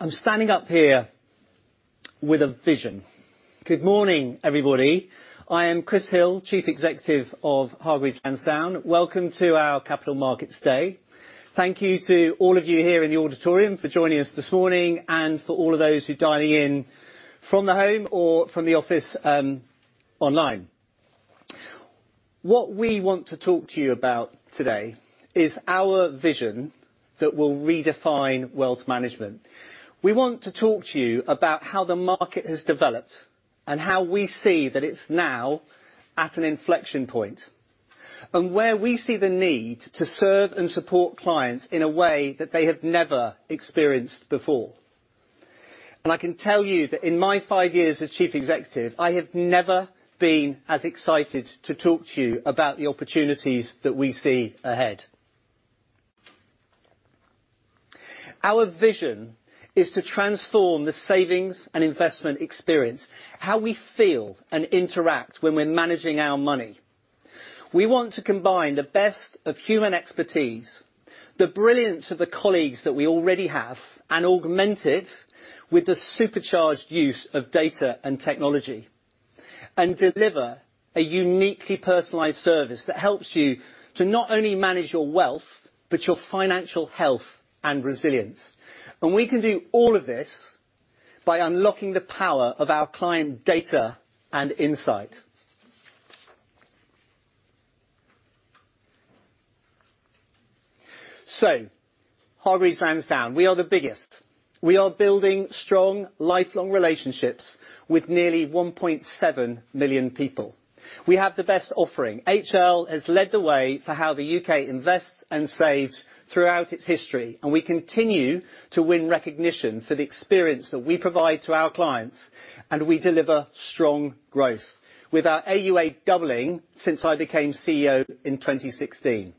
I'm standing up here with a vision. Good morning, everybody. I am Chris Hill, Chief Executive of Hargreaves Lansdown. Welcome to our Capital Markets Day. Thank you to all of you here in the auditorium for joining us this morning, and for all of those who are dialing in from the home or from the office, online. What we want to talk to you about today is our vision that will redefine wealth management. We want to talk to you about how the market has developed and how we see that it's now at an inflection point, and where we see the need to serve and support clients in a way that they have never experienced before. I can tell you that in my five years as Chief Executive, I have never been as excited to talk to you about the opportunities that we see ahead. Our vision is to transform the savings and investment experience, how we feel and interact when we're managing our money. We want to combine the best of human expertise, the brilliance of the colleagues that we already have, and augment it with the supercharged use of data and technology, and deliver a uniquely personalized service that helps you to not only manage your wealth, but your financial health and resilience. We can do all of this by unlocking the power of our client data and insight. Hargreaves Lansdown, we are the biggest. We are building strong, lifelong relationships with nearly 1.7 million people. We have the best offering. HL has led the way for how the U.K. invests and saves throughout its history, and we continue to win recognition for the experience that we provide to our clients, and we deliver strong growth. With our AUA doubling since I became CEO in 2016.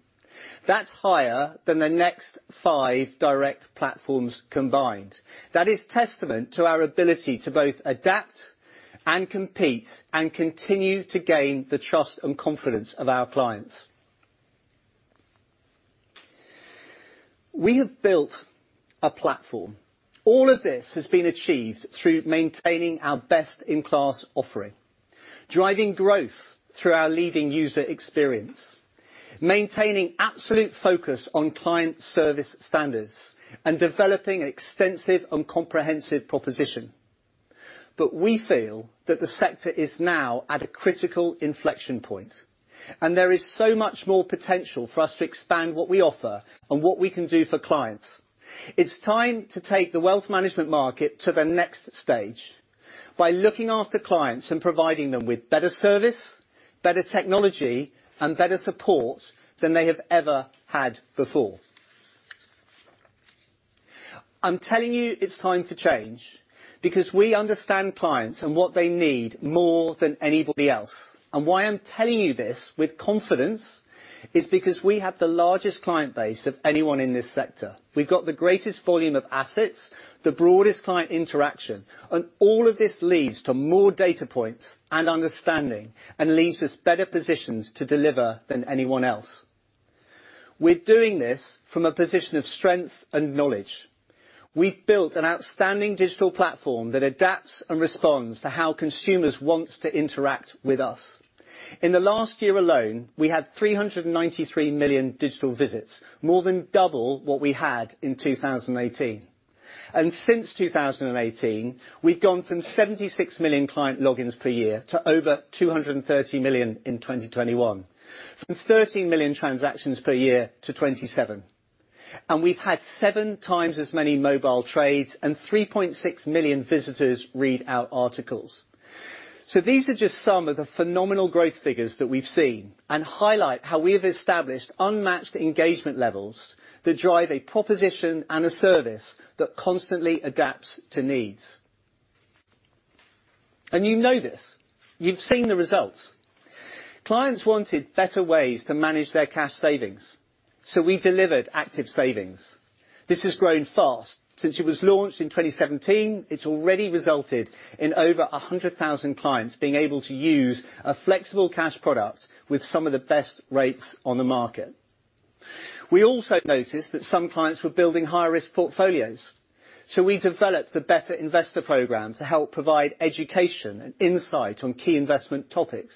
That's higher than the next five direct platforms combined. That is testament to our ability to both adapt and compete, and continue to gain the trust and confidence of our clients. We have built a platform. All of this has been achieved through maintaining our best-in-class offering, driving growth through our leading user experience, maintaining absolute focus on client service standards, and developing extensive and comprehensive proposition. We feel that the sector is now at a critical inflection point, and there is so much more potential for us to expand what we offer and what we can do for clients. It's time to take the wealth management market to the next stage by looking after clients and providing them with better service, better technology, and better support than they have ever had before. I'm telling you it's time to change because we understand clients and what they need more than anybody else. Why I'm telling you this with confidence is because we have the largest client base of anyone in this sector. We've got the greatest volume of assets, the broadest client interaction, and all of this leads to more data points and understanding, and leaves us better positioned to deliver than anyone else. We're doing this from a position of strength and knowledge. We've built an outstanding digital platform that adapts and responds to how consumers want to interact with us. In the last year alone, we had 393 million digital visits, more than double what we had in 2018. Since 2018, we've gone from 76 million client logins per year to over 230 million in 2021. From 13 million transactions per year to 27 million. We've had 7x as many mobile trades and 3.6 million visitors read our articles. These are just some of the phenomenal growth figures that we've seen and highlight how we have established unmatched engagement levels that drive a proposition and a service that constantly adapts to needs. You know this. You've seen the results. Clients wanted better ways to manage their cash savings, so we delivered Active Savings. This has grown fast. Since it was launched in 2017, it's already resulted in over 100,000 clients being able to use a flexible cash product with some of the best rates on the market. We also noticed that some clients were building higher risk portfolios, so we developed the Better Investors program to help provide education and insight on key investment topics.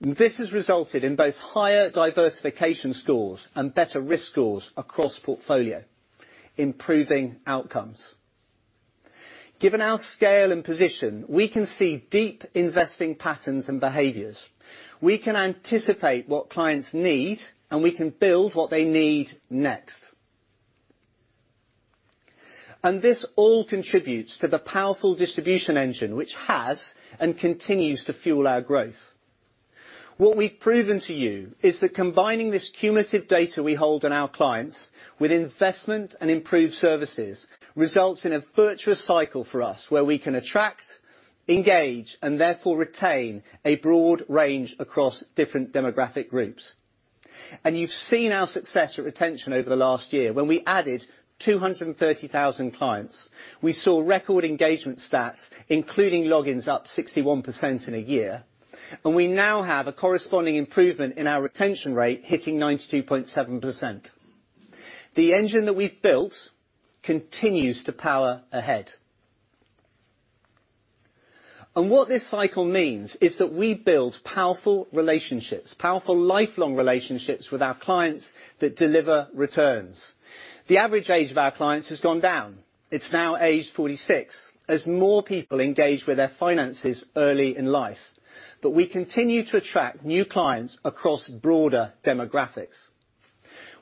This has resulted in both higher diversification scores and better risk scores across portfolio, improving outcomes. Given our scale and position, we can see deep investing patterns and behaviors. We can anticipate what clients need and we can build what they need next. This all contributes to the powerful distribution engine which has and continues to fuel our growth. What we've proven to you is that combining this cumulative data we hold on our clients with investment and improved services, results in a virtuous cycle for us where we can attract, engage, and therefore retain a broad range across different demographic groups. You've seen our success with retention over the last year when we added 230,000 clients. We saw record engagement stats, including logins up 61% in a year. We now have a corresponding improvement in our retention rate, hitting 92.7%. The engine that we've built continues to power ahead. What this cycle means is that we build powerful relationships, powerful lifelong relationships with our clients that deliver returns. The average age of our clients has gone down. It's now age 46, as more people engage with their finances early in life. We continue to attract new clients across broader demographics.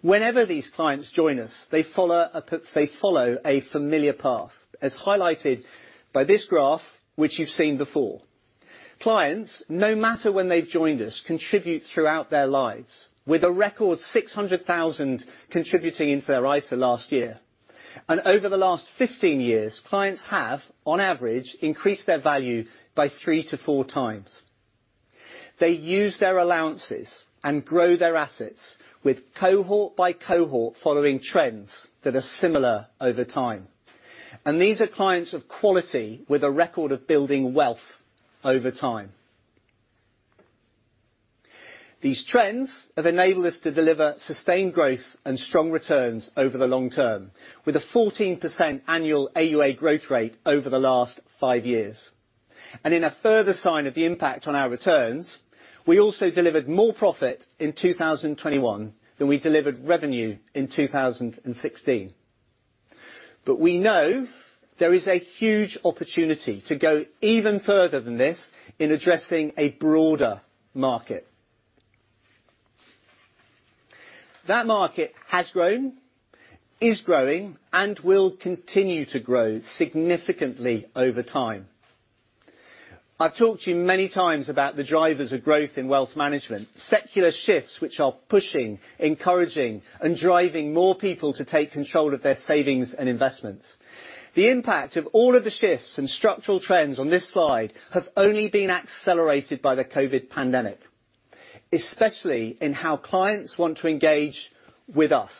Whenever these clients join us, they follow a familiar path, as highlighted by this graph, which you've seen before. Clients, no matter when they've joined us, contribute throughout their lives, with a record 600,000 contributing into their ISA last year. Over the last 15 years, clients have, on average, increased their value by 3x-4x. They use their allowances and grow their assets with cohort by cohort following trends that are similar over time. These are clients of quality with a record of building wealth over time. These trends have enabled us to deliver sustained growth and strong returns over the long term, with a 14% annual AUA growth rate over the last five years. In a further sign of the impact on our returns, we also delivered more profit in 2021 than we delivered revenue in 2016. We know there is a huge opportunity to go even further than this in addressing a broader market. That market has grown, is growing, and will continue to grow significantly over time. I've talked to you many times about the drivers of growth in wealth management, secular shifts which are pushing, encouraging, and driving more people to take control of their savings and investments. The impact of all of the shifts and structural trends on this slide have only been accelerated by the COVID-19 pandemic, especially in how clients want to engage with us.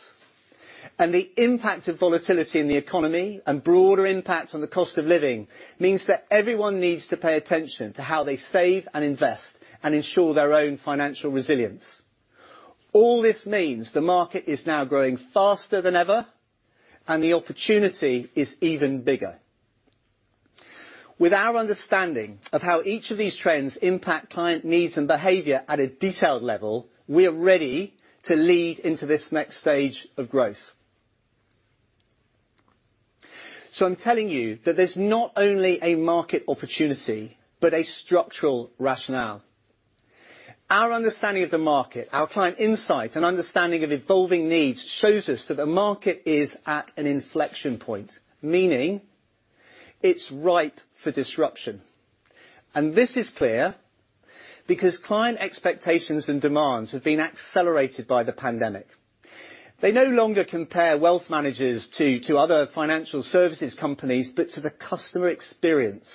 The impact of volatility in the economy and broader impact on the cost of living means that everyone needs to pay attention to how they save and invest and ensure their own financial resilience. All this means the market is now growing faster than ever and the opportunity is even bigger. With our understanding of how each of these trends impact client needs and behavior at a detailed level, we are ready to lead into this next stage of growth. I'm telling you that there's not only a market opportunity, but a structural rationale. Our understanding of the market, our client insight and understanding of evolving needs shows us that the market is at an inflection point, meaning it's ripe for disruption. This is clear because client expectations and demands have been accelerated by the pandemic. They no longer compare wealth managers to other financial services companies, but to the customer experience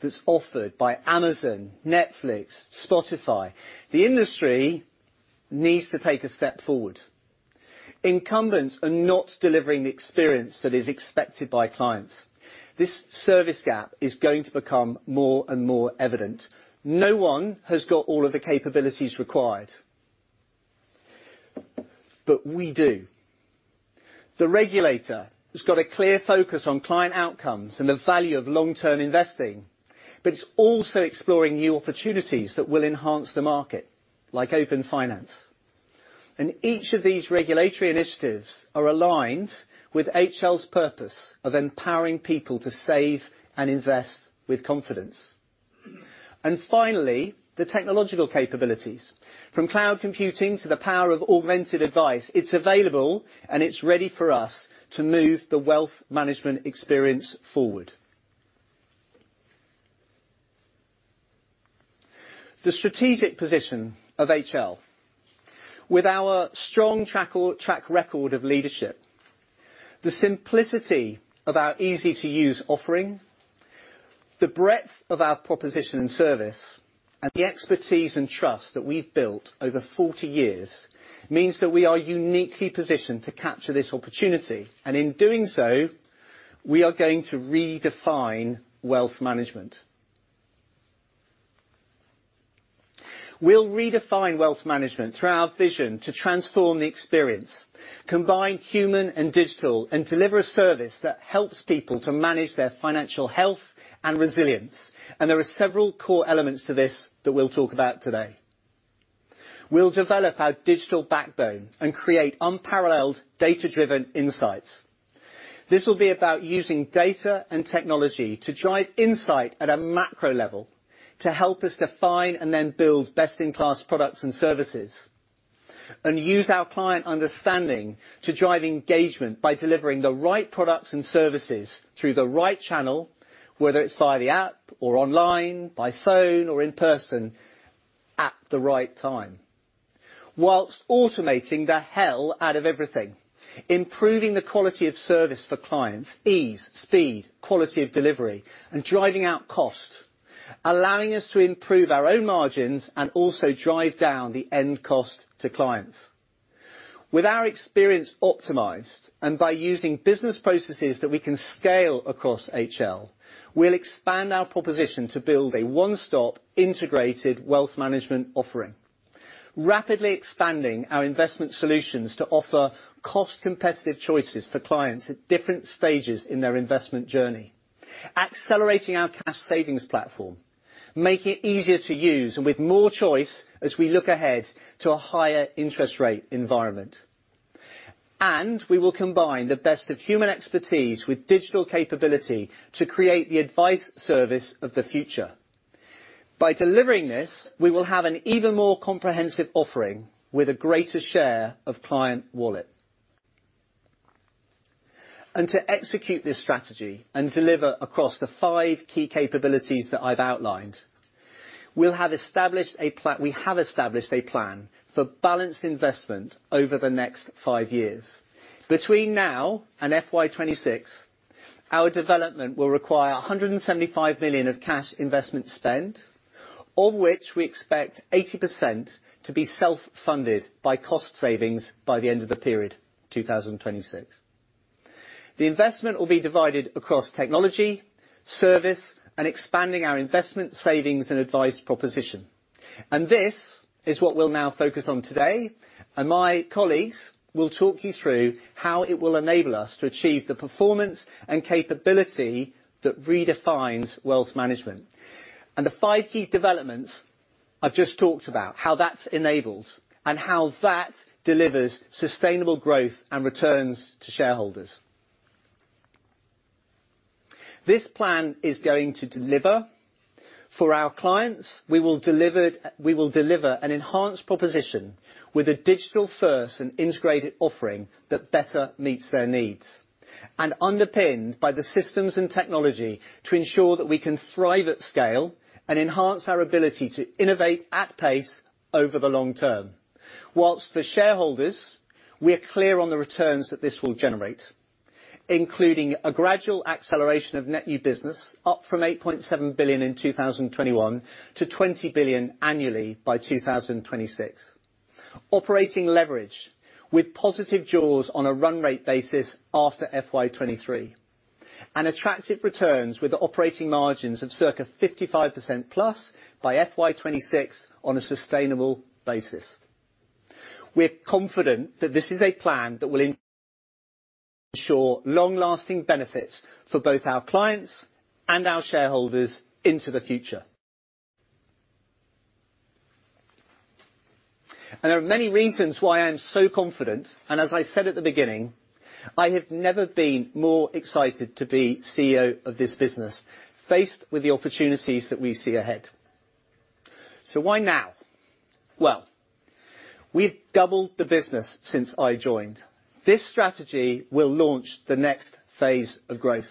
that's offered by Amazon, Netflix, Spotify. The industry needs to take a step forward. Incumbents are not delivering the experience that is expected by clients. This service gap is going to become more and more evident. No one has got all of the capabilities required. We do. The regulator has got a clear focus on client outcomes and the value of long-term investing, but it's also exploring new opportunities that will enhance the market, like open finance. Each of these regulatory initiatives are aligned with HL's purpose of empowering people to save and invest with confidence. Finally, the technological capabilities. From cloud computing to the power of Augmented Advice, it's available and it's ready for us to move the wealth management experience forward. The strategic position of HL with our strong track record of leadership, the simplicity of our easy-to-use offering, the breadth of our proposition and service, and the expertise and trust that we've built over 40 years means that we are uniquely positioned to capture this opportunity. In doing so, we are going to redefine wealth management. We'll redefine wealth management through our vision to transform the experience, combine human and digital, and deliver a service that helps people to manage their financial health and resilience. There are several core elements to this that we'll talk about today. We'll develop our digital backbone and create unparalleled data-driven insights. This will be about using data and technology to drive insight at a macro level to help us define and then build best-in-class products and services, and use our client understanding to drive engagement by delivering the right products and services through the right channel, whether it's via the app or online, by phone or in person at the right time. While automating the hell out of everything, improving the quality of service for clients, ease, speed, quality of delivery, and driving out cost, allowing us to improve our own margins and also drive down the end cost to clients. With our experience optimized and by using business processes that we can scale across HL, we'll expand our proposition to build a one-stop integrated wealth management offering. Rapidly expanding our investment solutions to offer cost-competitive choices for clients at different stages in their investment journey. Accelerating our cash savings platform, make it easier to use and with more choice as we look ahead to a higher interest rate environment. We will combine the best of human expertise with digital capability to create the Advice service of the future. By delivering this, we will have an even more comprehensive offering with a greater share of client wallet. To execute this strategy and deliver across the five key capabilities that I've outlined, we have established a plan for balanced investment over the next five years. Between now and FY 2026, our development will require 175 million of cash investment spend, of which we expect 80% to be self-funded by cost savings by the end of the period, 2026. The investment will be divided across technology, service, and expanding our investment savings and advice proposition. This is what we'll now focus on today, and my colleagues will talk you through how it will enable us to achieve the performance and capability that redefines wealth management. The five key developments I've just talked about, how that's enabled and how that delivers sustainable growth and returns to shareholders. This plan is going to deliver. For our clients, we will deliver an enhanced proposition with a digital first and integrated offering that better meets their needs, and underpinned by the systems and technology to ensure that we can thrive at scale and enhance our ability to innovate at pace over the long term. While for shareholders, we are clear on the returns that this will generate, including a gradual acceleration of net new business, up from 8.7 billion in 2021 to 20 billion annually by 2026. Operating leverage with positive jaws on a run rate basis after FY 2023. Attractive returns with the operating margins of circa 55%+ by FY 2026 on a sustainable basis. We're confident that this is a plan that will ensure long-lasting benefits for both our clients and our shareholders into the future. There are many reasons why I'm so confident, and as I said at the beginning, I have never been more excited to be CEO of this business, faced with the opportunities that we see ahead. Why now? Well, we've doubled the business since I joined. This strategy will launch the next phase of growth.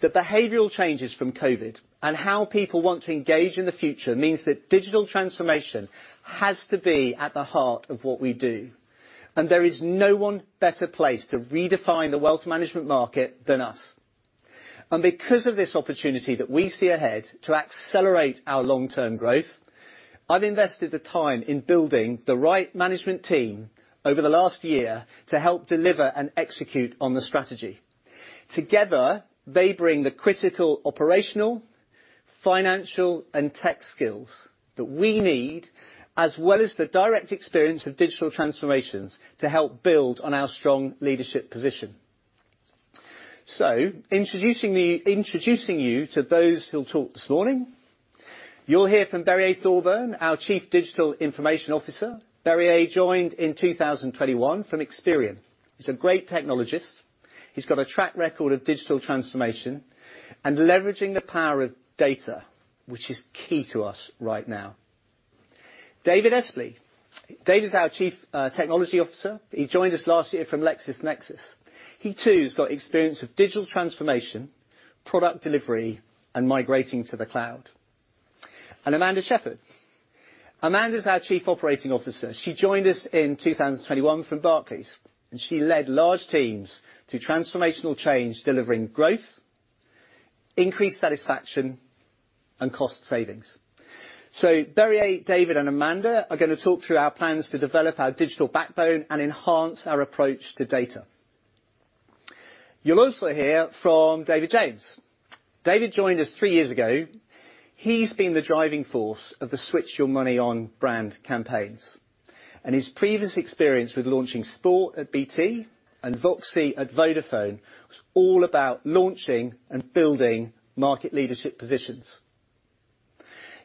The behavioral changes from COVID-19 and how people want to engage in the future means that digital transformation has to be at the heart of what we do. There is no one better place to redefine the wealth management market than us. Because of this opportunity that we see ahead to accelerate our long-term growth, I've invested the time in building the right management team over the last year to help deliver and execute on the strategy. Together, they bring the critical operational, financial, and tech skills that we need, as well as the direct experience of digital transformations to help build on our strong leadership position. Introducing you to those who'll talk this morning, you'll hear from Birger Thorburn, our Chief Digital and Information Officer. Birger joined in 2021 from Experian. He's a great technologist. He's got a track record of digital transformation and leveraging the power of data, which is key to us right now. David Espley. David is our Chief Technology Officer. He joined us last year from LexisNexis. He too has got experience of digital transformation, product delivery, and migrating to the cloud. Amanda Shepherd. Amanda is our Chief Operating Officer. She joined us in 2021 from Barclays, and she led large teams through transformational change, delivering growth, increased satisfaction, and cost savings. Birger, David, and Amanda are going to talk through our plans to develop our digital backbone and enhance our approach to data. You'll also hear from David James. David joined us three years ago. He's been the driving force of the Switch Your Money ON brand campaigns. His previous experience with launching BT Sport at BT and VOXI at Vodafone was all about launching and building market leadership positions.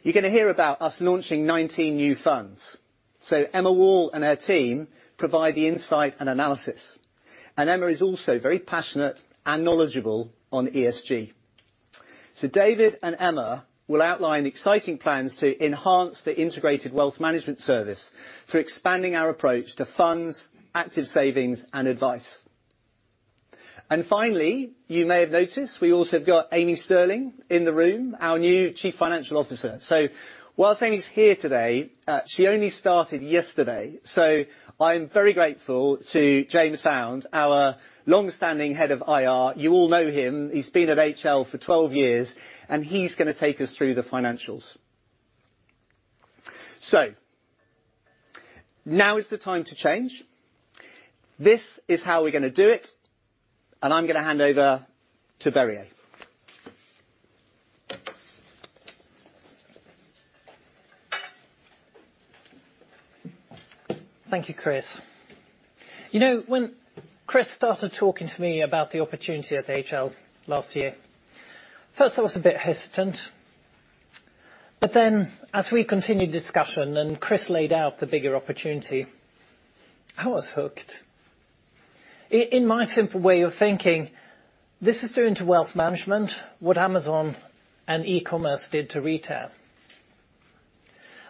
You're going to hear about us launching 19 new funds. Emma Wall and her team provide the insight and analysis. Emma is also very passionate and knowledgeable on ESG. David and Emma will outline exciting plans to enhance the integrated wealth management service through expanding our approach to funds, Active Savings, and Advice. Finally, you may have noticed we also have got Amy Stirling in the room, our new Chief Financial Officer. While Amy's here today, she only started yesterday, so I am very grateful to James Found, our long-standing Head of IR. You all know him. He's been at HL for 12 years, and he's going to take us through the financials. Now is the time to change. This is how we're going to do it, and I'm going to hand over to Birger. Thank you, Chris. You know, when Chris started talking to me about the opportunity at HL last year, first I was a bit hesitant. As we continued discussion and Chris laid out the bigger opportunity, I was hooked. In my simple way of thinking, this is doing to wealth management what Amazon and e-commerce did to retail.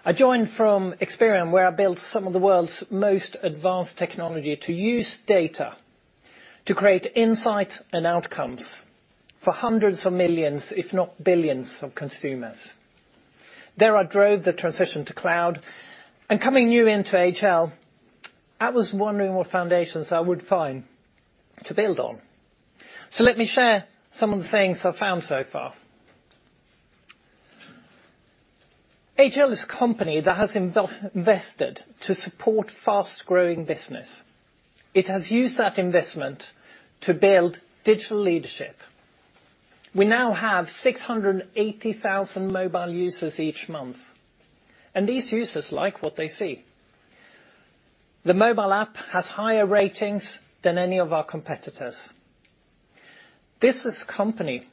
I joined from Experian, where I built some of the world's most advanced technology to use data to create insight and outcomes for hundreds of millions, if not billions of consumers. There, I drove the transition to cloud. Coming new into HL, I was wondering what foundations I would find to build on. Let me share some of the things I've found so far. HL is a company that has invested to support fast-growing business. It has used that investment to build digital leadership. We now have 680,000 mobile users each month, and these users like what they see. The mobile app has higher ratings than any of our competitors. This is a company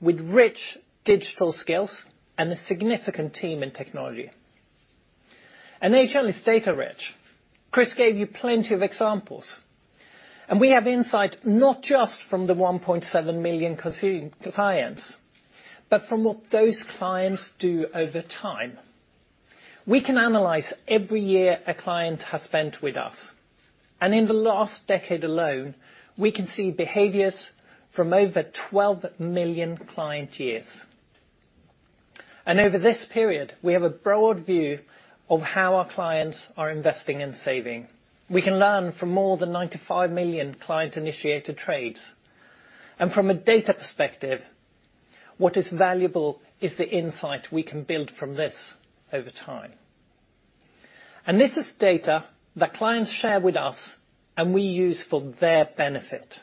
with rich digital skills and a significant team in technology. HL is data rich. Chris gave you plenty of examples. We have insight not just from the 1.7 million clients, but from what those clients do over time. We can analyze every year a client has spent with us, and in the last decade alone, we can see behaviors from over 12 million client years. Over this period, we have a broad view of how our clients are investing and saving. We can learn from more than 95 million client-initiated trades. From a data perspective, what is valuable is the insight we can build from this over time. This is data that clients share with us and we use for their benefit.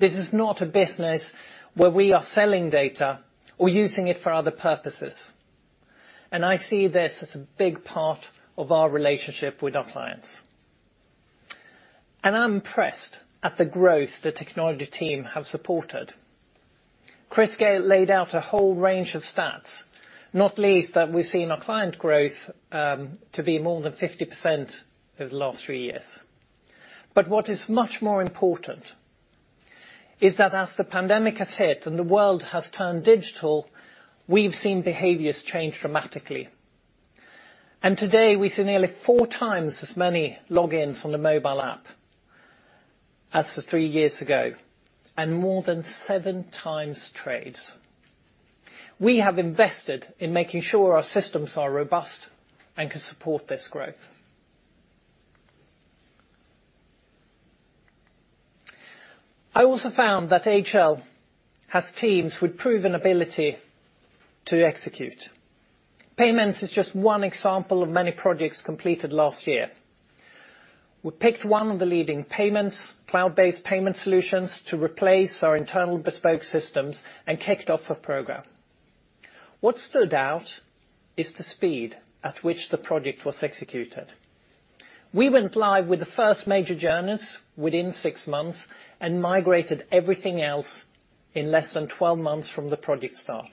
This is not a business where we are selling data or using it for other purposes. I see this as a big part of our relationship with our clients. I'm impressed at the growth the technology team have supported. Chris laid out a whole range of stats, not least that we've seen our client growth to be more than 50% over the last three years. What is much more important is that as the pandemic has hit, and the world has turned digital, we've seen behaviors change dramatically. Today, we see nearly 4x as many logins on the mobile app compared to three years ago, and more than 7x trades. We have invested in making sure our systems are robust and can support this growth. I also found that HL has teams with proven ability to execute. Payments is just one example of many projects completed last year. We picked one of the leading payments, cloud-based payment solutions to replace our internal bespoke systems and kicked off a program. What stood out is the speed at which the project was executed. We went live with the first major journeys within 6 months and migrated everything else in less than 12 months from the project start.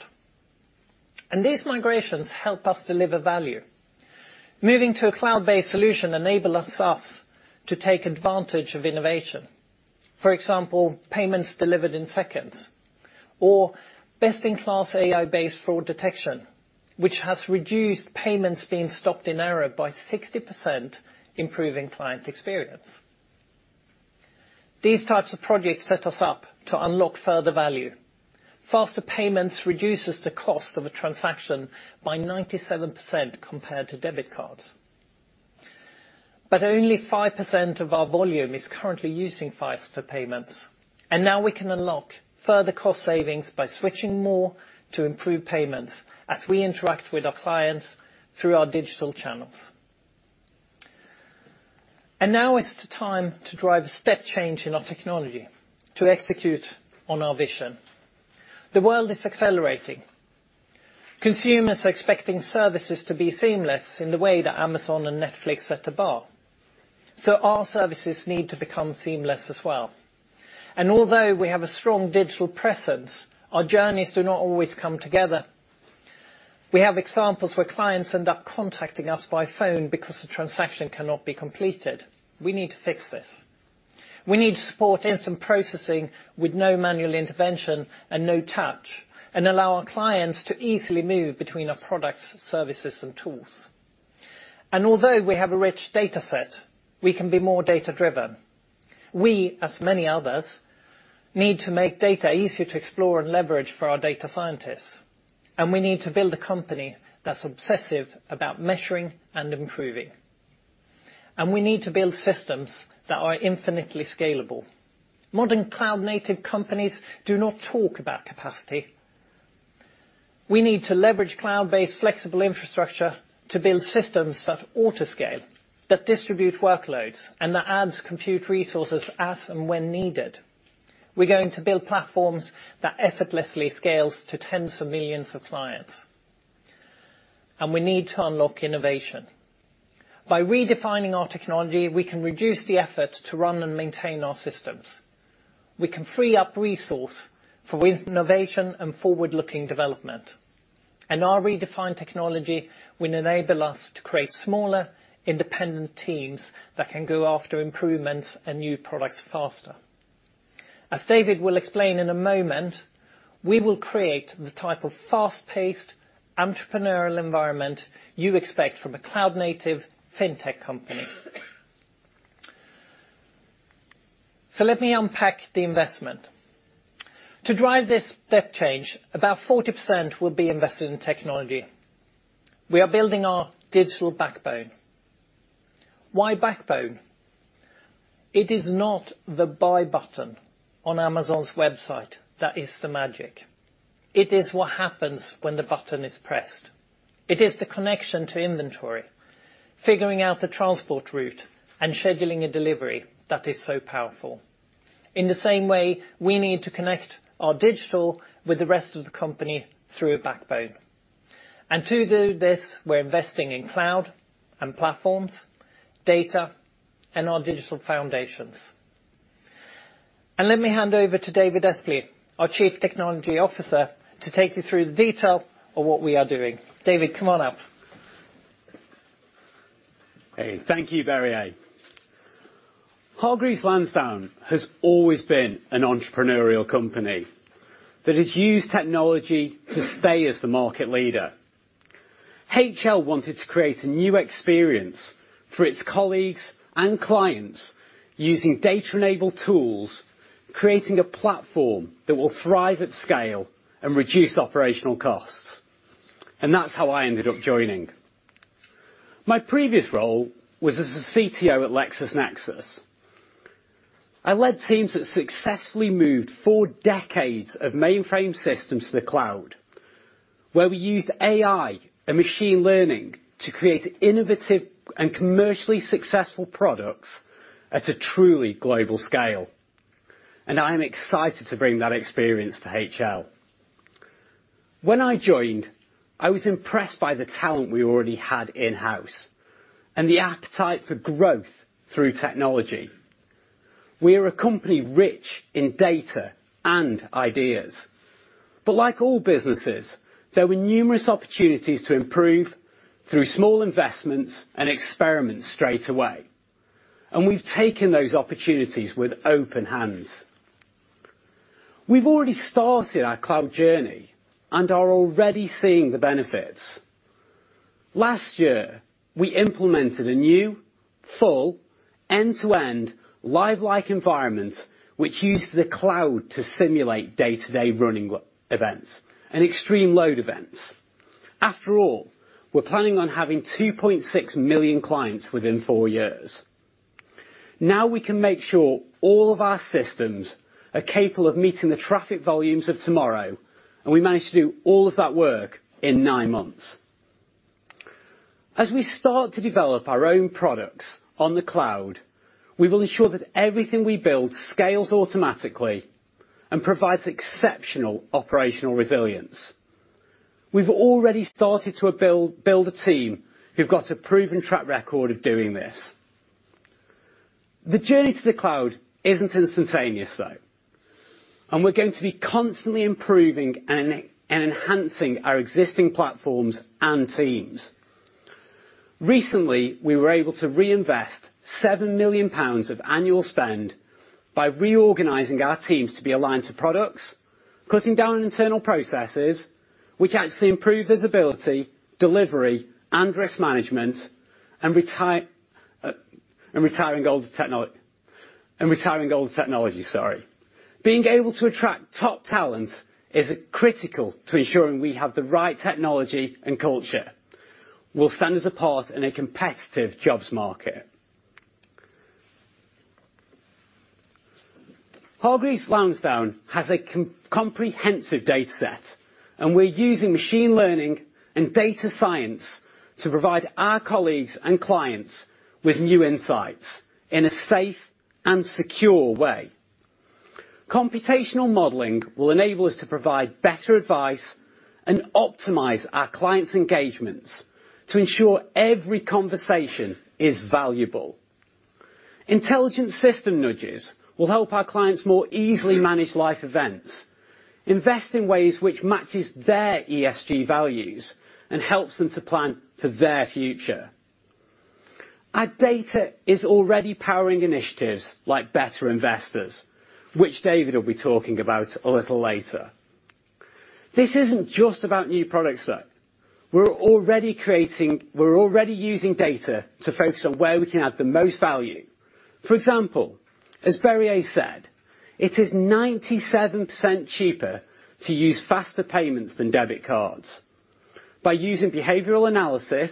These migrations help us deliver value. Moving to a cloud-based solution enables us to take advantage of innovation. For example, payments delivered in seconds or best-in-class AI-based fraud detection, which has reduced payments being stopped in error by 60%, improving client experience. These types of projects set us up to unlock further value. Faster payments reduces the cost of a transaction by 97% compared to debit cards. Only 5% of our volume is currently using faster payments, and now we can unlock further cost savings by switching more to improved payments as we interact with our clients through our digital channels. Now is the time to drive a step change in our technology to execute on our vision. The world is accelerating. Consumers are expecting services to be seamless in the way that Amazon and Netflix set a bar. Our services need to become seamless as well. Although we have a strong digital presence, our journeys do not always come together. We have examples where clients end up contacting us by phone because the transaction cannot be completed. We need to fix this. We need to support instant processing with no manual intervention and no touch, and allow our clients to easily move between our products, services, and tools. Although we have a rich dataset, we can be more data-driven. We, as many others, need to make data easier to explore and leverage for our data scientists, and we need to build a company that's obsessive about measuring and improving. We need to build systems that are infinitely scalable. Modern cloud-native companies do not talk about capacity. We need to leverage cloud-based flexible infrastructure to build systems that autoscale, that distribute workloads, and that adds compute resources as and when needed. We're going to build platforms that effortlessly scales to tens of millions of clients. We need to unlock innovation. By redefining our technology, we can reduce the effort to run and maintain our systems. We can free up resource for innovation and forward-looking development. Our redefined technology will enable us to create smaller, independent teams that can go after improvements and new products faster. As David will explain in a moment, we will create the type of fast-paced entrepreneurial environment you expect from a cloud-native fintech company. Let me unpack the investment. To drive this step change, about 40% will be invested in technology. We are building our digital backbone. Why backbone? It is not the buy button on Amazon's website that is the magic. It is what happens when the button is pressed. It is the connection to inventory, figuring out the transport route, and scheduling a delivery that is so powerful. In the same way, we need to connect our digital with the rest of the company through a backbone. To do this, we're investing in cloud and platforms, data, and our digital foundations. Let me hand over to David Espley, our Chief Technology Officer, to take you through the detail of what we are doing. David, come on up. Hey. Thank you, Birger. Hargreaves Lansdown has always been an entrepreneurial company that has used technology to stay as the market leader. HL wanted to create a new experience for its colleagues and clients using data-enabled tools, creating a platform that will thrive at scale and reduce operational costs. That's how I ended up joining. My previous role was as a CTO at LexisNexis. I led teams that successfully moved four decades of mainframe systems to the cloud, where we used AI and machine learning to create innovative and commercially successful products at a truly global scale. I am excited to bring that experience to HL. When I joined, I was impressed by the talent we already had in-house and the appetite for growth through technology. We are a company rich in data and ideas. Like all businesses, there were numerous opportunities to improve through small investments and experiments straight away, and we've taken those opportunities with open hands. We've already started our cloud journey and are already seeing the benefits. Last year, we implemented a new, full, end-to-end, live-like environment which used the cloud to simulate day-to-day running events and extreme load events. After all, we're planning on having 2.6 million clients within four years. Now we can make sure all of our systems are capable of meeting the traffic volumes of tomorrow, and we managed to do all of that work in nine months. As we start to develop our own products on the cloud, we will ensure that everything we build scales automatically and provides exceptional operational resilience. We've already started to build a team who've got a proven track record of doing this. The journey to the cloud isn't instantaneous, though, and we're going to be constantly improving and enhancing our existing platforms and teams. Recently, we were able to reinvest 7 million pounds of annual spend by reorganizing our teams to be aligned to products, cutting down on internal processes, which actually improved visibility, delivery, and risk management, and retiring older technology, sorry. Being able to attract top talent is critical to ensuring we have the right technology and culture. We'll stand apart in a competitive jobs market. Hargreaves Lansdown has a comprehensive data set, and we're using machine learning and data science to provide our colleagues and clients with new insights in a safe and secure way. Computational modeling will enable us to provide better advice and optimize our clients' engagements to ensure every conversation is valuable. Intelligent system nudges will help our clients more easily manage life events, invest in ways which matches their ESG values, and helps them to plan for their future. Our data is already powering initiatives like Better Investors, which David will be talking about a little later. This isn't just about new products, though. We're already using data to focus on where we can add the most value. For example, as Birger said, it is 97% cheaper to use faster payments than debit cards. By using behavioral analysis,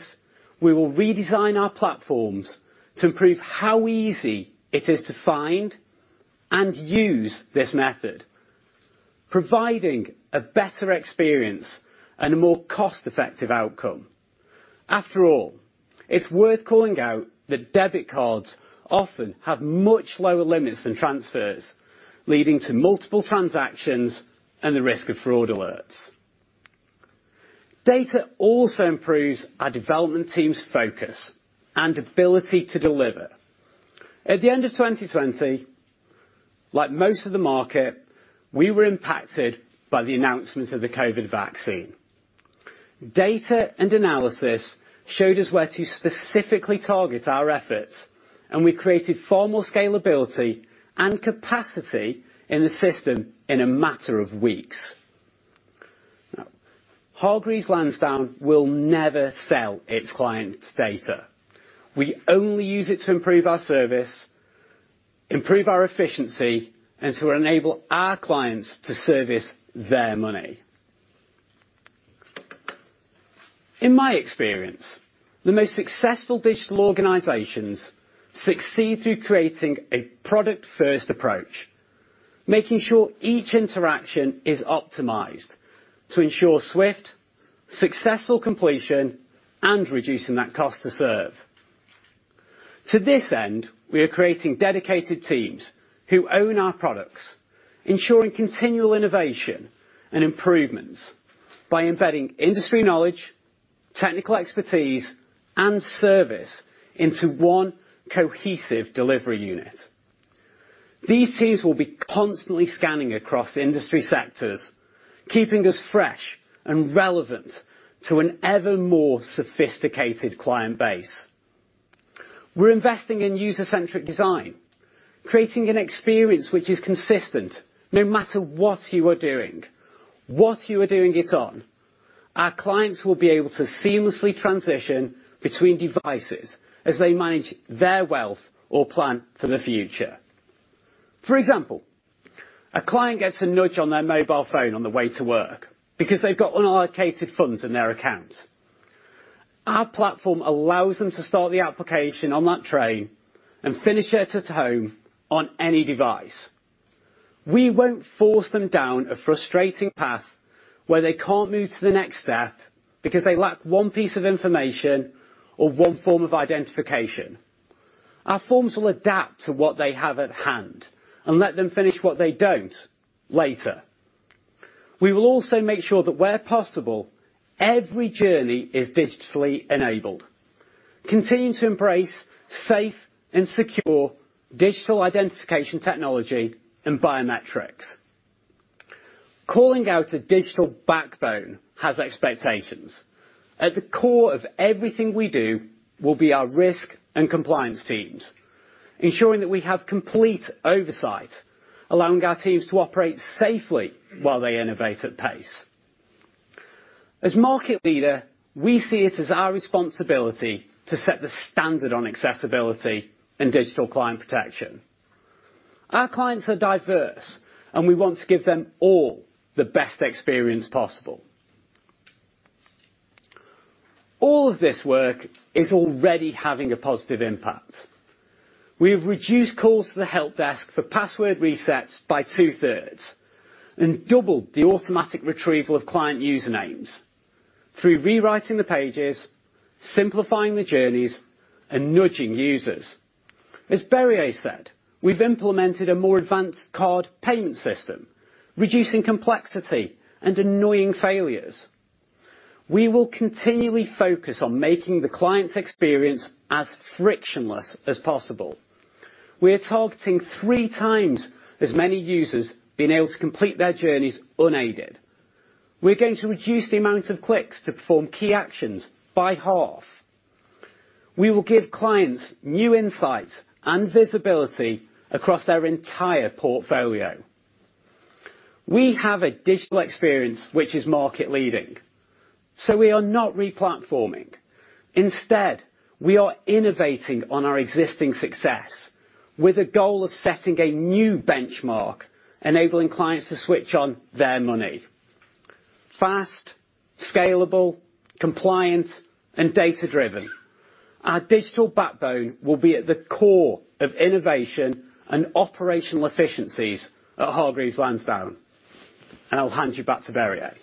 we will redesign our platforms to improve how easy it is to find and use this method, providing a better experience and a more cost-effective outcome. After all, it's worth calling out that debit cards often have much lower limits than transfers, leading to multiple transactions and the risk of fraud alerts. Data also improves our development team's focus and ability to deliver. At the end of 2020, like most of the market, we were impacted by the announcement of the COVID vaccine. Data and analysis showed us where to specifically target our efforts, and we created formal scalability and capacity in the system in a matter of weeks. Now, Hargreaves Lansdown will never sell its clients' data. We only use it to improve our service, improve our efficiency, and to enable our clients to service their money. In my experience, the most successful digital organizations succeed through creating a product-first approach, making sure each interaction is optimized to ensure swift, successful completion and reducing that cost to serve. To this end, we are creating dedicated teams who own our products, ensuring continual innovation and improvements by embedding industry knowledge, technical expertise, and service into one cohesive delivery unit. These teams will be constantly scanning across industry sectors, keeping us fresh and relevant to an ever more sophisticated client base. We're investing in user-centric design, creating an experience which is consistent no matter what you are doing, what you are doing it on. Our clients will be able to seamlessly transition between devices as they manage their wealth or plan for the future. For example, a client gets a nudge on their mobile phone on the way to work because they've got unallocated funds in their accounts. Our platform allows them to start the application on that train and finish it at home on any device. We won't force them down a frustrating path where they can't move to the next step because they lack one piece of information or one form of identification. Our forms will adapt to what they have at hand and let them finish what they don't later. We will also make sure that where possible, every journey is digitally enabled, continuing to embrace safe and secure digital identification technology and biometrics. Calling out a digital backbone has expectations. At the core of everything we do will be our risk and compliance teams, ensuring that we have complete oversight, allowing our teams to operate safely while they innovate at pace. As market leader, we see it as our responsibility to set the standard on accessibility and digital client protection. Our clients are diverse, and we want to give them all the best experience possible. All of this work is already having a positive impact. We have reduced calls to the help desk for password resets by two-thirds and doubled the automatic retrieval of client usernames through rewriting the pages, simplifying the journeys, and nudging users. As Birger said, we've implemented a more advanced card payment system, reducing complexity and annoying failures. We will continually focus on making the client's experience as frictionless as possible. We are targeting 3x as many users being able to complete their journeys unaided. We're going to reduce the amount of clicks to perform key actions by half. We will give clients new insights and visibility across their entire portfolio. We have a digital experience which is market leading, so we are not replatforming. Instead, we are innovating on our existing success with a goal of setting a new benchmark, enabling clients to switch on their money. Fast, scalable, compliant, and data-driven. Our digital backbone will be at the core of innovation and operational efficiencies at Hargreaves Lansdown. I'll hand you back to Birger.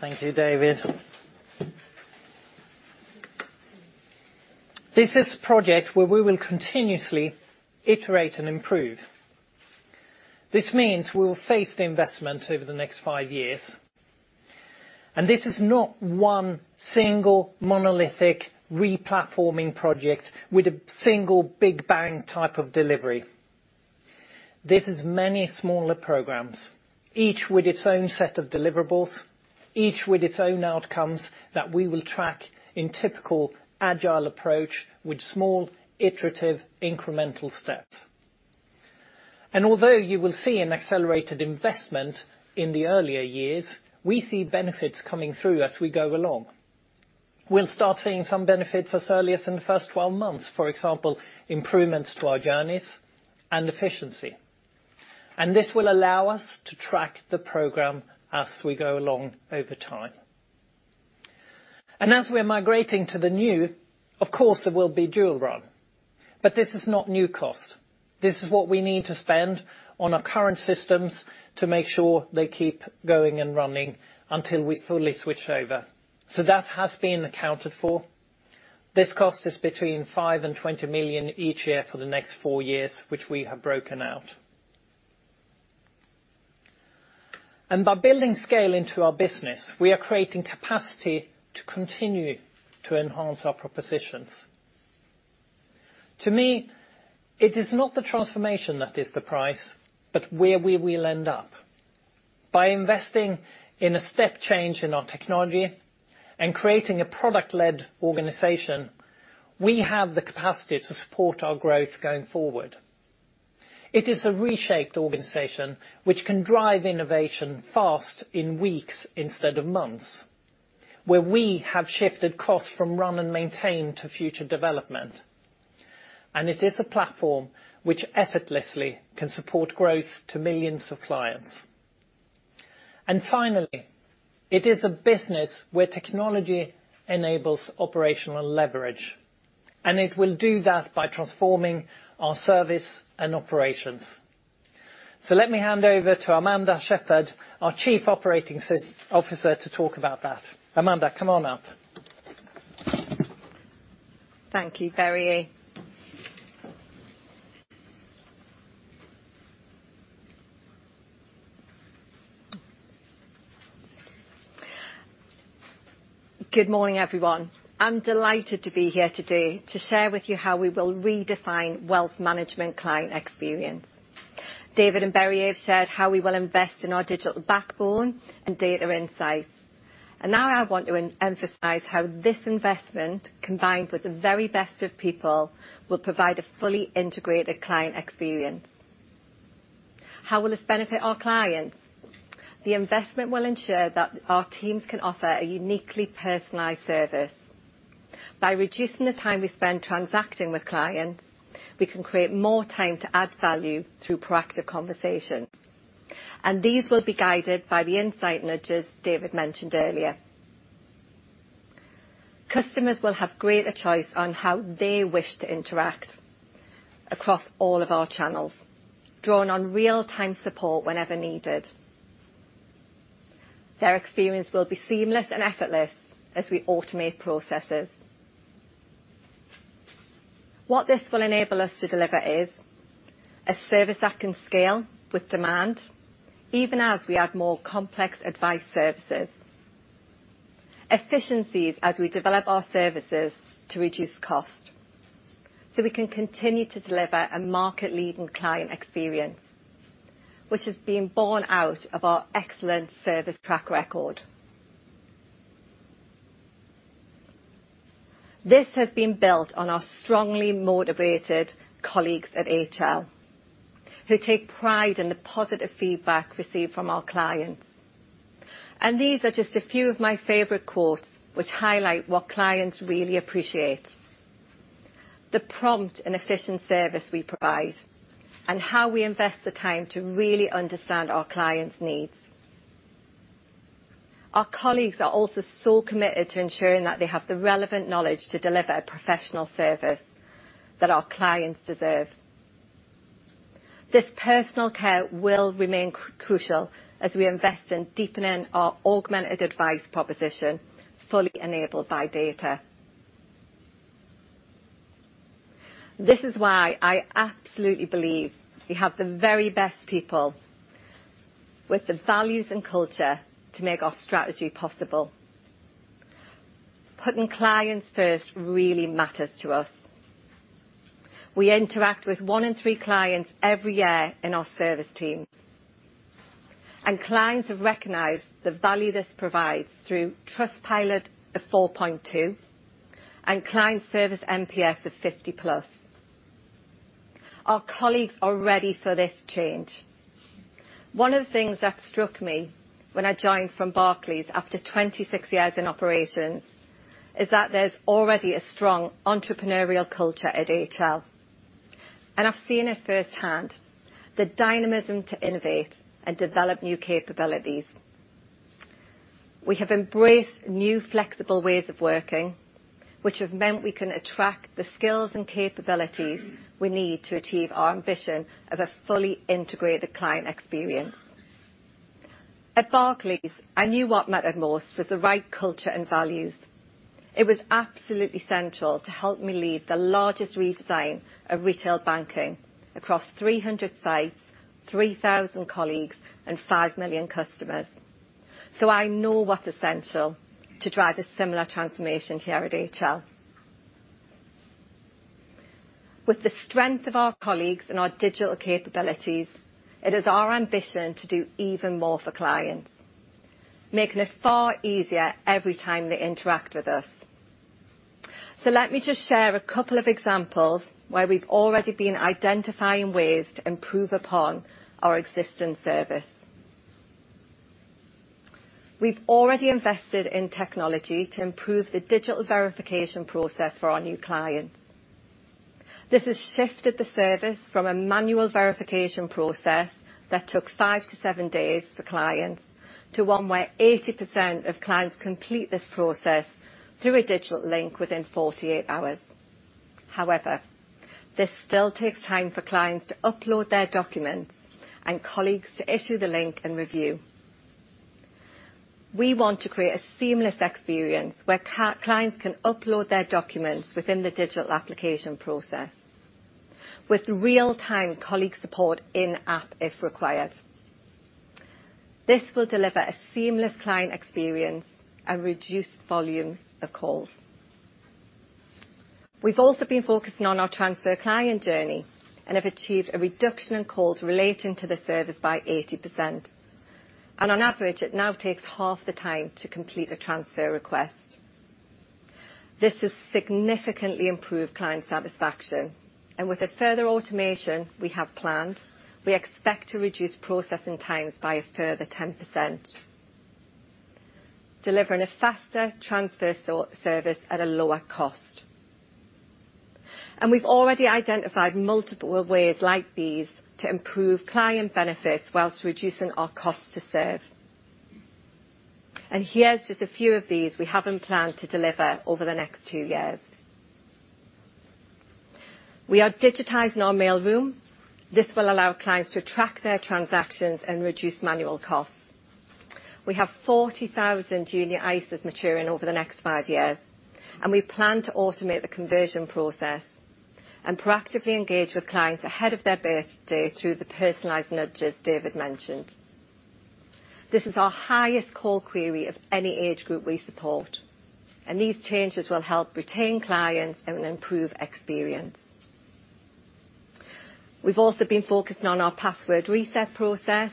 Thank you, David. This is a project where we will continuously iterate and improve. This means we will phase the investment over the next five years. This is not one single monolithic replatforming project with a single big bang type of delivery. This is many smaller programs, each with its own set of deliverables, each with its own outcomes that we will track in typical agile approach with small, iterative, incremental steps. Although you will see an accelerated investment in the earlier years, we see benefits coming through as we go along. We'll start seeing some benefits as early as in the first 12 months. For example, improvements to our journeys and efficiency. This will allow us to track the program as we go along over time. As we're migrating to the new, of course, there will be dual run. But this is not new cost. This is what we need to spend on our current systems to make sure they keep going and running until we fully switch over. That has been accounted for. This cost is between 5 million and 20 million each year for the next four years, which we have broken out. By building scale into our business, we are creating capacity to continue to enhance our propositions. To me, it is not the transformation that is the price, but where we will end up. By investing in a step change in our technology and creating a product-led organization, we have the capacity to support our growth going forward. It is a reshaped organization which can drive innovation fast, in weeks instead of months, where we have shifted costs from run and maintain to future development. It is a platform which effortlessly can support growth to millions of clients. Finally, it is a business where technology enables operational leverage, and it will do that by transforming our service and operations. Let me hand over to Amanda Shepherd, our Chief Operating Officer to talk about that. Amanda, come on up. Thank you, Birger. Good morning, everyone. I'm delighted to be here today to share with you how we will redefine wealth management client experience. David and Birger have shared how we will invest in our digital backbone and data insights, and now I want to emphasize how this investment, combined with the very best of people, will provide a fully integrated client experience. How will this benefit our clients? The investment will ensure that our teams can offer a uniquely personalized service. By reducing the time we spend transacting with clients, we can create more time to add value through proactive conversations, and these will be guided by the insight nudges David mentioned earlier. Customers will have greater choice on how they wish to interact across all of our channels, drawing on real-time support whenever needed. Their experience will be seamless and effortless as we automate processes. What this will enable us to deliver is a service that can scale with demand, even as we add more complex Advice services. Efficiencies as we develop our services to reduce cost, so we can continue to deliver a market-leading client experience, which is being borne out of our excellent service track record. This has been built on our strongly motivated colleagues at HL, who take pride in the positive feedback received from our clients. These are just a few of my favorite quotes which highlight what clients really appreciate. The prompt and efficient service we provide, and how we invest the time to really understand our clients' needs. Our colleagues are also so committed to ensuring that they have the relevant knowledge to deliver a professional service that our clients deserve. This personal care will remain crucial as we invest in deepening our Augmented Advice proposition, fully enabled by data. This is why I absolutely believe we have the very best people with the values and culture to make our strategy possible. Putting clients first really matters to us. We interact with one in three clients every year in our service team. Clients have recognized the value this provides through Trustpilot of 4.2 and client service NPS of 50+. Our colleagues are ready for this change. One of the things that struck me when I joined from Barclays after 26 years in operations is that there's already a strong entrepreneurial culture at HL, and I've seen it firsthand, the dynamism to innovate and develop new capabilities. We have embraced new flexible ways of working, which have meant we can attract the skills and capabilities we need to achieve our ambition of a fully integrated client experience. At Barclays, I knew what mattered most was the right culture and values. It was absolutely central to help me lead the largest redesign of retail banking across 300 sites, 3,000 colleagues, and 5 million customers. I know what's essential to drive a similar transformation here at HL. With the strength of our colleagues and our digital capabilities, it is our ambition to do even more for clients, making it far easier every time they interact with us. Let me just share a couple of examples where we've already been identifying ways to improve upon our existing service. We've already invested in technology to improve the digital verification process for our new clients. This has shifted the service from a manual verification process that took five to seven days for clients to one where 80% of clients complete this process through a digital link within 48 hours. However, this still takes time for clients to upload their documents and colleagues to issue the link and review. We want to create a seamless experience where clients can upload their documents within the digital application process with real-time colleague support in-app if required. This will deliver a seamless client experience and reduce volumes of calls. We've also been focusing on our transfer client journey and have achieved a reduction in calls relating to the service by 80%. On average, it now takes half the time to complete a transfer request. This has significantly improved client satisfaction. With the further automation we have planned, we expect to reduce processing times by a further 10%, delivering a faster transfer service at a lower cost. We've already identified multiple ways like these to improve client benefits while reducing our cost to serve. Here's just a few of these we have planned to deliver over the next two years. We are digitizing our mail room. This will allow clients to track their transactions and reduce manual costs. We have 40,000 Junior ISAs maturing over the next five years, and we plan to automate the conversion process and proactively engage with clients ahead of their birthday through the personalized nudges David mentioned. This is our highest call query of any age group we support, and these changes will help retain clients and improve experience. We've also been focusing on our password reset process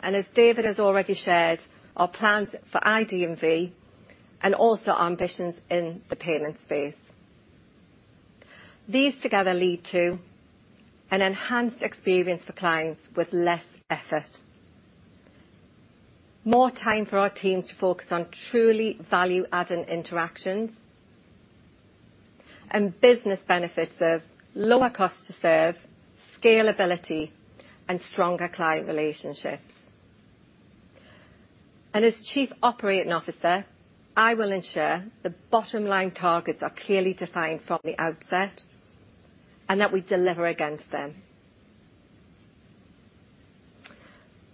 and as David has already shared, our plans for ID&V and also our ambitions in the payment space. These together lead to an enhanced experience for clients with less effort, more time for our teams to focus on truly value-adding interactions and business benefits of lower cost to serve, scalability, and stronger client relationships. As Chief Operating Officer, I will ensure the bottom line targets are clearly defined from the outset and that we deliver against them.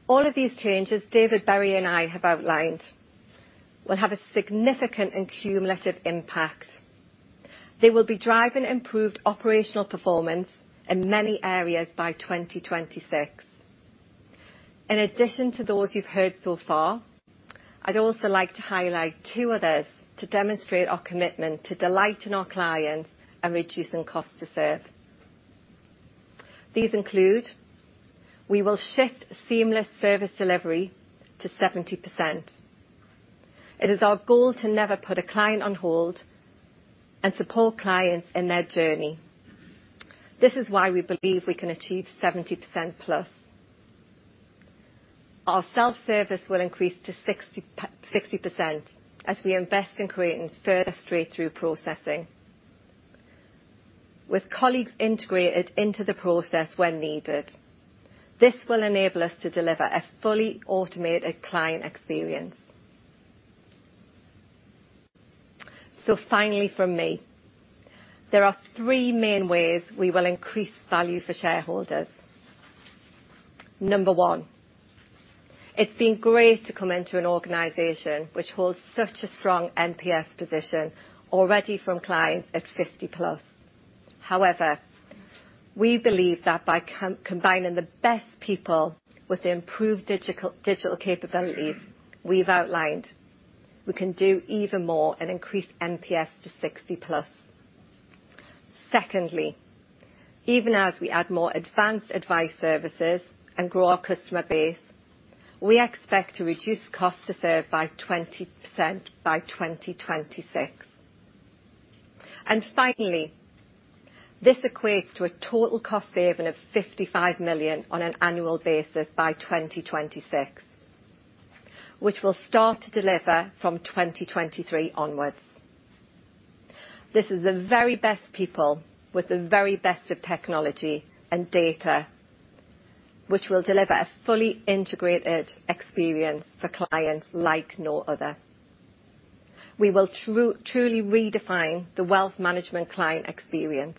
All of these changes David, Birger, and I have outlined will have a significant and cumulative impact. They will be driving improved operational performance in many areas by 2026. In addition to those you've heard so far, I'd also like to highlight two others to demonstrate our commitment to delighting our clients and reducing cost to serve. These include. We will shift seamless service delivery to 70%. It is our goal to never put a client on hold and support clients in their journey. This is why we believe we can achieve 70%+. Our self-service will increase to 60% as we invest in creating further straight-through processing with colleagues integrated into the process when needed. This will enable us to deliver a fully automated client experience. Finally from me, there are three main ways we will increase value for shareholders. Number one, it's been great to come into an organization which holds such a strong NPS position already from clients at 50+. However, we believe that by combining the best people with improved digital capabilities we've outlined, we can do even more and increase NPS to 60+. Secondly, even as we add more advanced Advice services and grow our customer base, we expect to reduce cost to serve by 20% by 2026. Finally, this equates to a total cost saving of 55 million on an annual basis by 2026, which we'll start to deliver from 2023 onwards. This is the very best people with the very best of technology and data, which will deliver a fully integrated experience for clients like no other. We will truly redefine the wealth management client experience.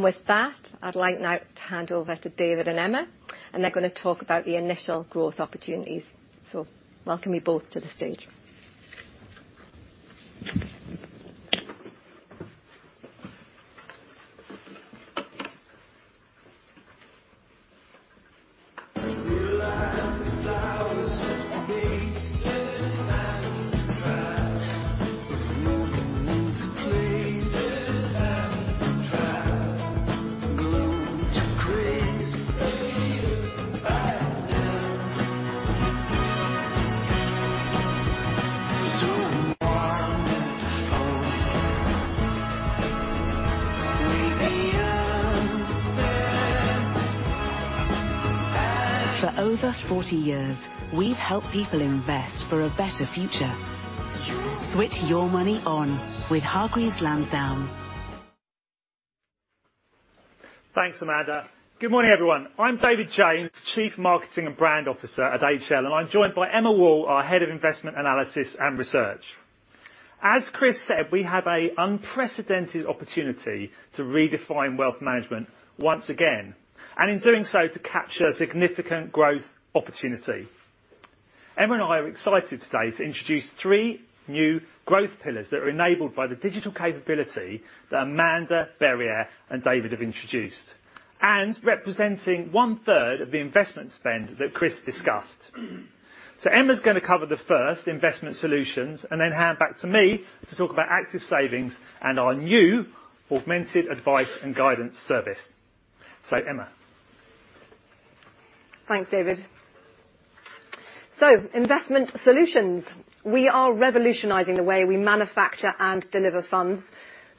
With that, I'd like now to hand over to David and Emma, and they're going to talk about the initial growth opportunities. Welcome you both to the stage. For over 40 years, we've helped people invest for a better future. Switch Your Money ON with Hargreaves Lansdown. Thanks, Amanda. Good morning, everyone. I'm David James, Chief Marketing and Brand Officer at HL, and I'm joined by Emma Wall, our Head of Investment Analysis and Research. As Chris said, we have an unprecedented opportunity to redefine wealth management once again, in doing so to capture a significant growth opportunity. Emma and I are excited today to introduce three new growth pillars that are enabled by the digital capability that Amanda, Birger, and David have introduced, and representing one third of the investment spend that Chris discussed. Emma's going to cover the first, investment solutions, and then hand back to me to talk about Active Savings and our new Augmented Advice & Guidance service. Emma? Thanks, David. Investment solutions. We are revolutionizing the way we manufacture and deliver funds,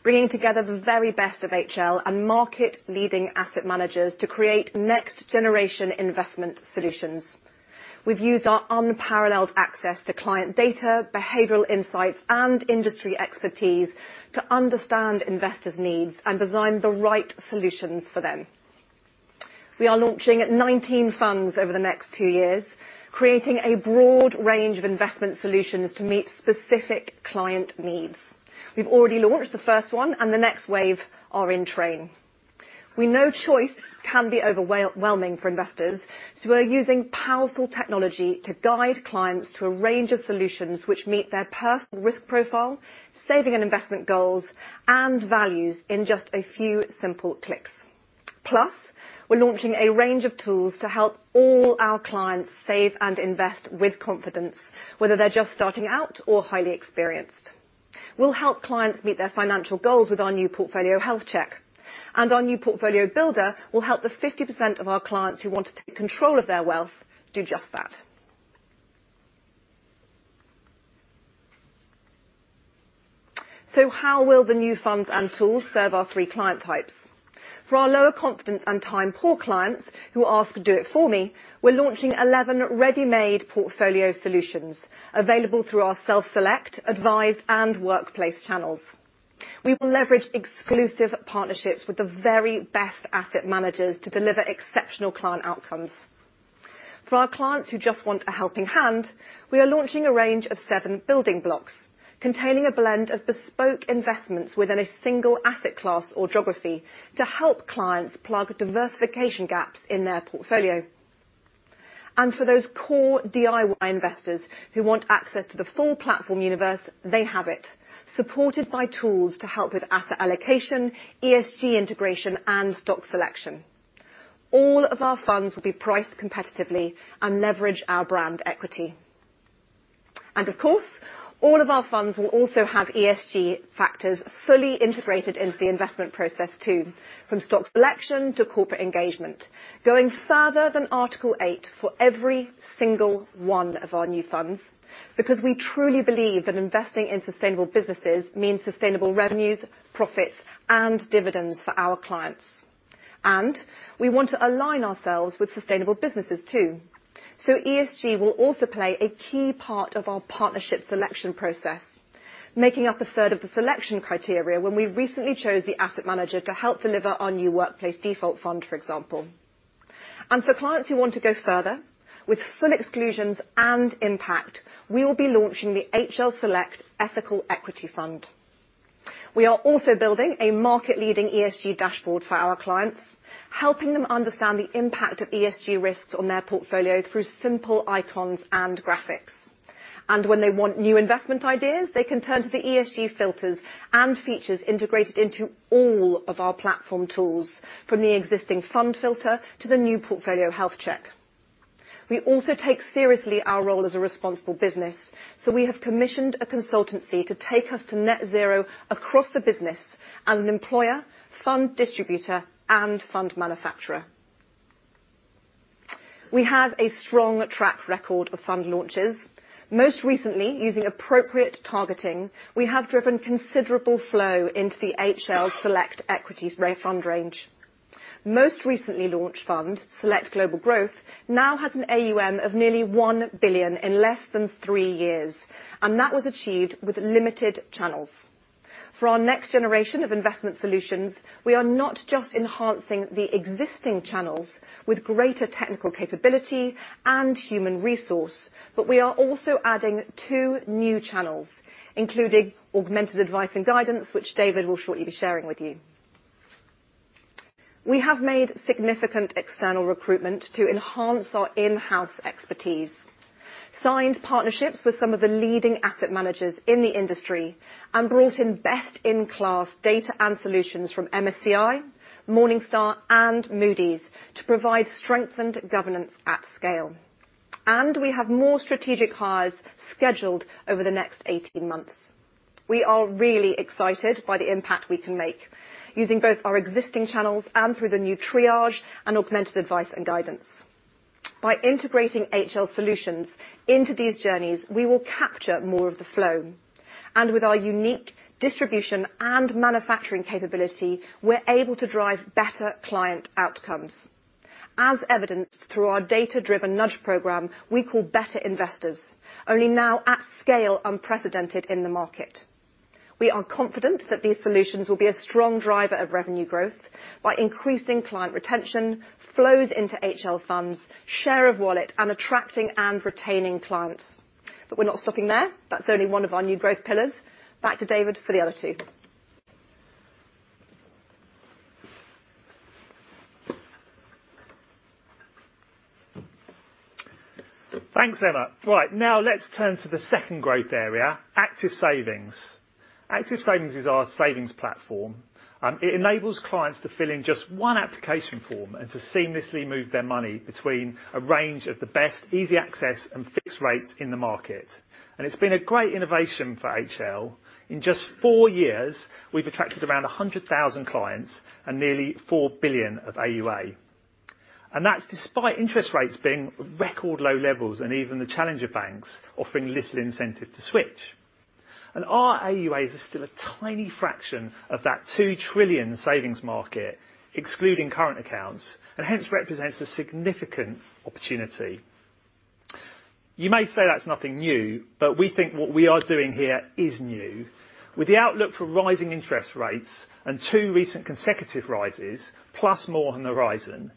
bringing together the very best of HL and market-leading asset managers to create next-generation investment solutions. We've used our unparalleled access to client data, behavioral insights, and industry expertise to understand investors' needs and design the right solutions for them. We are launching 19 funds over the next two years, creating a broad range of investment solutions to meet specific client needs. We've already launched the first one, and the next wave are in train. We know choice can be overwhelming for investors, so we're using powerful technology to guide clients to a range of solutions which meet their personal risk profile, saving and investment goals, and values in just a few simple clicks. We're launching a range of tools to help all our clients save and invest with confidence, whether they're just starting out or highly experienced. We'll help clients meet their financial goals with our new portfolio health check. Our new portfolio builder will help the 50% of our clients who want to take control of their wealth do just that. How will the new funds and tools serve our three client types? For our lower confidence and time poor clients who ask to do it for me, we're launching 11 ready-made portfolio solutions available through our self-select, advised, and workplace channels. We will leverage exclusive partnerships with the very best asset managers to deliver exceptional client outcomes. For our clients who just want a helping hand, we are launching a range of seven building blocks containing a blend of bespoke investments within a single asset class or geography to help clients plug diversification gaps in their portfolio. For those core DIY investors who want access to the full platform universe, they have it, supported by tools to help with asset allocation, ESG integration, and stock selection. All of our funds will be priced competitively and leverage our brand equity. Of course, all of our funds will also have ESG factors fully integrated into the investment process too, from stock selection to corporate engagement. Going further than Article 8 for every single one of our new funds, because we truly believe that investing in sustainable businesses means sustainable revenues, profits, and dividends for our clients. We want to align ourselves with sustainable businesses too. ESG will also play a key part of our partnership selection process, making up a third of the selection criteria when we recently chose the asset manager to help deliver our new workplace default fund, for example. For clients who want to go further, with full exclusions and impact, we will be launching the HL Select Ethical Equity Fund. We are also building a market-leading ESG dashboard for our clients, helping them understand the impact of ESG risks on their portfolio through simple icons and graphics. When they want new investment ideas, they can turn to the ESG filters and features integrated into all of our platform tools, from the existing fund filter to the new portfolio health check. We also take seriously our role as a responsible business, so we have commissioned a consultancy to take us to net zero across the business as an employer, fund distributor, and fund manufacturer. We have a strong track record of fund launches. Most recently, using appropriate targeting, we have driven considerable flow into the HL Select Equity Fund range. Most recently launched fund, Select Global Growth, now has an AUM of nearly 1 billion in less than three years, and that was achieved with limited channels. For our next generation of investment solutions, we are not just enhancing the existing channels with greater technical capability and human resource, but we are also adding two new channels, including Augmented Advice & Guidance, which David will shortly be sharing with you. We have made significant external recruitment to enhance our in-house expertise, signed partnerships with some of the leading asset managers in the industry, and brought in best-in-class data and solutions from MSCI, Morningstar, and Moody's to provide strengthened governance at scale. We have more strategic hires scheduled over the next 18 months. We are really excited by the impact we can make using both our existing channels and through the new triage and Augmented Advice & Guidance. By integrating HL solutions into these journeys, we will capture more of the flow. With our unique distribution and manufacturing capability, we're able to drive better client outcomes. As evidenced through our data-driven nudge program we call Better Investors, only now at scale unprecedented in the market. We are confident that these solutions will be a strong driver of revenue growth by increasing client retention, flows into HL Funds, share of wallet, and attracting and retaining clients. We're not stopping there. That's only one of our new growth pillars. Back to David for the other two. Thanks, Emma. Right, now let's turn to the second growth area, Active Savings. Active Savings is our savings platform. It enables clients to fill in just one application form and to seamlessly move their money between a range of the best easy access and fixed rates in the market. It's been a great innovation for HL. In just four years, we've attracted around 100,000 clients and nearly 4 billion of AUA. That's despite interest rates being record low levels and even the challenger banks offering little incentive to switch. Our AUAs are still a tiny fraction of that 2 trillion savings market, excluding current accounts, and hence represents a significant opportunity. You may say that's nothing new, but we think what we are doing here is new. With the outlook for rising interest rates and two recent consecutive rises, plus more on the horizon,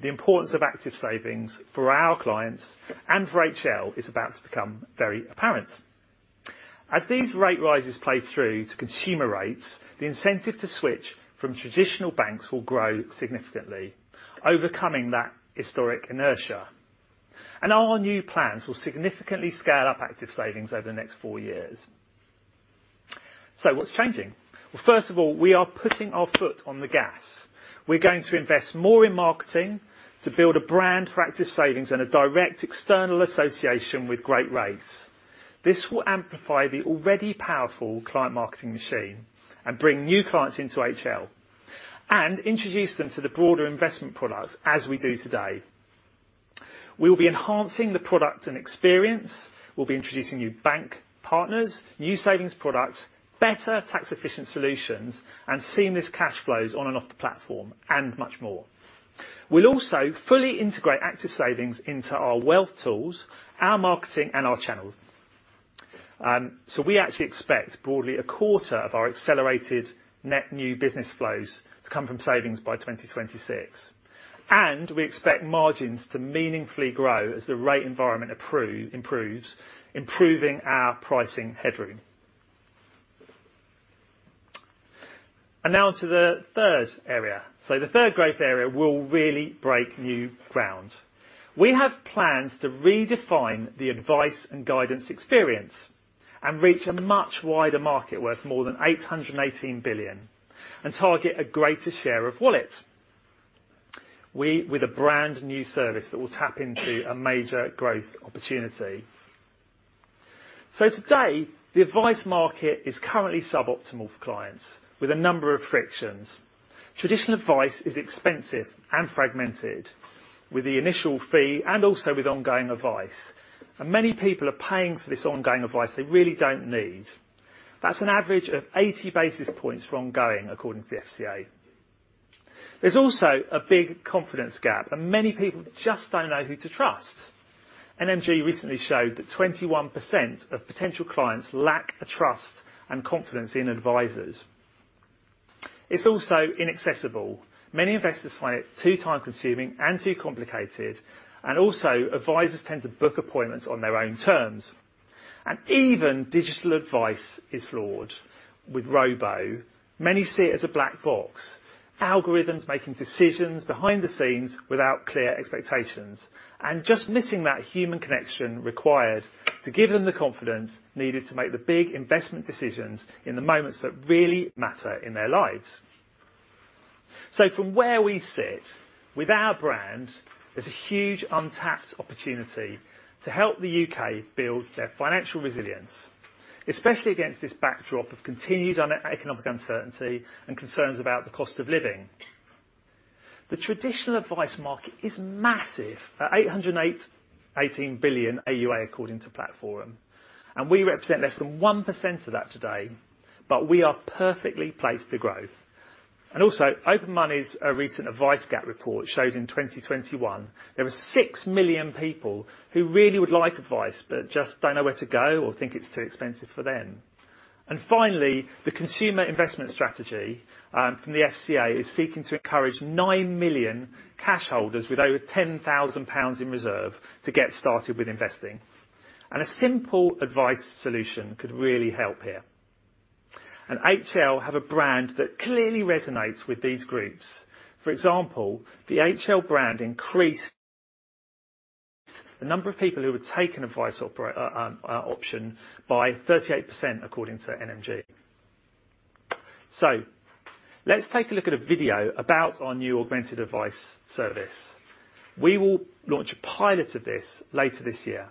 the importance of Active Savings for our clients and for HL is about to become very apparent. As these rate rises play through to consumer rates, the incentive to switch from traditional banks will grow significantly, overcoming that historic inertia. Our new plans will significantly scale up Active Savings over the next four years. What's changing? Well, first of all, we are putting our foot on the gas. We're going to invest more in marketing to build a brand for Active Savings and a direct external association with great rates. This will amplify the already powerful client marketing machine and bring new clients into HL and introduce them to the broader investment products, as we do today. We'll be enhancing the product and experience. We'll be introducing new bank partners, new savings products, better tax-efficient solutions, and seamless cash flows on and off the platform, and much more. We'll also fully integrate Active Savings into our wealth tools, our marketing, and our channels. We actually expect broadly a quarter of our accelerated net new business flows to come from savings by 2026. We expect margins to meaningfully grow as the rate environment improves, improving our pricing headroom. Now to the third area. The third growth area will really break new ground. We have plans to redefine the Advice & Guidance experience and reach a much wider market worth more than 818 billion and target a greater share of wallet with a brand-new service that will tap into a major growth opportunity. Today, the Advice market is currently suboptimal for clients with a number of frictions. Traditional advice is expensive and fragmented with the initial fee and also with ongoing advice. Many people are paying for this ongoing advice they really don't need. That's an average of 80 basis points for ongoing, according to the FCA. There's also a big confidence gap, and many people just don't know who to trust. NMG recently showed that 21% of potential clients lack a trust and confidence in advisors. It's also inaccessible. Many investors find it too time-consuming and too complicated, and also advisors tend to book appointments on their own terms. Even digital advice is flawed. With Robo, many see it as a black box, algorithms making decisions behind the scenes without clear expectations and just missing that human connection required to give them the confidence needed to make the big investment decisions in the moments that really matter in their lives. From where we sit, with our brand, there's a huge untapped opportunity to help the U.K. build their financial resilience, especially against this backdrop of continued economic uncertainty and concerns about the cost of living. The traditional Advice market is massive, at 818 billion AUA, according to Platforum. We represent less than 1% of that today, but we are perfectly placed to grow. OpenMoney's recent Advice Gap Report showed in 2021, there were 6 million people who really would like advice but just don't know where to go or think it's too expensive for them. Finally, the Consumer Investments Strategy from the FCA is seeking to encourage 9 million cash holders with over 10,000 pounds in reserve to get started with investing. A simple advice solution could really help here. HL have a brand that clearly resonates with these groups. For example, the HL brand increased the number of people who have taken Advice option by 38%, according to NMG. Let's take a look at a video about our new Augmented Advice service. We will launch a pilot of this later this year.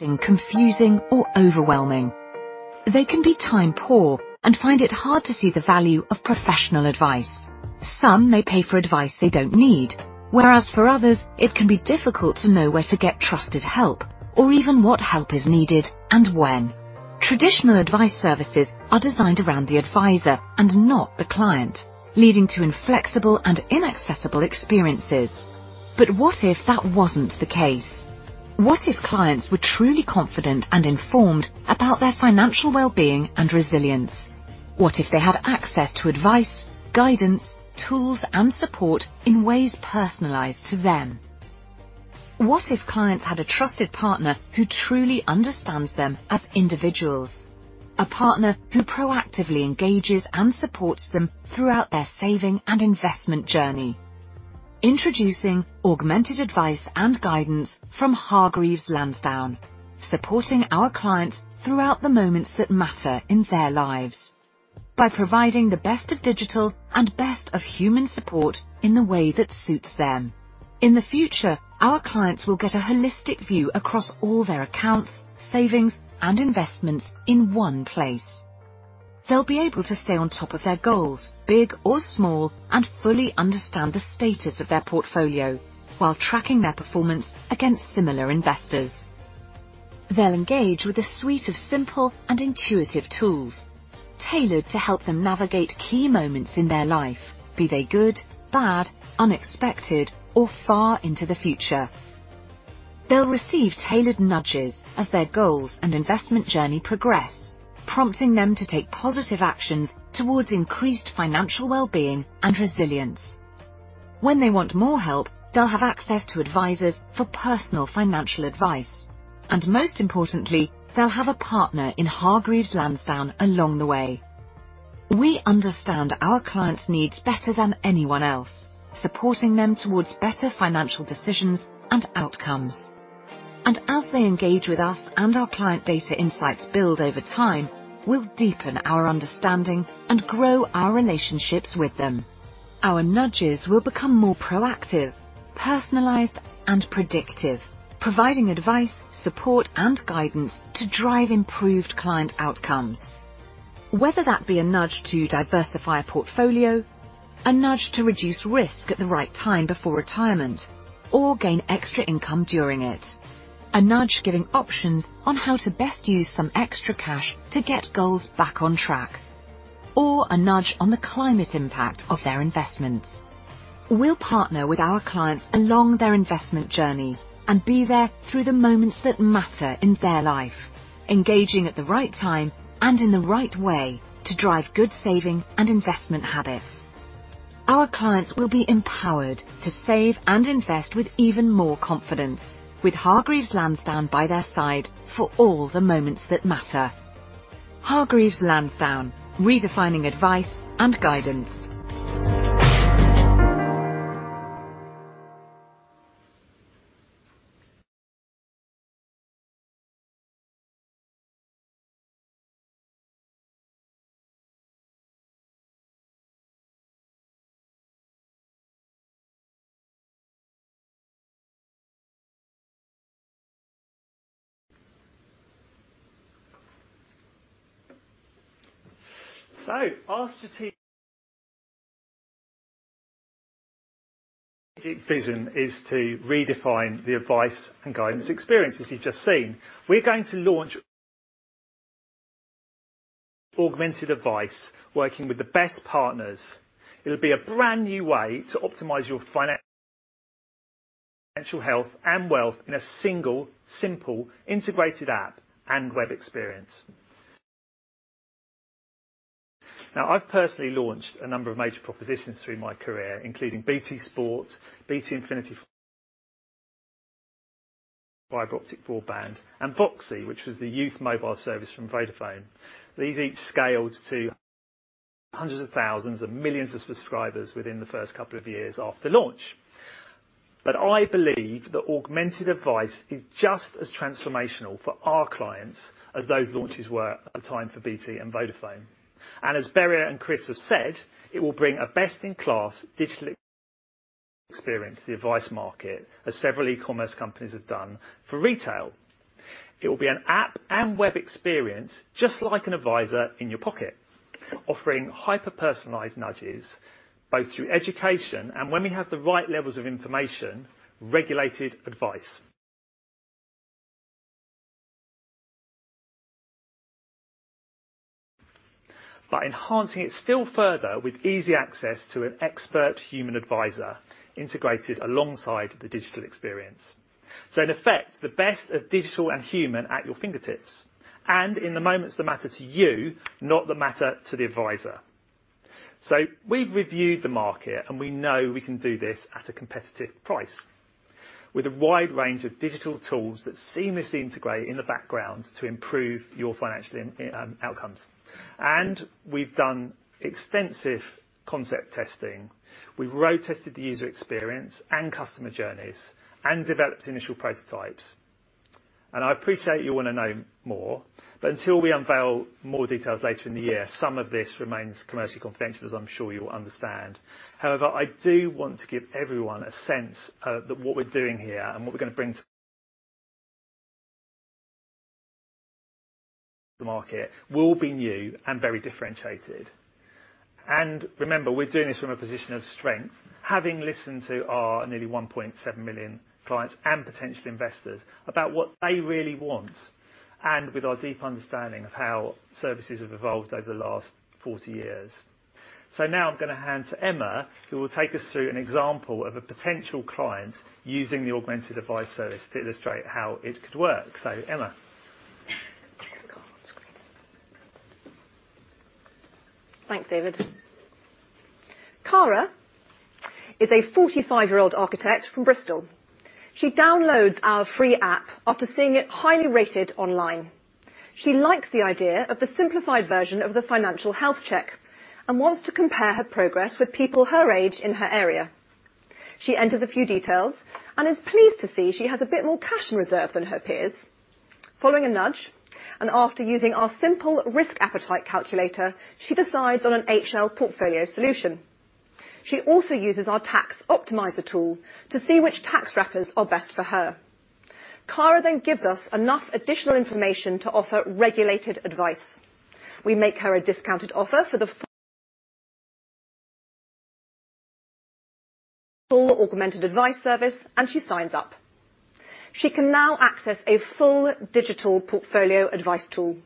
Confusing or overwhelming. They can be time poor and find it hard to see the value of professional advice. Some may pay for advice they don't need, whereas for others it can be difficult to know where to get trusted help or even what help is needed and when. Traditional advice services are designed around the advisor and not the client, leading to inflexible and inaccessible experiences. What if that wasn't the case? What if clients were truly confident and informed about their financial well-being and resilience? What if they had access to advice, guidance, tools and support in ways personalized to them? What if clients had a trusted partner who truly understands them as individuals, a partner who proactively engages and supports them throughout their saving and investment journey? Introducing Augmented Advice & Guidance from Hargreaves Lansdown, supporting our clients throughout the moments that matter in their lives by providing the best of digital and best of human support in the way that suits them. In the future, our clients will get a holistic view across all their accounts, savings and investments in one place. They'll be able to stay on top of their goals, big or small, and fully understand the status of their portfolio while tracking their performance against similar investors. They'll engage with a suite of simple and intuitive tools tailored to help them navigate key moments in their life, be they good, bad, unexpected or far into the future. They'll receive tailored nudges as their goals and investment journey progress, prompting them to take positive actions towards increased financial well-being and resilience. When they want more help, they'll have access to advisors for personal financial advice, and most importantly, they'll have a partner in Hargreaves Lansdown along the way. We understand our clients' needs better than anyone else, supporting them towards better financial decisions and outcomes. As they engage with us and our client data insights build over time, we'll deepen our understanding and grow our relationships with them. Our nudges will become more proactive, personalized and predictive, providing advice, support and guidance to drive improved client outcomes. Whether that be a nudge to diversify a portfolio, a nudge to reduce risk at the right time before retirement, or gain extra income during it. A nudge giving options on how to best use some extra cash to get goals back on track, or a nudge on the climate impact of their investments. We'll partner with our clients along their investment journey and be there through the moments that matter in their life, engaging at the right time and in the right way to drive good saving and investment habits. Our clients will be empowered to save and invest with even more confidence, with Hargreaves Lansdown by their side for all the moments that matter. Hargreaves Lansdown redefining Advice & Guidance. Our strategic vision is to redefine the Advice & Guidance experience. As you've just seen, we're going to launch Augmented Advice working with the best partners. It'll be a brand new way to optimize your financial health and wealth in a single, simple, integrated app and web experience. Now, I've personally launched a number of major propositions through my career, including BT Sport, BT Infinity, fiber optic broadband, and VOXI, which was the youth mobile service from Vodafone. These each scaled to hundreds of thousands of millions of subscribers within the first couple of years after launch. I believe that Augmented Advice is just as transformational for our clients as those launches were at the time for BT and Vodafone. As Birger and Chris have said, it will bring a best-in-class digital experience to the Advice market, as several e-commerce companies have done for retail. It will be an app and web experience, just like an advisor in your pocket, offering hyper-personalized nudges both through education and when we have the right levels of information, regulated advice by enhancing it still further with easy access to an expert human advisor integrated alongside the digital experience. In effect, the best of digital and human at your fingertips and in the moments that matter to you, not those that matter to the advisor. We've reviewed the market and we know we can do this at a competitive price with a wide range of digital tools that seamlessly integrate in the background to improve your financial outcomes. We've done extensive concept testing. We've road-tested the user experience and customer journeys and developed initial prototypes. I appreciate you wanna know more, but until we unveil more details later in the year, some of this remains commercially confidential, as I'm sure you will understand. However, I do want to give everyone a sense of what we're doing here and what we're going to bring to the market will be new and very differentiated. Remember, we're doing this from a position of strength, having listened to our nearly 1.7 million clients and potential investors about what they really want and with our deep understanding of how services have evolved over the last 40 years. Now I'm going to hand to Emma, who will take us through an example of a potential client using the Augmented Advice service to illustrate how it could work. Emma. Thanks, David. Cara is a 45-year-old architect from Bristol. She downloads our free app after seeing it highly rated online. She likes the idea of the simplified version of the financial health check and wants to compare her progress with people her age in her area. She enters a few details and is pleased to see she has a bit more cash in reserve than her peers. Following a nudge and after using our simple risk appetite calculator, she decides on an HL portfolio solution. She also uses our tax optimizer tool to see which tax wrappers are best for her. Cara then gives us enough additional information to offer regulated advice. We make her a discounted offer for the full Augmented Advice service, and she signs up. She can now access a full digital portfolio advice tool.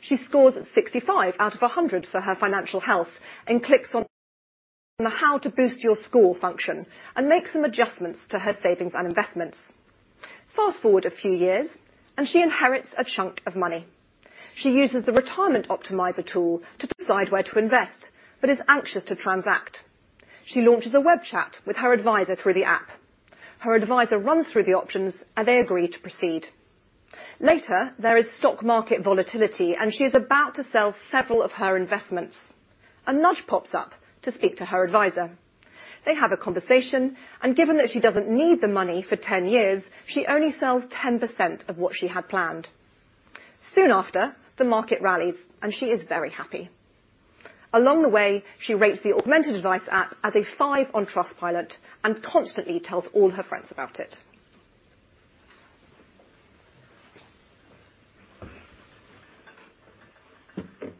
She scores 65 out of 100 for her financial health and clicks on the how to boost your score function and makes some adjustments to her savings and investments. Fast-forward a few years, and she inherits a chunk of money. She uses the retirement optimizer tool to decide where to invest, but is anxious to transact. She launches a web chat with her advisor through the app. Her advisor runs through the options, and they agree to proceed. Later, there is stock market volatility, and she is about to sell several of her investments. A nudge pops up to speak to her advisor. They have a conversation, and given that she doesn't need the money for 10 years, she only sells 10% of what she had planned. Soon after, the market rallies, and she is very happy. Along the way, she rates the Augmented Advice app as a 5 on Trustpilot and constantly tells all her friends about it.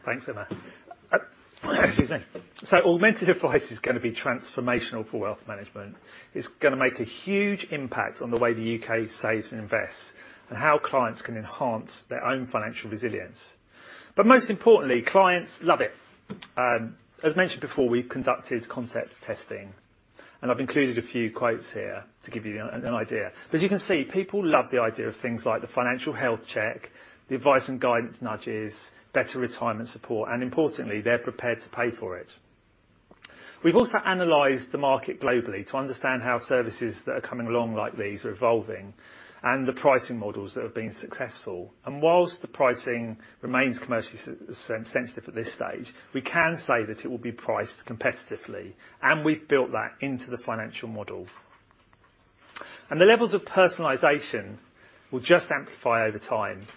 Thanks, Emma. Excuse me. Augmented Advice is going to be transformational for wealth management. It's going to make a huge impact on the way the U.K. saves and invests and how clients can enhance their own financial resilience. Most importantly, clients love it. As mentioned before, we've conducted concept testing, and I've included a few quotes here to give you an idea. As you can see, people love the idea of things like the financial health check, the Advice & Guidance nudges, better retirement support, and importantly, they're prepared to pay for it. We've also analyzed the market globally to understand how services that are coming along like these are evolving and the pricing models that have been successful. While the pricing remains commercially sensitive at this stage, we can say that it will be priced competitively, and we've built that into the financial model. The levels of personalization will just amplify over time.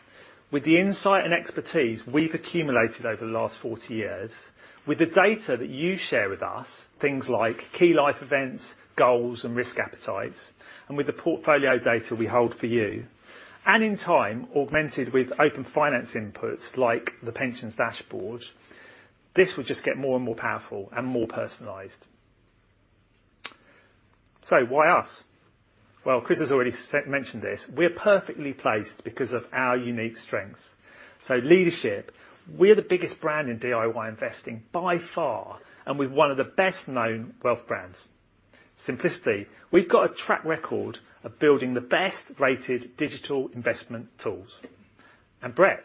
With the insight and expertise we've accumulated over the last 40 years, with the data that you share with us, things like key life events, goals, and risk appetite, and with the portfolio data we hold for you, and in time, augmented with open finance inputs like the pensions dashboard, this will just get more and more powerful and more personalized. Why us? Well, Chris has already said, mentioned this. We're perfectly placed because of our unique strengths. Leadership, we're the biggest brand in DIY investing by far and with one of the best-known wealth brands. Simplicity, we've got a track record of building the best-rated digital investment tools. Breadth,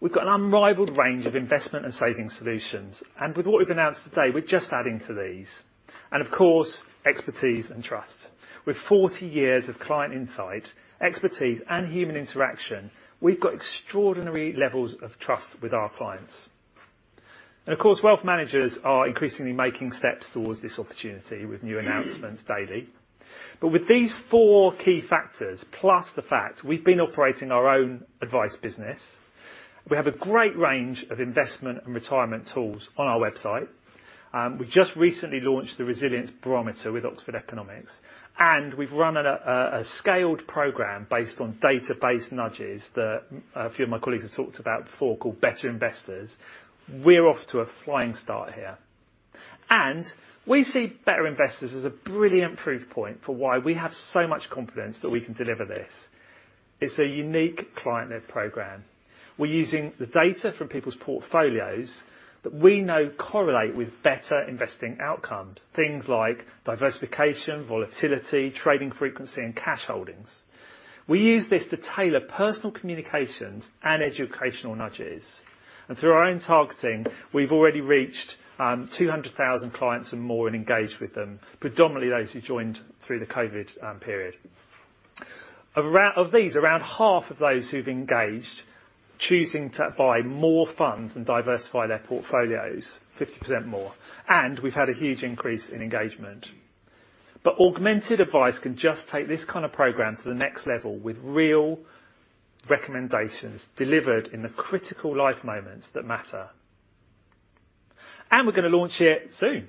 we've got an unrivaled range of investment and saving solutions, and with what we've announced today, we're just adding to these. Of course, expertise and trust. With 40 years of client insight, expertise, and human interaction, we've got extraordinary levels of trust with our clients. Of course, wealth managers are increasingly making steps towards this opportunity with new announcements daily. With these four key factors, plus the fact we've been operating our own Advice business, we have a great range of investment and retirement tools on our website, we just recently launched the Resilience Barometer with Oxford Economics, and we've run a scaled program based on database nudges that a few of my colleagues have talked about before, called Better Investors, we're off to a flying start here. We see Better Investors as a brilliant proof point for why we have so much confidence that we can deliver this. It's a unique client-led program. We're using the data from people's portfolios that we know correlate with better investing outcomes, things like diversification, volatility, trading frequency, and cash holdings. We use this to tailor personal communications and educational nudges. Through our own targeting, we've already reached 200,000 clients and more and engaged with them, predominantly those who joined through the COVID-19 period. Of these, around half of those who've engaged, choosing to buy more funds and diversify their portfolios 50% more, and we've had a huge increase in engagement. Augmented Advice can just take this kind of program to the next level with real recommendations delivered in the critical life moments that matter. We're going to launch it soon,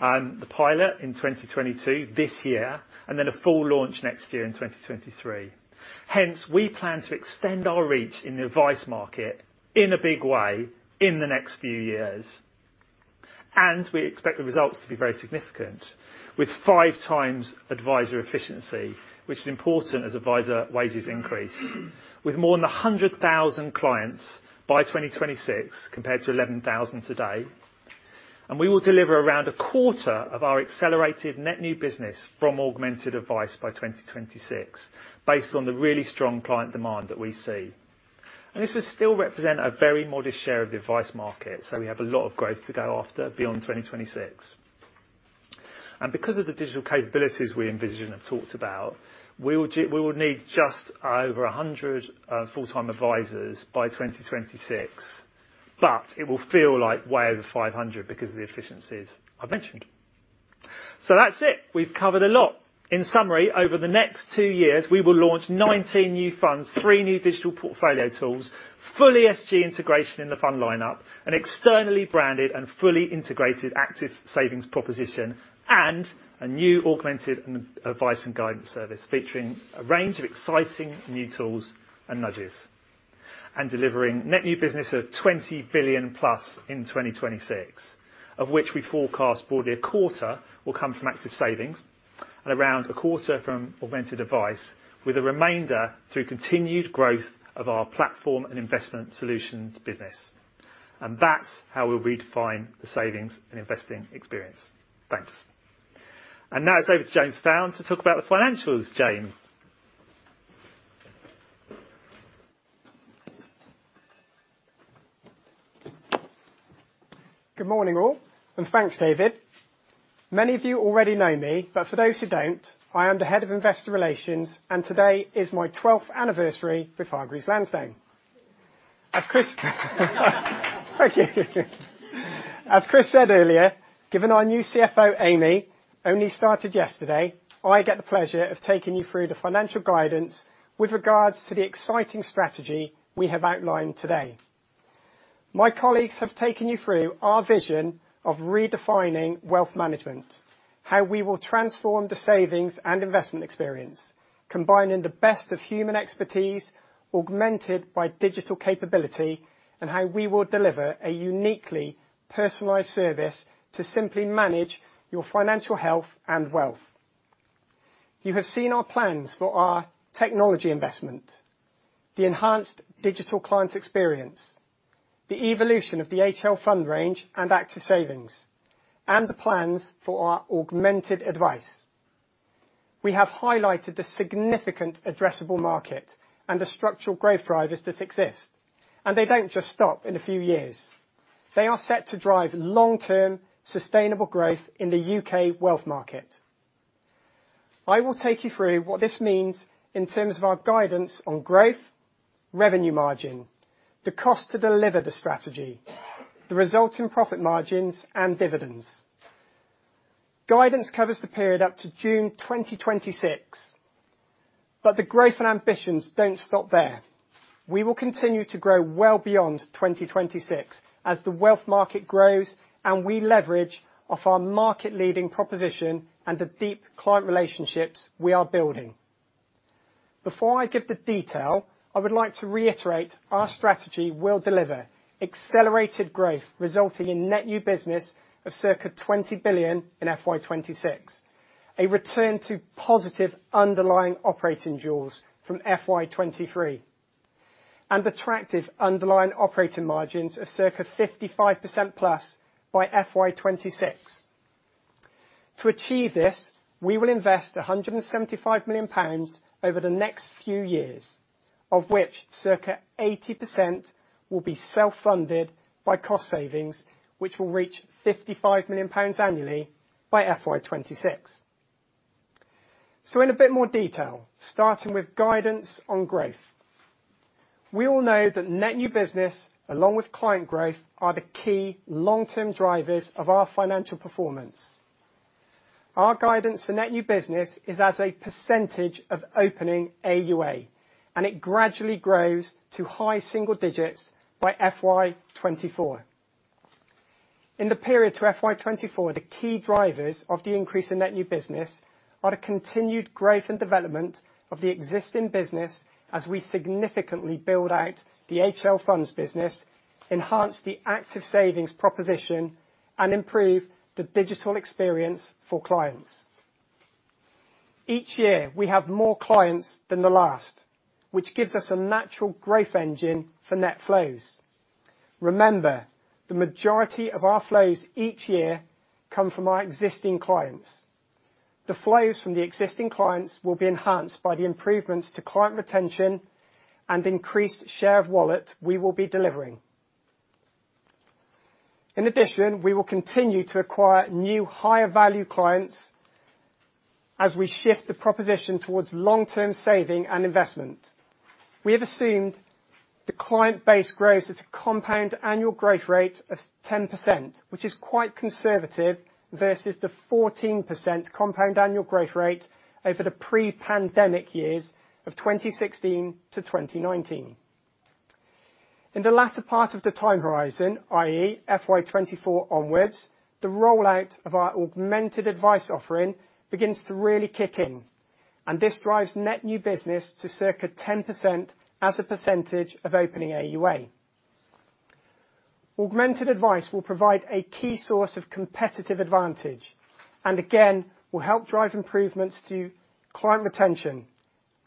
the pilot in 2022, this year, and then a full launch next year in 2023. Hence, we plan to extend our reach in the Advice market in a big way in the next few years. We expect the results to be very significant with 5x advisor efficiency, which is important as advisor wages increase. With more than 100,000 clients by 2026, compared to 11,000 today, we will deliver around a quarter of our accelerated net new business from Augmented Advice by 2026 based on the really strong client demand that we see. This will still represent a very modest share of the Advice market, so we have a lot of growth to go after beyond 2026. Because of the digital capabilities we envision and have talked about, we will need just over 100 full-time advisors by 2026, but it will feel like way over 500 because of the efficiencies I've mentioned. That's it. We've covered a lot. In summary, over the next two years, we will launch 19 new funds, three new digital portfolio tools, full ESG integration in the fund lineup, an externally branded and fully integrated Active Savings proposition, and a new Augmented Advice & Guidance service featuring a range of exciting new tools and nudges, and delivering net new business of 20 billion+ in 2026, of which we forecast broadly a quarter will come from Active Savings and around a quarter from Augmented Advice, with a remainder through continued growth of our platform and investment solutions business. That's how we'll redefine the savings and investing experience. Thanks. Now it's over to James Found to talk about the financials. James? Good morning, all, and thanks, David. Many of you already know me, but for those who don't, I am the Head of Investor Relations, and today is my 12th anniversary with Hargreaves Lansdown. As Chris said earlier, given our new CFO, Amy, only started yesterday, I get the pleasure of taking you through the financial guidance with regards to the exciting strategy we have outlined today. My colleagues have taken you through our vision of redefining wealth management, how we will transform the savings and investment experience, combining the best of human expertise, augmented by digital capability, and how we will deliver a uniquely personalized service to simply manage your financial health and wealth. You have seen our plans for our technology investment, the enhanced digital client experience, the evolution of the HL fund range and Active Savings, and the plans for our Augmented Advice. We have highlighted the significant addressable market and the structural growth drivers that exist, and they don't just stop in a few years. They are set to drive long-term sustainable growth in the U.K. wealth market. I will take you through what this means in terms of our guidance on growth, revenue margin, the cost to deliver the strategy, the resulting profit margins, and dividends. Guidance covers the period up to June 2026, but the growth and ambitions don't stop there. We will continue to grow well beyond 2026 as the wealth market grows and we leverage off our market-leading proposition and the deep client relationships we are building. Before I give the detail, I would like to reiterate our strategy will deliver accelerated growth resulting in net new business of circa 20 billion in FY 2026, a return to positive underlying operating jaws from FY 2023, and attractive underlying operating margins of circa 55%+ by FY 2026. To achieve this, we will invest 175 million pounds over the next few years, of which circa 80% will be self-funded by cost savings, which will reach 55 million pounds annually by FY 2026. In a bit more detail, starting with guidance on growth. We all know that net new business, along with client growth, are the key long-term drivers of our financial performance. Our guidance for net new business is as a percentage of opening AUA, and it gradually grows to high single digits by FY 2024. In the period to FY 2024, the key drivers of the increase in net new business are the continued growth and development of the existing business as we significantly build out the HL Funds business, enhance the Active Savings proposition, and improve the digital experience for clients. Each year, we have more clients than the last, which gives us a natural growth engine for net flows. Remember, the majority of our flows each year come from our existing clients. The flows from the existing clients will be enhanced by the improvements to client retention and increased share of wallet we will be delivering. In addition, we will continue to acquire new higher-value clients as we shift the proposition towards long-term saving and investment. We have assumed the client base grows at a compound annual growth rate of 10%, which is quite conservative versus the 14% compound annual growth rate over the pre-pandemic years of 2016 to 2019. In the latter part of the time horizon, i.e. FY 2024 onwards, the rollout of our Augmented Advice offering begins to really kick in, and this drives net new business to circa 10% as a percentage of opening AUA. Augmented Advice will provide a key source of competitive advantage and again will help drive improvements to client retention,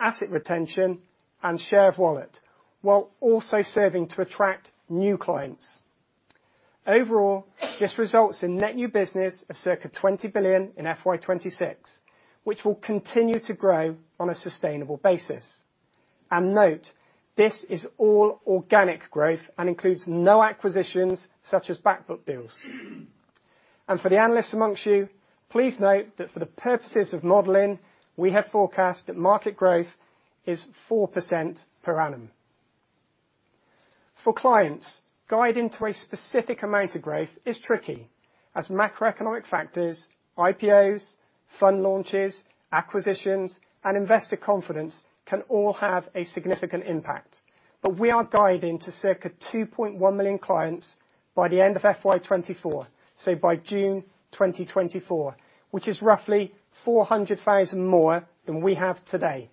asset retention, and share of wallet, while also serving to attract new clients. Overall, this results in net new business of circa 20 billion in FY 2026, which will continue to grow on a sustainable basis. Note, this is all organic growth and includes no acquisitions such as back book deals. For the analysts amongst you, please note that for the purposes of modeling, we have forecast that market growth is 4% per annum. For clients, guiding to a specific amount of growth is tricky as macroeconomic factors, IPOs, fund launches, acquisitions, and investor confidence can all have a significant impact. We are guiding to circa 2.1 million clients by the end of FY 2024, so by June 2024, which is roughly 400,000 more than we have today.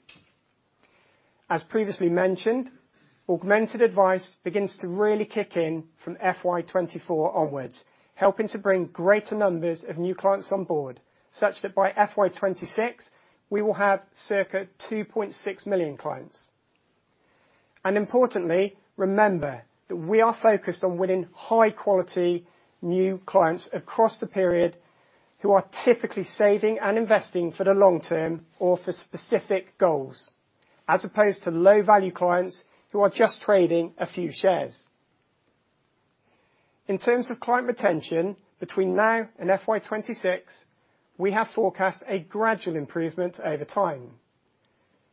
As previously mentioned, Augmented Advice begins to really kick in from FY 2024 onwards, helping to bring greater numbers of new clients on board, such that by FY 2026, we will have circa 2.6 million clients. Importantly, remember that we are focused on winning high-quality new clients across the period who are typically saving and investing for the long term or for specific goals, as opposed to low-value clients who are just trading a few shares. In terms of client retention between now and FY 2026, we have forecast a gradual improvement over time.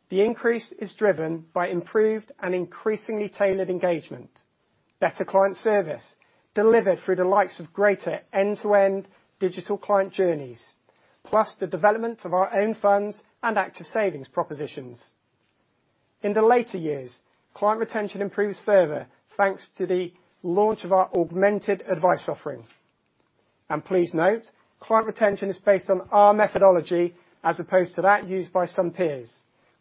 The increase is driven by improved and increasingly tailored engagement, better client service delivered through the likes of greater end-to-end digital client journeys, plus the development of our own funds and Active Savings propositions. In the later years, client retention improves further, thanks to the launch of our Augmented Advice offering. Please note, client retention is based on our methodology as opposed to that used by some peers,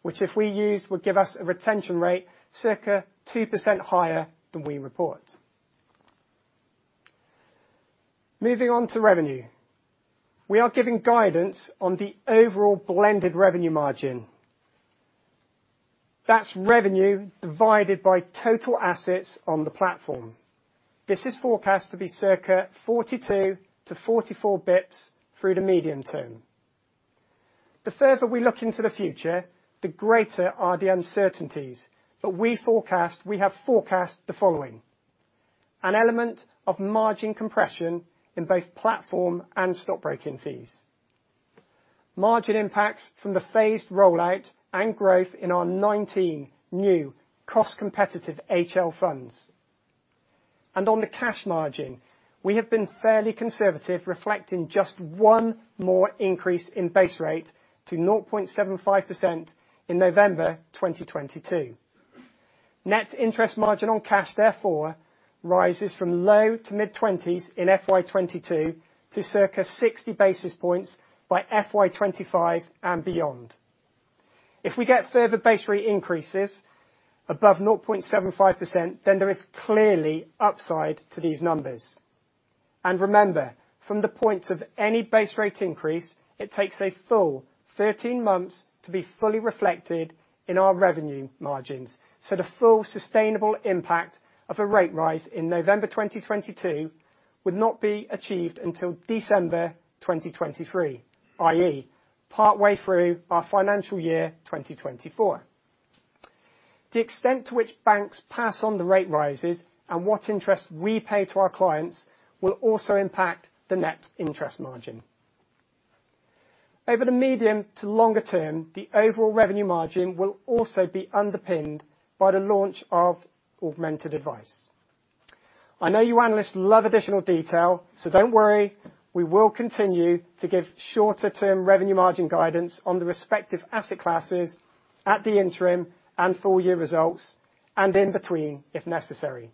which if we used, would give us a retention rate circa 2% higher than we report. Moving on to revenue. We are giving guidance on the overall blended revenue margin. That's revenue divided by total assets on the platform. This is forecast to be circa 42 bps-44 bps through the medium term. The further we look into the future, the greater are the uncertainties, but we have forecast the following. An element of margin compression in both platform and stockbroking fees. Margin impacts from the phased rollout and growth in our 19 new cost-competitive HL funds. And on the cash margin, we have been fairly conservative, reflecting just one more increase in base rate to 0.75% in November 2022. Net interest margin on cash, therefore, rises from low to mid-20s in FY 2022 to circa 60 basis points by FY 2025 and beyond. If we get further base rate increases above 0.75%, then there is clearly upside to these numbers. Remember, from the point of any base rate increase, it takes a full 13 months to be fully reflected in our revenue margins. The full sustainable impact of a rate rise in November 2022 would not be achieved until December 2023, i.e. partway through our financial year 2024. The extent to which banks pass on the rate rises and what interest we pay to our clients will also impact the net interest margin. Over the medium to longer term, the overall revenue margin will also be underpinned by the launch of Augmented Advice. I know you analysts love additional detail, so don't worry, we will continue to give shorter-term revenue margin guidance on the respective asset classes at the interim and full-year results, and in between, if necessary.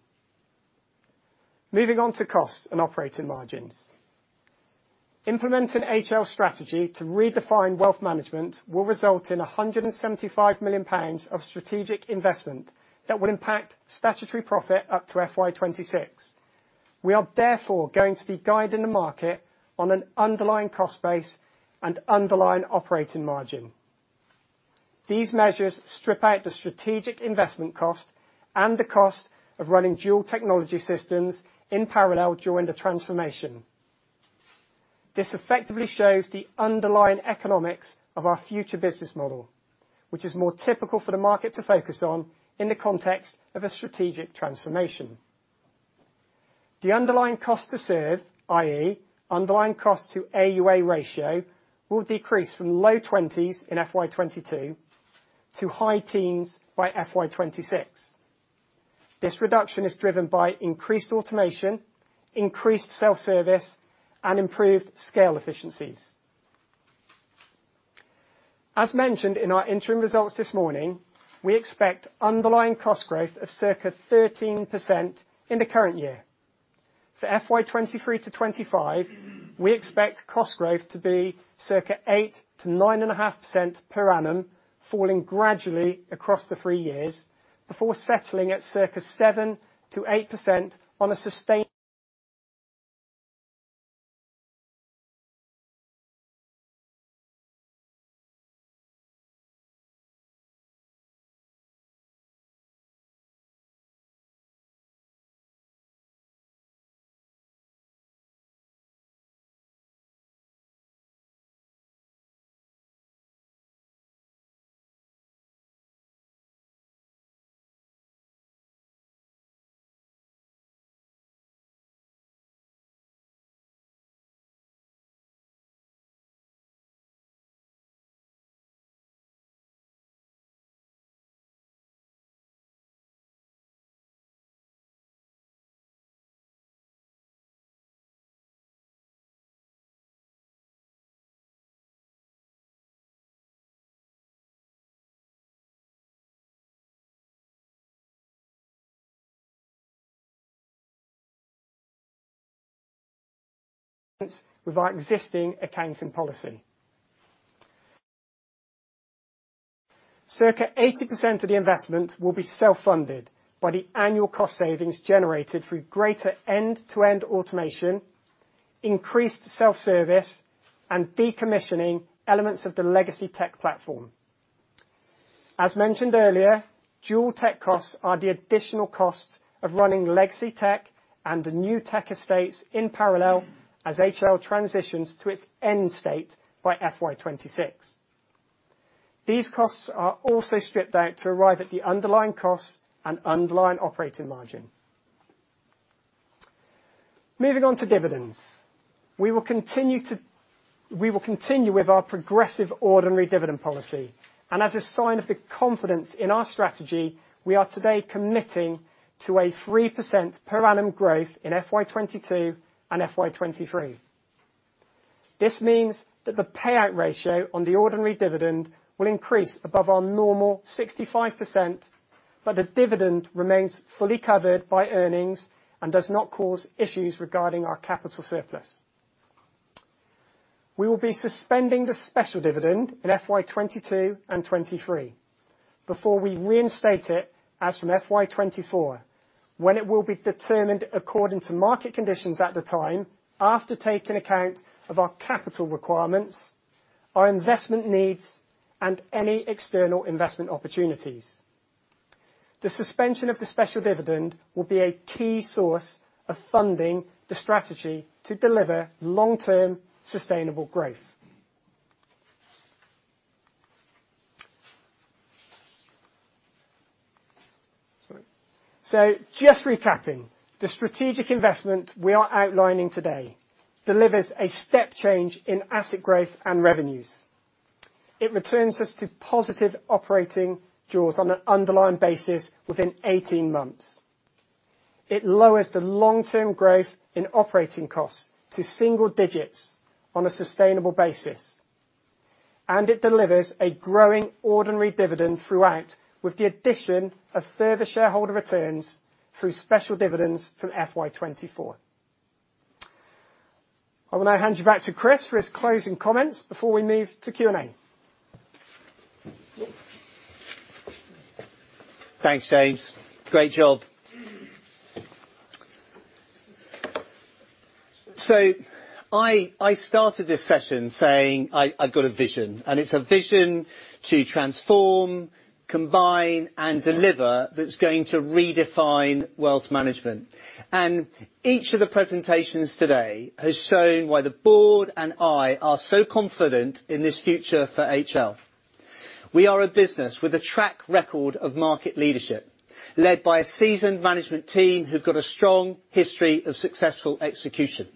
Moving on to costs and operating margins. Implementing HL's strategy to redefine wealth management will result in 175 million pounds of strategic investment that will impact statutory profit up to FY 2026. We are therefore going to be guiding the market on an underlying cost base and underlying operating margin. These measures strip out the strategic investment cost and the cost of running dual technology systems in parallel during the transformation. This effectively shows the underlying economics of our future business model, which is more typical for the market to focus on in the context of a strategic transformation. The underlying cost to serve, i.e., underlying cost to AUA ratio, will decrease from low 20s% in FY 2022 to high teens% by FY 2026. This reduction is driven by increased automation, increased self-service, and improved scale efficiencies. As mentioned in our interim results this morning, we expect underlying cost growth of circa 13% in the current year. For FY 2023 to 2025, we expect cost growth to be circa 8%-9.5% per annum, falling gradually across the three years before settling at circa 7%-8% on a sustained basis with our existing accounting policy. Circa 80% of the investment will be self-funded by the annual cost savings generated through greater end-to-end automation, increased self-service, and decommissioning elements of the legacy tech platform. As mentioned earlier, dual tech costs are the additional costs of running legacy tech and the new tech estates in parallel as HL transitions to its end state by FY 2026. These costs are also stripped out to arrive at the underlying costs and underlying operating margin. Moving on to dividends. We will continue with our progressive ordinary dividend policy. As a sign of the confidence in our strategy, we are today committing to a 3% per annum growth in FY 2022 and FY 2023. This means that the payout ratio on the ordinary dividend will increase above our normal 65%, but the dividend remains fully covered by earnings and does not cause issues regarding our capital surplus. We will be suspending the special dividend in FY 2022 and 2023 before we reinstate it as from FY 2024, when it will be determined according to market conditions at the time after taking account of our capital requirements, our investment needs, and any external investment opportunities. The suspension of the special dividend will be a key source of funding the strategy to deliver long-term sustainable growth. Sorry. Just recapping, the strategic investment we are outlining today delivers a step change in asset growth and revenues. It returns us to positive operating jaws on an underlying basis within 18 months. It lowers the long-term growth in operating costs to single digits on a sustainable basis, and it delivers a growing ordinary dividend throughout, with the addition of further shareholder returns through special dividends from FY 2024. I will now hand you back to Chris for his closing comments before we move to Q&A. Thanks, James. Great job. I started this session saying I've got a vision, and it's a vision to transform, combine, and deliver that's going to redefine wealth management. Each of the presentations today has shown why the board and I are so confident in this future for HL. We are a business with a track record of market leadership, led by a seasoned management team who've got a strong history of successful execution.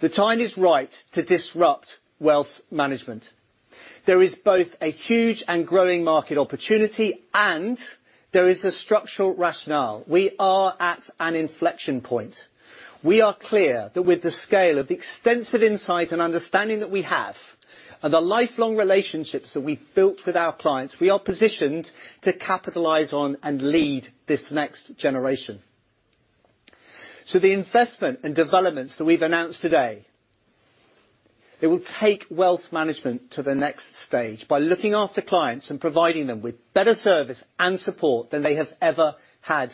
The time is right to disrupt wealth management. There is both a huge and growing market opportunity, and there is a structural rationale. We are at an inflection point. We are clear that with the scale of the extensive insight and understanding that we have, and the lifelong relationships that we've built with our clients, we are positioned to capitalize on and lead this next generation. The investment and developments that we've announced today, it will take wealth management to the next stage by looking after clients and providing them with better service and support than they have ever had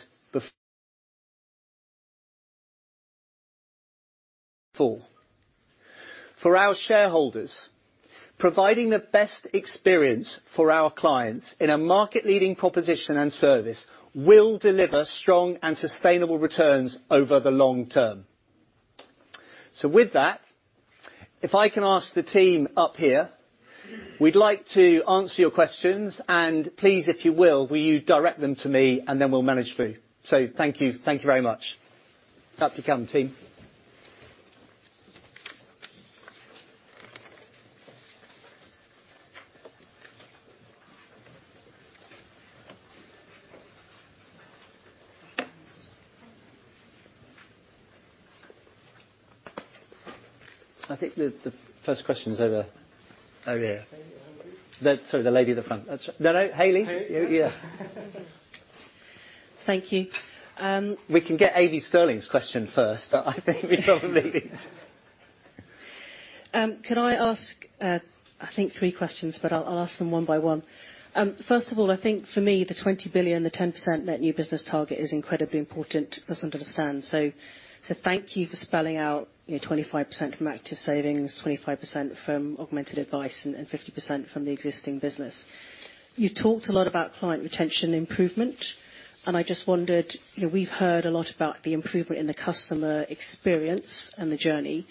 before. For our shareholders, providing the best experience for our clients in a market-leading proposition and service will deliver strong and sustainable returns over the long term. With that, if I can ask the team up here, we'd like to answer your questions, and please, if you will you direct them to me and then we'll manage through. Thank you. Thank you very much. Up you come, team. I think the first question is over here. Sorry, the lady at the front. That's right. No, Hayley. You, yeah. Thank you. We can get Amy Stirling's question first, but I think we probably need Can I ask, I think three questions, but I'll ask them one by one. First of all, I think for me, the 20 billion, the 10% net new business target is incredibly important for us to understand. So thank you for spelling out, you know, 25% from Active Savings, 25% from Augmented Advice, and 50% from the existing business. You talked a lot about client retention improvement, and I just wondered, you know, we've heard a lot about the improvement in the customer experience and the journey.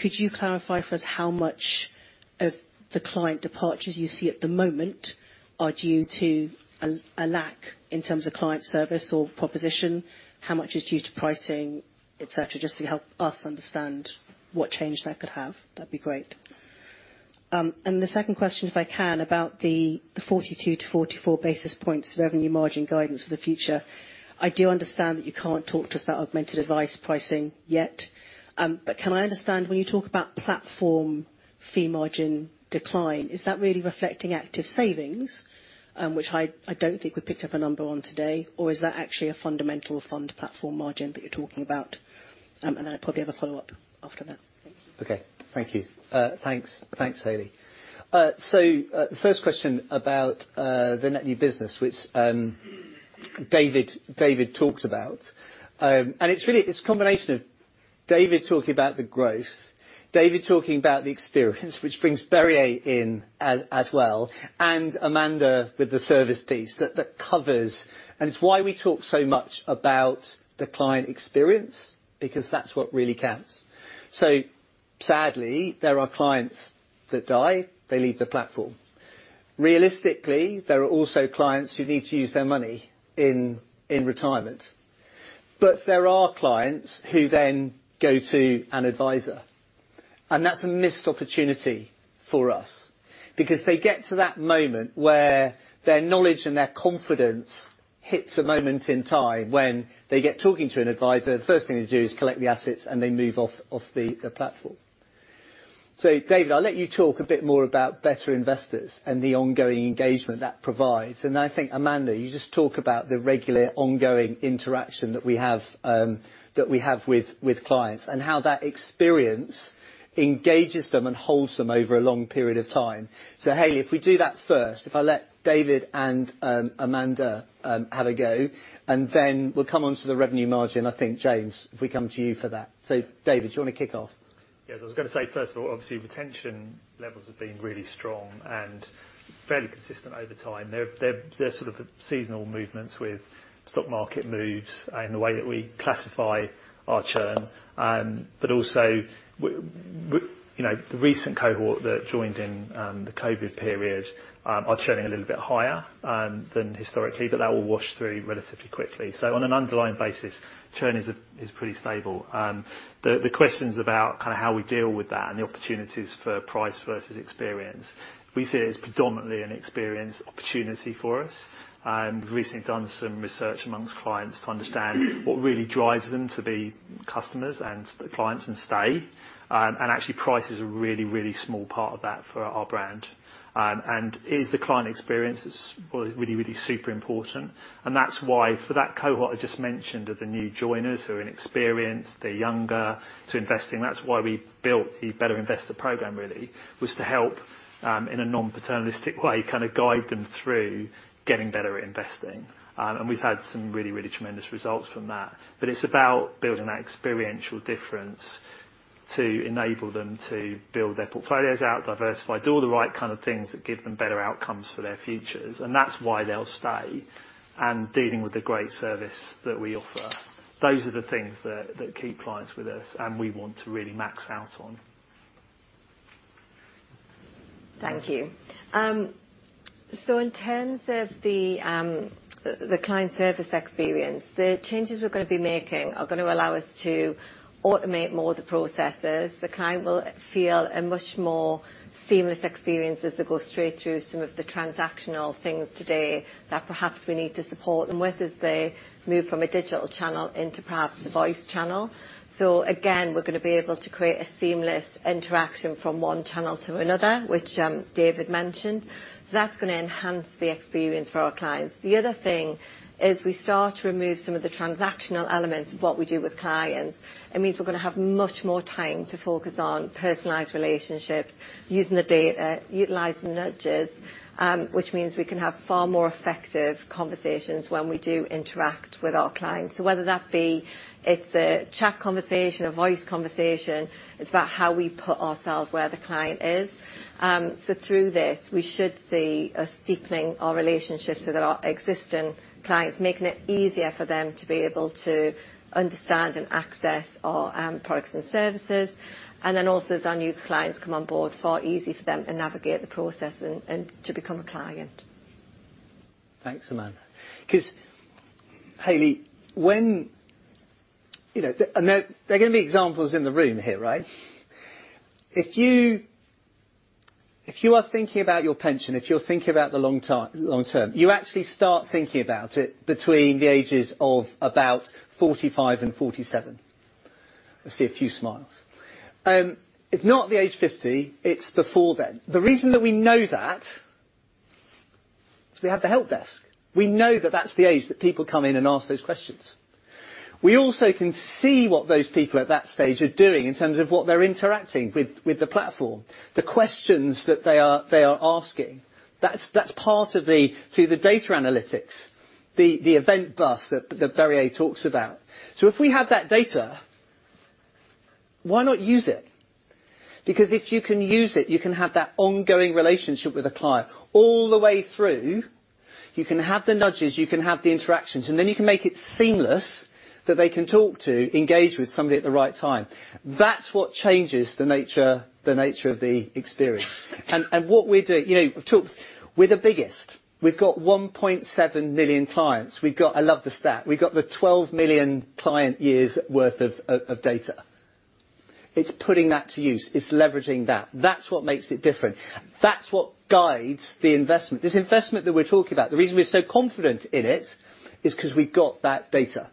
Could you clarify for us how much of the client departures you see at the moment are due to a lack in terms of client service or proposition? How much is due to pricing, et cetera? Just to help us understand what change that could have. That'd be great. The second question, if I can, about the 42-44 basis points revenue margin guidance for the future. I do understand that you can't talk to us about Augmented Advice pricing yet, but can I understand when you talk about platform fee margin decline, is that really reflecting Active Savings, which I don't think we picked up a number on today? Or is that actually a fundamental fund platform margin that you're talking about? Then I probably have a follow-up after that. Thanks. Okay. Thank you. Thanks, Hayley. The first question about the net new business, which David talked about. It's really a combination of David talking about the growth, David talking about the experience, which brings Birger in as well, and Amanda with the service piece. That covers. It's why we talk so much about the client experience because that's what really counts. Sadly, there are clients that die, they leave the platform. Realistically, there are also clients who need to use their money in retirement. There are clients who then go to an advisor, and that's a missed opportunity for us because they get to that moment where their knowledge and their confidence hits a moment in time when they get talking to an advisor, the first thing they do is collect the assets, and they move off the platform. David, I'll let you talk a bit more about Better Investors and the ongoing engagement that provides. I think, Amanda, you just talk about the regular ongoing interaction that we have with clients and how that experience engages them and holds them over a long period of time. Hayley, if we do that first, if I let David and Amanda have a go, and then we'll come on to the revenue margin. I think, James, if we come to you for that. David, do you wanna kick off? Yes, I was going to say, first of all, obviously, retention levels have been really strong and fairly consistent over time. There's sort of seasonal movements with stock market moves and the way that we classify our churn, but also, you know, the recent cohort that joined in the COVID-19 period are churning a little bit higher than historically, but that will wash through relatively quickly. On an underlying basis, churn is pretty stable. The questions about kinda how we deal with that and the opportunities for price versus experience, we see it as predominantly an experience opportunity for us. We've recently done some research among clients to understand what really drives them to be customers and stay, and actually price is a really, really small part of that for our brand. It is the client experience that's really, really super important. That's why for that cohort I just mentioned of the new joiners who are inexperienced, they're younger to investing, that's why we built the Better Investors program really, was to help, in a non-paternalistic way, kinda guide them through getting better at investing. We've had some really, really tremendous results from that. It's about building that experiential difference to enable them to build their portfolios out, diversify, do all the right kind of things that give them better outcomes for their futures, and that's why they'll stay and dealing with the great service that we offer. Those are the things that keep clients with us and we want to really max out on. Thank you. In terms of the client service experience, the changes we're going to be making are going to allow us to automate more of the processes. The client will feel a much more seamless experience as they go straight through some of the transactional things today that perhaps we need to support them with as they move from a digital channel into perhaps the voice channel. Again, we're going to be able to create a seamless interaction from one channel to another, which, David mentioned. That's going to enhance the experience for our clients. The other thing is we start to remove some of the transactional elements of what we do with clients. It means we're going to have much more time to focus on personalized relationships using the data, utilizing nudges, which means we can have far more effective conversations when we do interact with our clients. Whether that be it's a chat conversation, a voice conversation, it's about how we put ourselves where the client is. Through this, we should see a steepening of our relationship to our existing clients, making it easier for them to be able to understand and access our products and services. Then also as our new clients come on board, far easier for them to navigate the process and to become a client. Thanks, Amanda. 'Cause Hayley, when you know, there are going to be examples in the room here, right? If you are thinking about your pension, if you're thinking about the long term, you actually start thinking about it between the ages of about 45 and 47. I see a few smiles. If not the age 50, it's before then. The reason that we know that is we have the helpdesk. We know that that's the age that people come in and ask those questions. We also can see what those people at that stage are doing in terms of what they're interacting with the platform. The questions that they are asking. That's part of the data analytics, the event bus that Birger talks about. If we have that data, why not use it? Because if you can use it, you can have that ongoing relationship with a client all the way through. You can have the nudges, you can have the interactions, and then you can make it seamless that they can talk to, engage with somebody at the right time. That's what changes the nature of the experience. And what we're doing. You know, we've talked. We're the biggest. We've got 1.7 million clients. We've got. I love the stat. We've got the 12 million client years worth of data. It's putting that to use. It's leveraging that. That's what makes it different. That's what guides the investment. This investment that we're talking about, the reason we're so confident in it is 'cause we've got that data.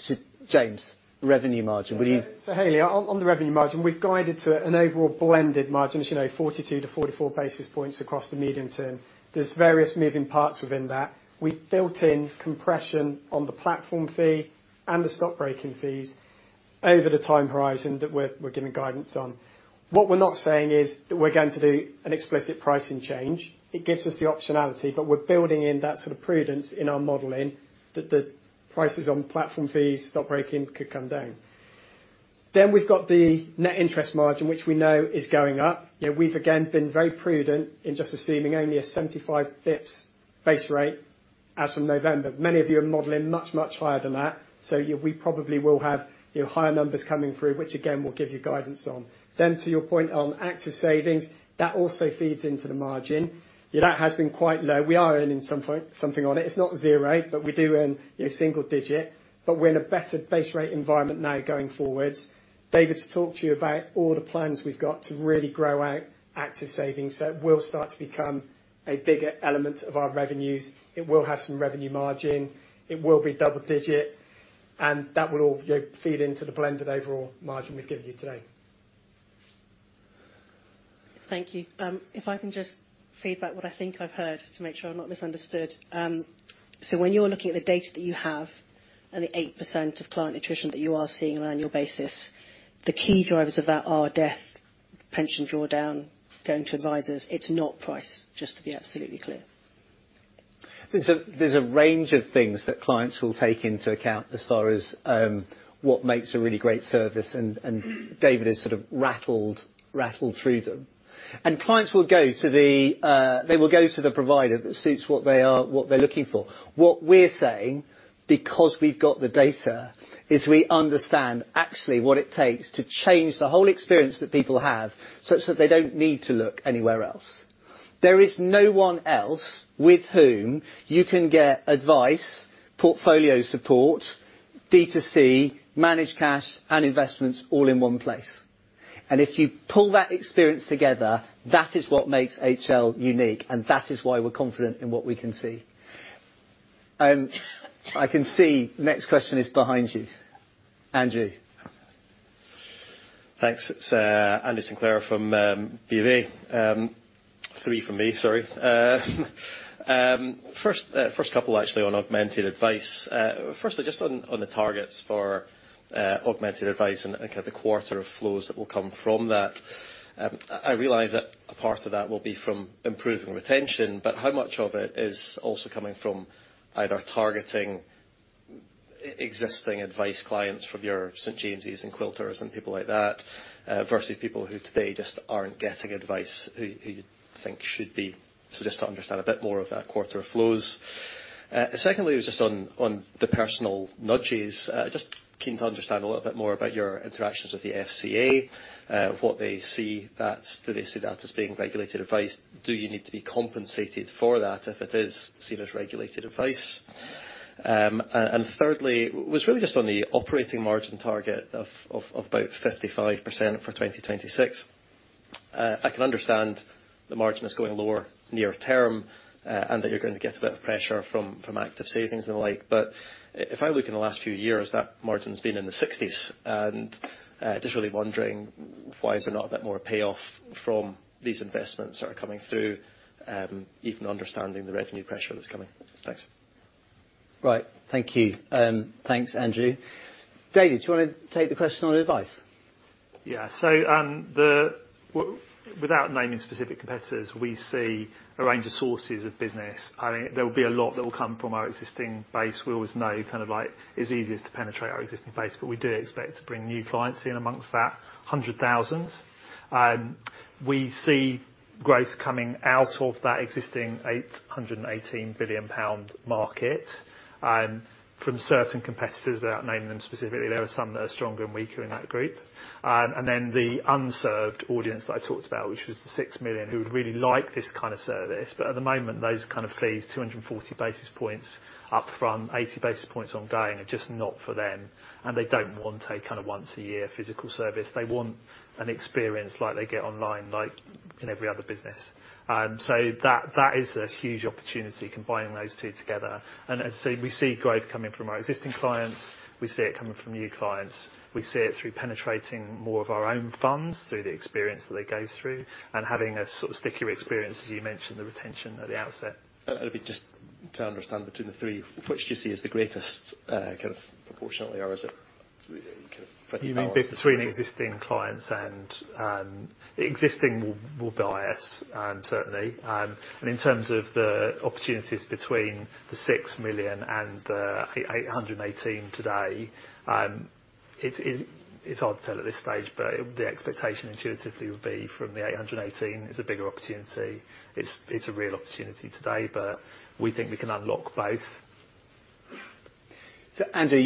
So James, revenue margin, will you? Hayley, on the revenue margin, we've guided to an overall blended margin as, you know, 42-44 basis points across the medium term. There's various moving parts within that. We've built in compression on the platform fee and the stockbroking fees over the time horizon that we're giving guidance on. What we're not saying is that we're going to do an explicit pricing change. It gives us the optionality, but we're building in that sort of prudence in our modeling that the prices on platform fees, stockbroking could come down. Then we've got the net interest margin, which we know is going up. You know, we've again been very prudent in just assuming only a 75 basis points base rate as from November. Many of you are modeling much, much higher than that, so yeah, we probably will have, you know, higher numbers coming through, which again, we'll give you guidance on. To your point on Active Savings, that also feeds into the margin. You know, that has been quite low. We are earning some point something on it. It's not zero, but we do earn, you know, single digit. But we're in a better base rate environment now going forwards. David's talked to you about all the plans we've got to really grow our Active Savings, so it will start to become a bigger element of our revenues. It will have some revenue margin, it will be double digit, and that will all, you know, feed into the blended overall margin we've given you today. Thank you. If I can just feed back what I think I've heard to make sure I've not misunderstood. When you're looking at the data that you have and the 8% of client attrition that you are seeing on an annual basis, the key drivers of that are death, pension drawdown, going to advisors. It's not price, just to be absolutely clear. There's a range of things that clients will take into account as far as what makes a really great service and David has sort of rattled through them. Clients will go to the provider that suits what they are, what they're looking for. What we're saying, because we've got the data, is we understand actually what it takes to change the whole experience that people have such that they don't need to look anywhere else. There is no one else with whom you can get advice, portfolio support, D2C, managed cash, and investments all in one place. If you pull that experience together, that is what makes HL unique, and that is why we're confident in what we can see. I can see next question is behind you. Andrew. Thanks. It's Andrew Sinclair from BofA. Three from me, sorry. First couple actually on Augmented Advice. Firstly, just on the targets for Augmented Advice and I think a quarter of flows that will come from that. I realize that a part of that will be from improving retention, but how much of it is also coming from either targeting existing Advice clients from your St. James's Place and Quilter and people like that, versus people who today just aren't getting advice who you think should be. So just to understand a bit more of that quarter flows. Secondly, just on the personal nudges. Just keen to understand a little bit more about your interactions with the FCA, what they see that as. Do they see that as being regulated advice? Do you need to be compensated for that if it is seen as regulated advice? And thirdly was really just on the operating margin target of about 55% for 2026. I can understand the margin is going lower near term, and that you're going to get a bit of pressure from Active Savings and the like. If I look in the last few years, that margin's been in the 60s and just really wondering why is there not a bit more payoff from these investments that are coming through, even understanding the revenue pressure that's coming. Thanks. Right. Thank you. Thanks, Andrew. David, do you wanna take the question on Advice? Without naming specific competitors, we see a range of sources of business. I think there will be a lot that will come from our existing base. We always know kind of like it's easiest to penetrate our existing base, but we do expect to bring new clients in amongst that 100,000. We see growth coming out of that existing 818 billion pound market, from certain competitors, without naming them specifically. There are some that are stronger and weaker in that group. The underserved audience that I talked about, which was the 6 million, who would really like this kind of service, but at the moment, those kind of fees, 240 basis points upfront from 80 basis points ongoing are just not for them, and they don't want a kind of once-a-year physical service. They want an experience like they get online, like in every other business. That is a huge opportunity combining those two together. As I say, we see growth coming from our existing clients. We see it coming from new clients. We see it through penetrating more of our own funds through the experience that they go through and having a sort of stickier experience, as you mentioned, the retention at the outset. Maybe just to understand between the three, which do you see as the greatest, kind of proportionately, or is it kind of pretty balanced between the two? You mean between existing clients and existing will buy us certainly. In terms of the opportunities between the 6 million and the 818 billion today, it's hard to tell at this stage, but the expectation intuitively would be from the 818 billion is a bigger opportunity. It's a real opportunity today, but we think we can unlock both. Andrew,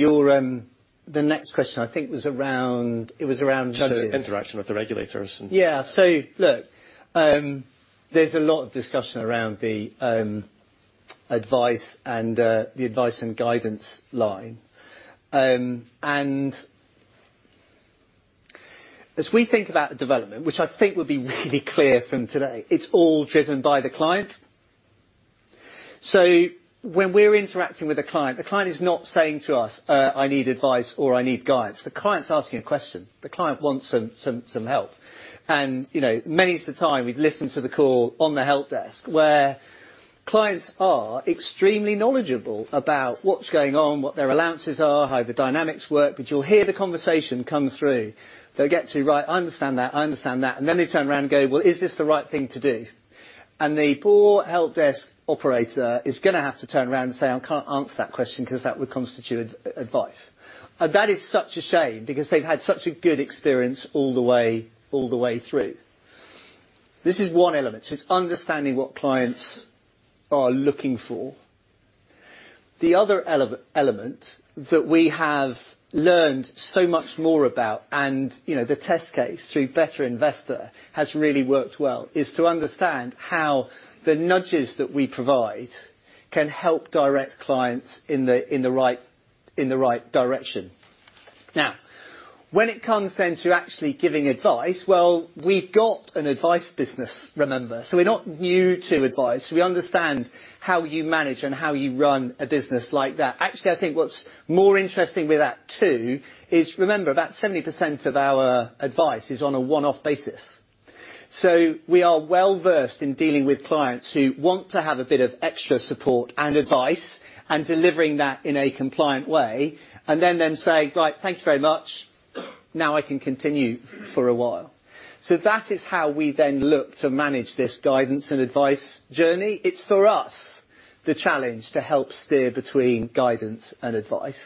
the next question I think was around. Channel of interaction with the regulators. Look, there's a lot of discussion around the Advice & Guidance line. As we think about the development, which I think would be really clear from today, it's all driven by the client. When we're interacting with a client, the client is not saying to us, "I need advice," or, "I need guidance." The client's asking a question. The client wants some help. You know, many is the time we've listened to the call on the help desk where clients are extremely knowledgeable about what's going on, what their allowances are, how the dynamics work, but you'll hear the conversation come through. They'll get to, "Right. I understand that. I understand that." Then they turn around and go, "Well, is this the right thing to do?" The poor help desk operator is going to have to turn around and say, "I can't answer that question 'cause that would constitute advice." That is such a shame because they've had such a good experience all the way through. This is one element. It's understanding what clients are looking for. The other element that we have learned so much more about, you know, the test case through Better Investors has really worked well, is to understand how the nudges that we provide can help direct clients in the right direction. Now, when it comes then to actually giving advice, well, we've got an Advice business, remember? We're not new to advice. We understand how you manage and how you run a business like that. Actually, I think what's more interesting with that too is remember, about 70% of our Advice is on a one-off basis. We are well-versed in dealing with clients who want to have a bit of extra support and advice and delivering that in a compliant way, and then them saying, "Right. Thank you very much. Now I can continue for a while." That is how we then look to manage this guidance and advice journey. It's for us the challenge to help steer between guidance and advice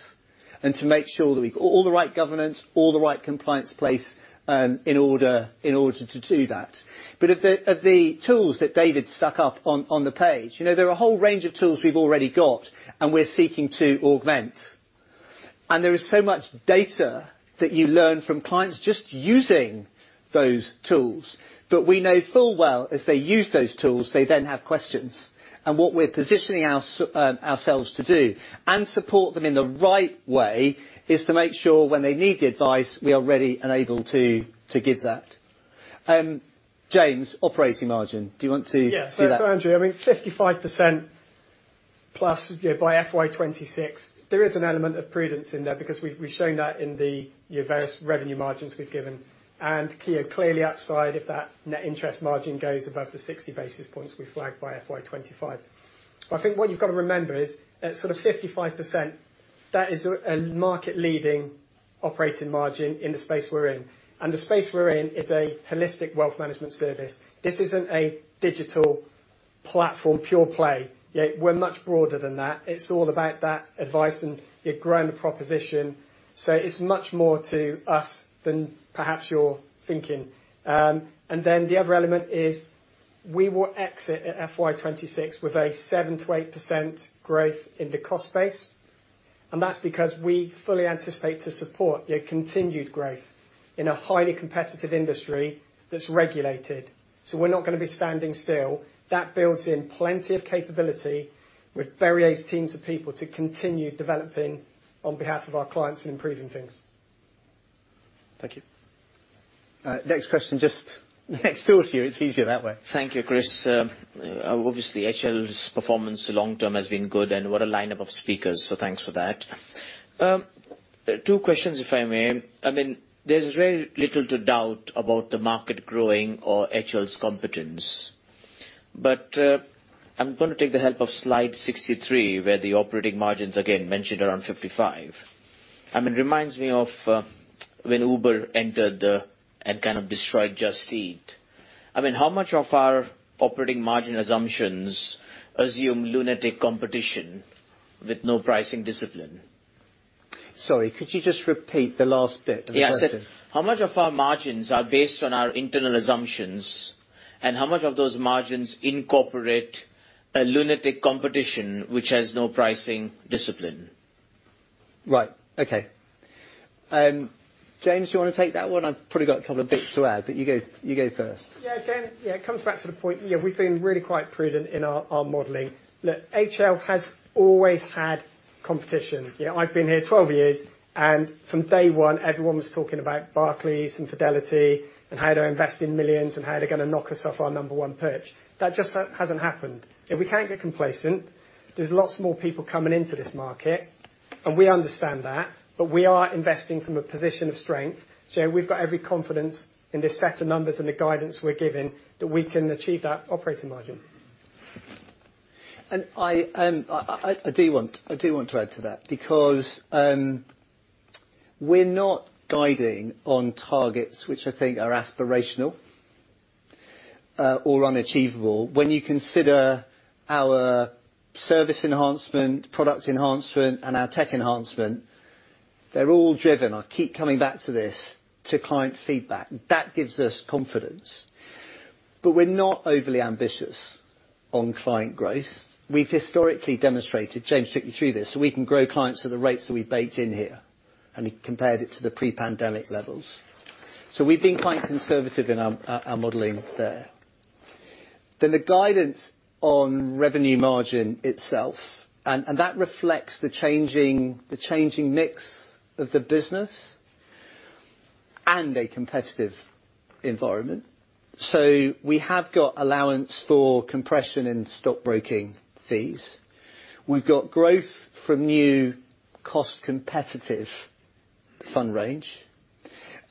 and to make sure that we've got all the right governance, all the right compliance in place, in order to do that. Of the tools that David put up on the page, you know, there are a whole range of tools we've already got and we're seeking to augment. There is so much data that you learn from clients just using those tools. We know full well as they use those tools, they then have questions. What we're positioning ourselves to do and support them in the right way is to make sure when they need the advice, we are ready and able to give that. James, operating margin. Do you want to do that? Yeah. Andrew, I mean, 55%+ by FY 2026, there is an element of prudence in there because we've shown that in the various revenue margins we've given. Clearly upside if that net interest margin goes above the 60 basis points we flagged by FY 2025. I think what you've got to remember is at sort of 55%, that is a market-leading operating margin in the space we're in. The space we're in is a holistic wealth management service. This isn't a digital platform pure play, yet we're much broader than that. It's all about that advice and we're growing the proposition. It's much more to us than perhaps you're thinking. Then the other element is we will exit at FY 2026 with a 7%-8% growth in the cost base. That's because we fully anticipate to support your continued growth in a highly competitive industry that's regulated. We're not going to be standing still. That builds in plenty of capability with various teams of people to continue developing on behalf of our clients and improving things. Thank you. Next question, just next door to you. It's easier that way. Thank you, Chris. Obviously, HL's performance long term has been good, and what a lineup of speakers. Thanks for that. Two questions, if I may. I mean, there's very little to doubt about the market growing or HL's competence. I'm going to take the help of slide 63, where the operating margins, again, mentioned around 55%. I mean, it reminds me of when Uber entered and kind of destroyed Just Eat. I mean, how much of our operating margin assumptions assume lunatic competition with no pricing discipline? Sorry, could you just repeat the last bit of the question? Yes. How much of our margins are based on our internal assumptions, and how much of those margins incorporate a lunatic competition which has no pricing discipline? Right. Okay. James, you wanna take that one? I've probably got a couple of bits to add, but you go first. Yeah, sure. Yeah, it comes back to the point, you know, we've been really quite prudent in our modeling. Look, HL has always had competition. You know, I've been here 12 years, and from day one, everyone was talking about Barclays and Fidelity and how they're investing millions and how they're going to knock us off our number one perch. That just hasn't happened. Yeah, we can't get complacent. There's lots more people coming into this market, and we understand that, but we are investing from a position of strength. We've got every confidence in this set of numbers and the guidance we're giving, that we can achieve that operating margin. I do want to add to that because we're not guiding on targets which I think are aspirational or unachievable. When you consider our service enhancement, product enhancement, and our tech enhancement, they're all driven, I'll keep coming back to this, to client feedback. That gives us confidence. We're not overly ambitious on client growth. We've historically demonstrated, James took you through this, so we can grow clients at the rates that we baked in here, and he compared it to the pre-pandemic levels. We've been quite conservative in our modeling there. The guidance on revenue margin itself, and that reflects the changing mix of the business and a competitive environment. We have got allowance for compression and stockbroking fees. We've got growth from new cost-competitive fund range.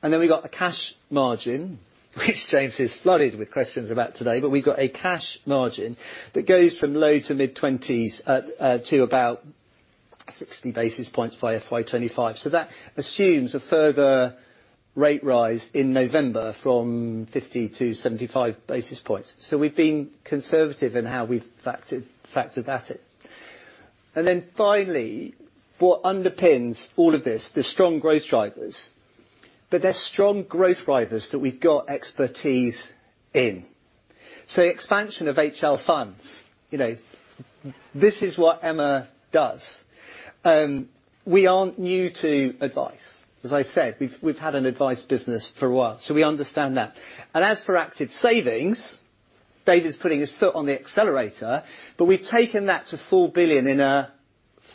Then we've got a cash margin, which James is flooded with questions about today, but we've got a cash margin that goes from low to mid-20s to about 60 basis points by FY 2025. That assumes a further rate rise in November from 50 basis points to 75 basis points. We've been conservative in how we've factored that in. Then finally, what underpins all of this, the strong growth drivers. They're strong growth drivers that we've got expertise in. Expansion of HL Funds, you know, this is what Emma does. We aren't new to Advice. As I said, we've had an Advice business for a while, so we understand that. As for Active Savings, Dave is putting his foot on the accelerator, but we've taken that to 4 billion in a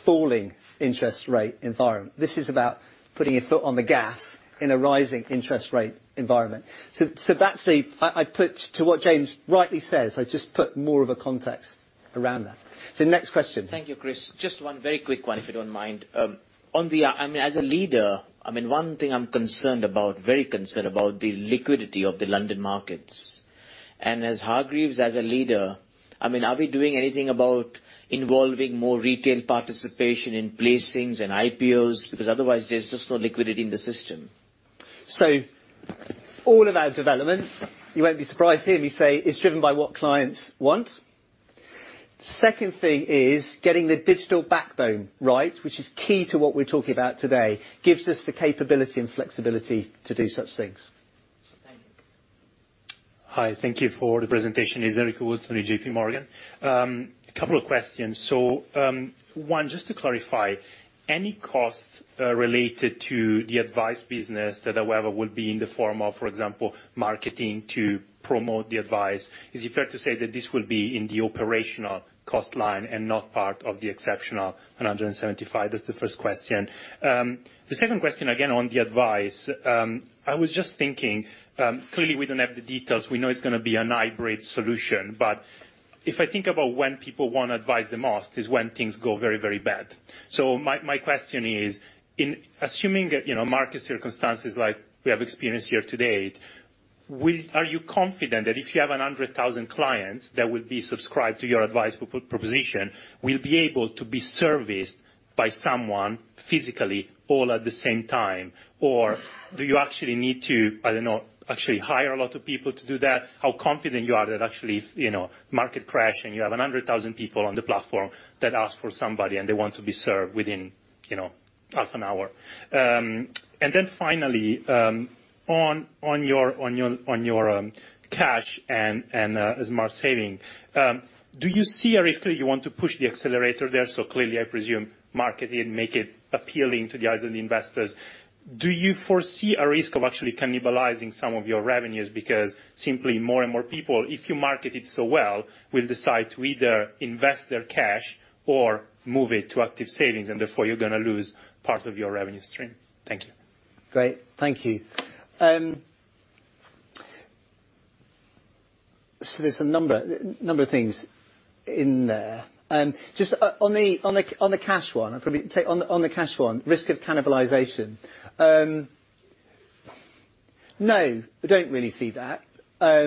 falling interest rate environment. This is about putting your foot on the gas in a rising interest rate environment. I add to what James rightly says, I just put more of a context around that. Next question. Thank you, Chris. Just one very quick one, if you don't mind. I mean, as a leader, one thing I'm concerned about, very concerned about the liquidity of the London markets. As Hargreaves, as a leader, I mean, are we doing anything about involving more retail participation in placings and IPOs? Because otherwise there's just no liquidity in the system. All of our development, you won't be surprised to hear me say, is driven by what clients want. Second thing is getting the digital backbone right, which is key to what we're talking about today, gives us the capability and flexibility to do such things. Thank you. Hi. Thank you for the presentation. It's Enrico Bolzoni of JPMorgan. A couple of questions. So one, just to clarify, any costs related to the Advice business that, however, would be in the form of, for example, marketing to promote the Advice, is it fair to say that this will be in the operational cost line and not part of the exceptional 175 million? That's the first question. The second question, again, on the Advice, I was just thinking, clearly we don't have the details, we know it's going to be a hybrid solution, but if I think about when people want to advice the most is when things go very, very bad. So my question is, in assuming market circumstances like we have experienced here to date, are you confident that if you have 100,000 clients that will be subscribed to your advice proposition, will be able to be serviced by someone physically or all at the same time? Or do you actually need to, I don't know, actually hire a lot of people to do that? How confident you are that actually, you know, market crash and you have 100,000 people on the platform that ask for somebody and they want to be served within, you know, half an hour. And then finally, on your Cash and Smart Saving. Do you see a risk that you want to push the accelerator there? So clearly I presume marketing and make it appealing to the eyes of the investors. Do you foresee a risk of actually cannibalizing some of your revenues because simply more and more people, if you market it so well, will decide to either invest their cash or move it to active savings and therefore you're going to lose part of your revenue stream. Thank you. Thank you. There's a number of things in there. Just on the cash one. On the cash one, risk of cannibalization. No, I don't really see that. I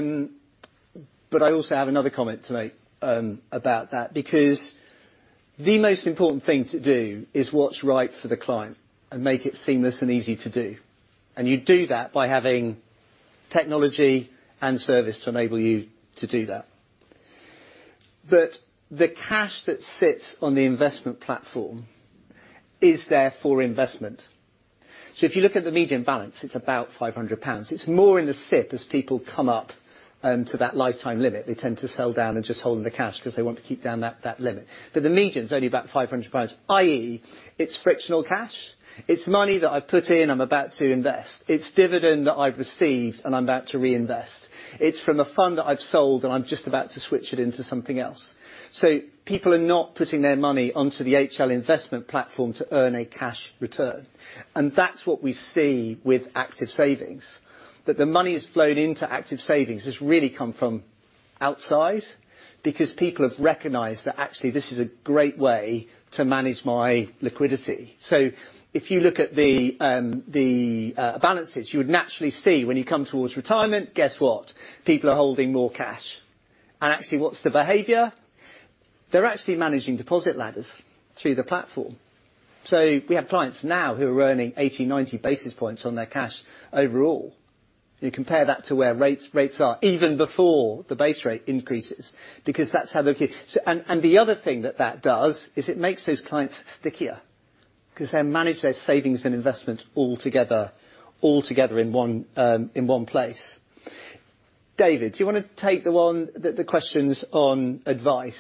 also have another comment to make about that, because the most important thing to do is what's right for the client and make it seamless and easy to do, and you do that by having technology and service to enable you to do that. The cash that sits on the investment platform is there for investment. If you look at the median balance, it's about 500 pounds. It's more in the SIPP as people come up to that lifetime limit. They tend to sell down and just hold the cash 'cause they want to keep down that limit. The median is only about 500 pounds, i.e. it's frictional cash. It's money that I've put in, I'm about to invest. It's dividend that I've received, and I'm about to reinvest. It's from a fund that I've sold, and I'm just about to switch it into something else. People are not putting their money onto the HL investment platform to earn a cash return, and that's what we see with Active Savings. The money that's flowed into Active Savings has really come from outside because people have recognized that actually this is a great way to manage my liquidity. If you look at the balances, you would naturally see when you come towards retirement, guess what? People are holding more cash. Actually, what's the behavior? They're actually managing deposit ladders through the platform. We have clients now who are earning 80-90 basis points on their cash overall. You compare that to where rates are even before the base rate increases because that's how they get. The other thing that does is it makes those clients stickier 'cause they manage their savings and investment all together in one place. David, do you wanna take the one. The questions on Advice?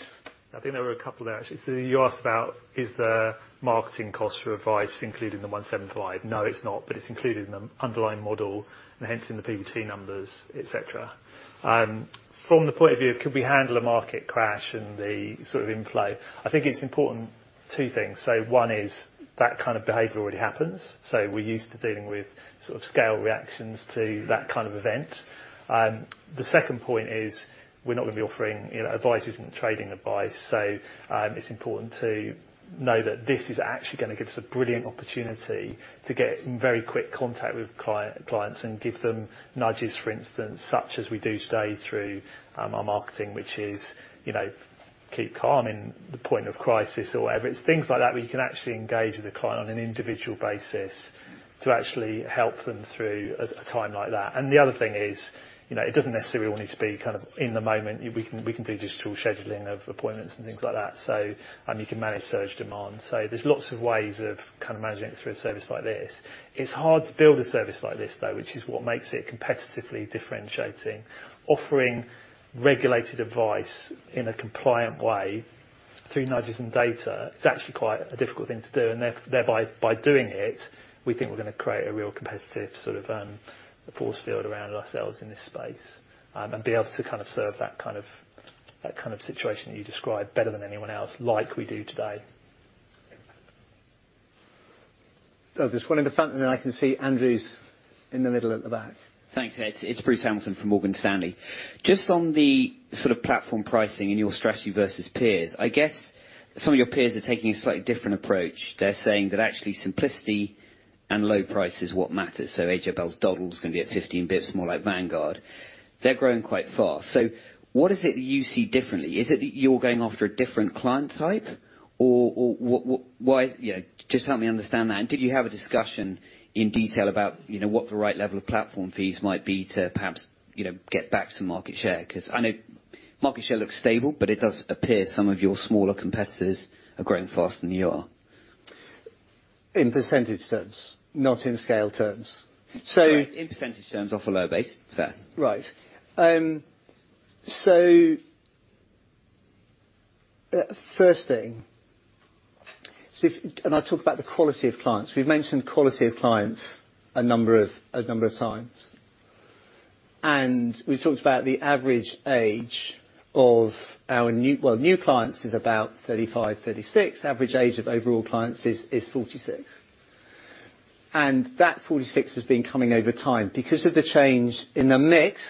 I think there were a couple there, actually. You asked about is there marketing costs for Advice, including the 175 million? No, it's not. It's included in the underlying model and hence in the PBT numbers, etc. From the point of view of could we handle a market crash and the sort of inflow, I think it's important two things. One is that kind of behavior already happens, so we're used to dealing with sort of scale reactions to that kind of event. The second point is we're not going to be offering, you know, Advice isn't trading advice. It's important to know that this is actually going to give us a brilliant opportunity to get in very quick contact with clients and give them nudges, for instance, such as we do today through our marketing, which is, you know, keep calm in the point of crisis or whatever. It's things like that where you can actually engage with a client on an individual basis to actually help them through a time like that. The other thing is, you know, it doesn't necessarily all need to be kind of in the moment. We can do digital scheduling of appointments and things like that. You can manage surge demand. There's lots of ways of kind of managing it through a service like this. It's hard to build a service like this, though, which is what makes it competitively differentiating. Offering regulated advice in a compliant way through nudges and data is actually quite a difficult thing to do, and thereby by doing it, we think we're going to create a real competitive sort of, force field around ourselves in this space, and be able to kind of serve that kind of, that kind of situation you described better than anyone else, like we do today. There's one in the front, and then I can see Andrew's in the middle at the back. Thanks. It's Bruce Hamilton from Morgan Stanley. Just on the sort of platform pricing and your strategy versus peers, I guess some of your peers are taking a slightly different approach. They're saying that actually simplicity and low price is what matters. AJ Bell's Dodl is going to be at 15 basis points, more like Vanguard. They're growing quite fast. What is it that you see differently? Is it that you're going after a different client type? Or what? Why? You know, just help me understand that. Did you have a discussion in detail about, you know, what the right level of platform fees might be to perhaps, you know, get back some market share? 'Cause I know market share looks stable, but it does appear some of your smaller competitors are growing faster than you are. In percentage terms, not in scale terms. In percentage terms off a low base. Fair. I talk about the quality of clients. We've mentioned quality of clients a number of times. We've talked about the average age of our new clients is about 35, 36. Average age of overall clients is 46. That 46 has been coming over time because of the change in the mix.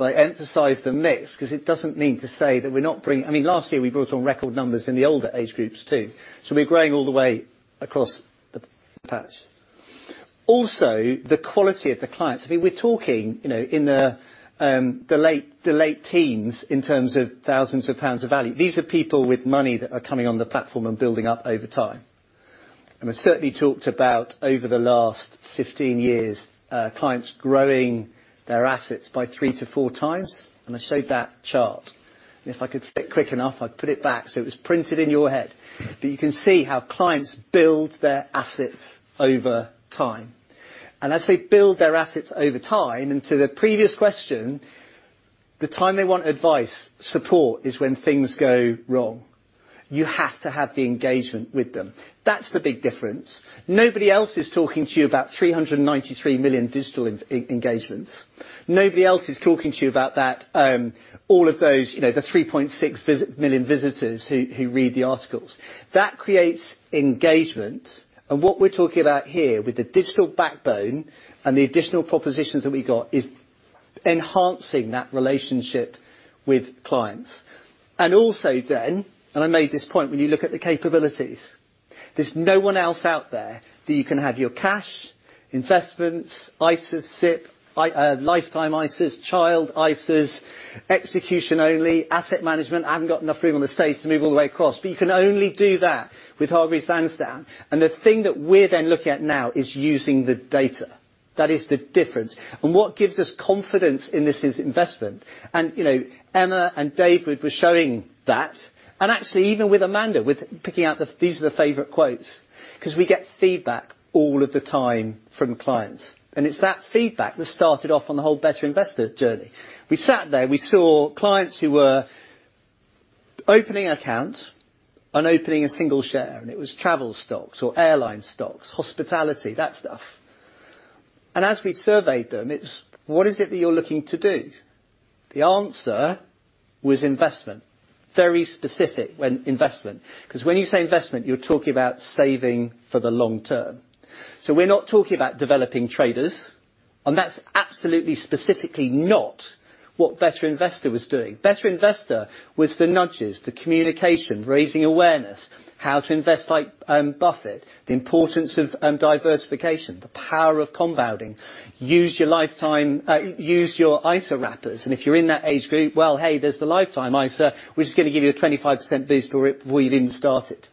I emphasize the mix 'cause it doesn't mean to say that we're not bringing I mean, last year we brought on record numbers in the older age groups too. We're growing all the way across the patch. Also, the quality of the clients. I mean, we're talking, you know, in the late teens in terms of thousands of pounds of value. These are people with money that are coming on the platform and building up over time. We certainly talked about over the last 15 years, clients growing their assets by 3x-4x, and I showed that chart. If I could click quick enough, I'd put it back so it was printed in your head. You can see how clients build their assets over time. As they build their assets over time, and to the previous question, the time they want advice, support is when things go wrong. You have to have the engagement with them. That's the big difference. Nobody else is talking to you about 393 million digital engagements. Nobody else is talking to you about that, all of those, you know, the 3.6 million visitors who read the articles. That creates engagement. What we're talking about here with the digital backbone and the additional propositions that we've got is enhancing that relationship with clients. Also then, I made this point, when you look at the capabilities, there's no one else out there that you can have your cash, investments, ISAs, SIPP, lifetime ISAs, child ISAs, execution only, asset management. I haven't got enough room on the stage to move all the way across, but you can only do that with Hargreaves Lansdown. The thing that we're then looking at now is using the data. That is the difference. What gives us confidence in this is investment. You know, Emma and David were showing that, and actually even with Amanda, with picking out the favorite quotes. 'Cause we get feedback all of the time from clients, and it's that feedback that started off on the whole Better Investors journey. We sat there, we saw clients who were opening accounts and opening a single share, and it was travel stocks or airline stocks, hospitality, that stuff. As we surveyed them, it's, "What is it that you're looking to do?" The answer was investment. Very specific when investment. 'Cause when you say investment, you're talking about saving for the long term. We're not talking about developing traders, and that's absolutely specifically not what Better Investors was doing. Better Investors was the nudges, the communication, raising awareness, how to invest like Buffett, the importance of diversification, the power of compounding. Use your lifetime use your ISA wrappers, and if you're in that age group, well, hey, there's the Lifetime ISA. We're just going to give you a 25% boost before you even start it.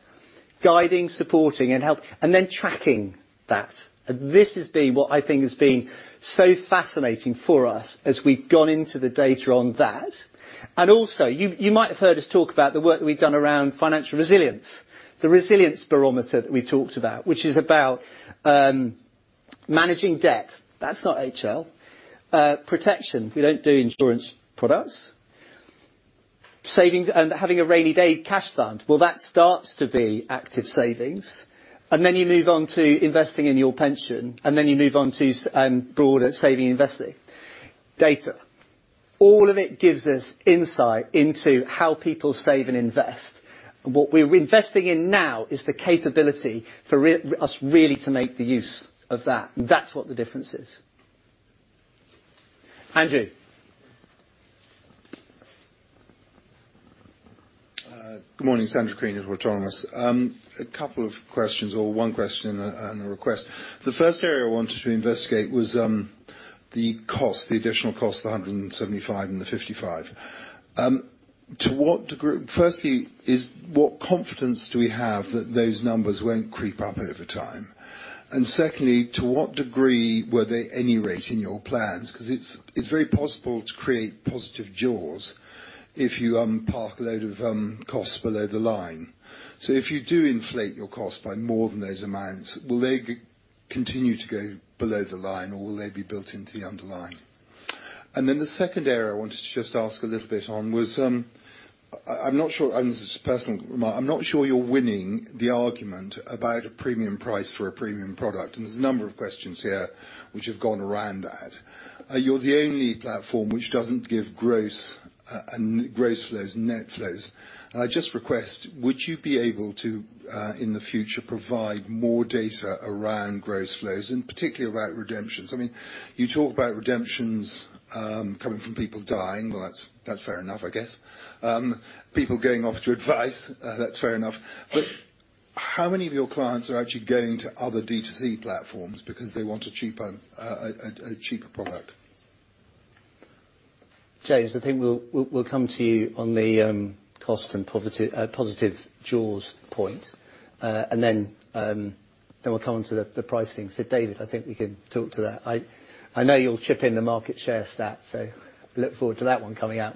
Guiding, supporting and help, and then tracking that. This has been what I think has been so fascinating for us as we've gone into the data on that. Also, you might have heard us talk about the work that we've done around financial resilience. The resilience barometer that we talked about, which is about managing debt. That's not HL. Protection. We don't do insurance products. Saving and having a rainy day cash fund. Well, that starts to be Active Savings. Then you move on to investing in your pension, and then you move on to broader saving investing data. All of it gives us insight into how people save and invest. What we're investing in now is the capability for us really to make use of that, and that's what the difference is. Andrew. Good morning. Andrew Crean at Autonomous. A couple of questions or one question and a request. The first area I wanted to investigate was the cost, the additional cost of 175 million and the 55 million. To what degree. First, what confidence do we have that those numbers won't creep up over time. Second, to what degree were they at any rate in your plans. Because it's very possible to create positive jaws if you park a load of costs below the line. If you do inflate your cost by more than those amounts, will they continue to go below the line or will they be built into the underlying. The second area I wanted to just ask a little bit on was, I'm not sure, and this is a personal remark, I'm not sure you're winning the argument about a premium price for a premium product, and there's a number of questions here which have gone around that. You're the only platform which doesn't give gross flows and net flows. I just request, would you be able to, in the future, provide more data around gross flows, and particularly about redemptions? I mean, you talk about redemptions coming from people dying. Well, that's fair enough, I guess. People going off to advice, that's fair enough. But how many of your clients are actually going to other D2C platforms because they want a cheaper product? James, I think we'll come to you on the cost and positive jaws point. We'll come onto the pricing. David, I think you can talk to that. I know you'll chip in the market share stat, so look forward to that one coming out.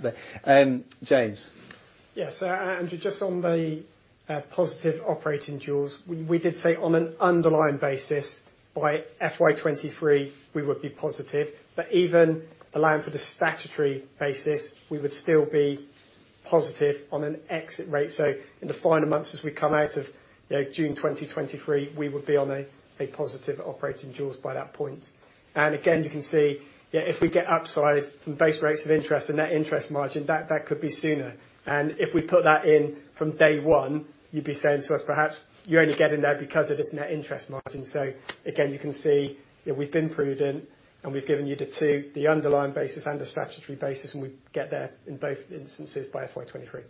James. Yes. Andrew, just on the positive operating jaws, we did say on an underlying basis by FY 2023 we would be positive. Even allowing for the statutory basis, we would still be positive on an exit rate. In the final months as we come out of, you know, June 2023, we would be on a positive operating jaws by that point. Again, you can see, yeah, if we get upside from base rates of interest and net interest margin, that could be sooner. If we put that in from day one, you'd be saying to us, perhaps you're only getting there because of this net interest margin. Again, you can see that we've been prudent, and we've given you the two, the underlying basis and the statutory basis, and we get there in both instances by FY 2023.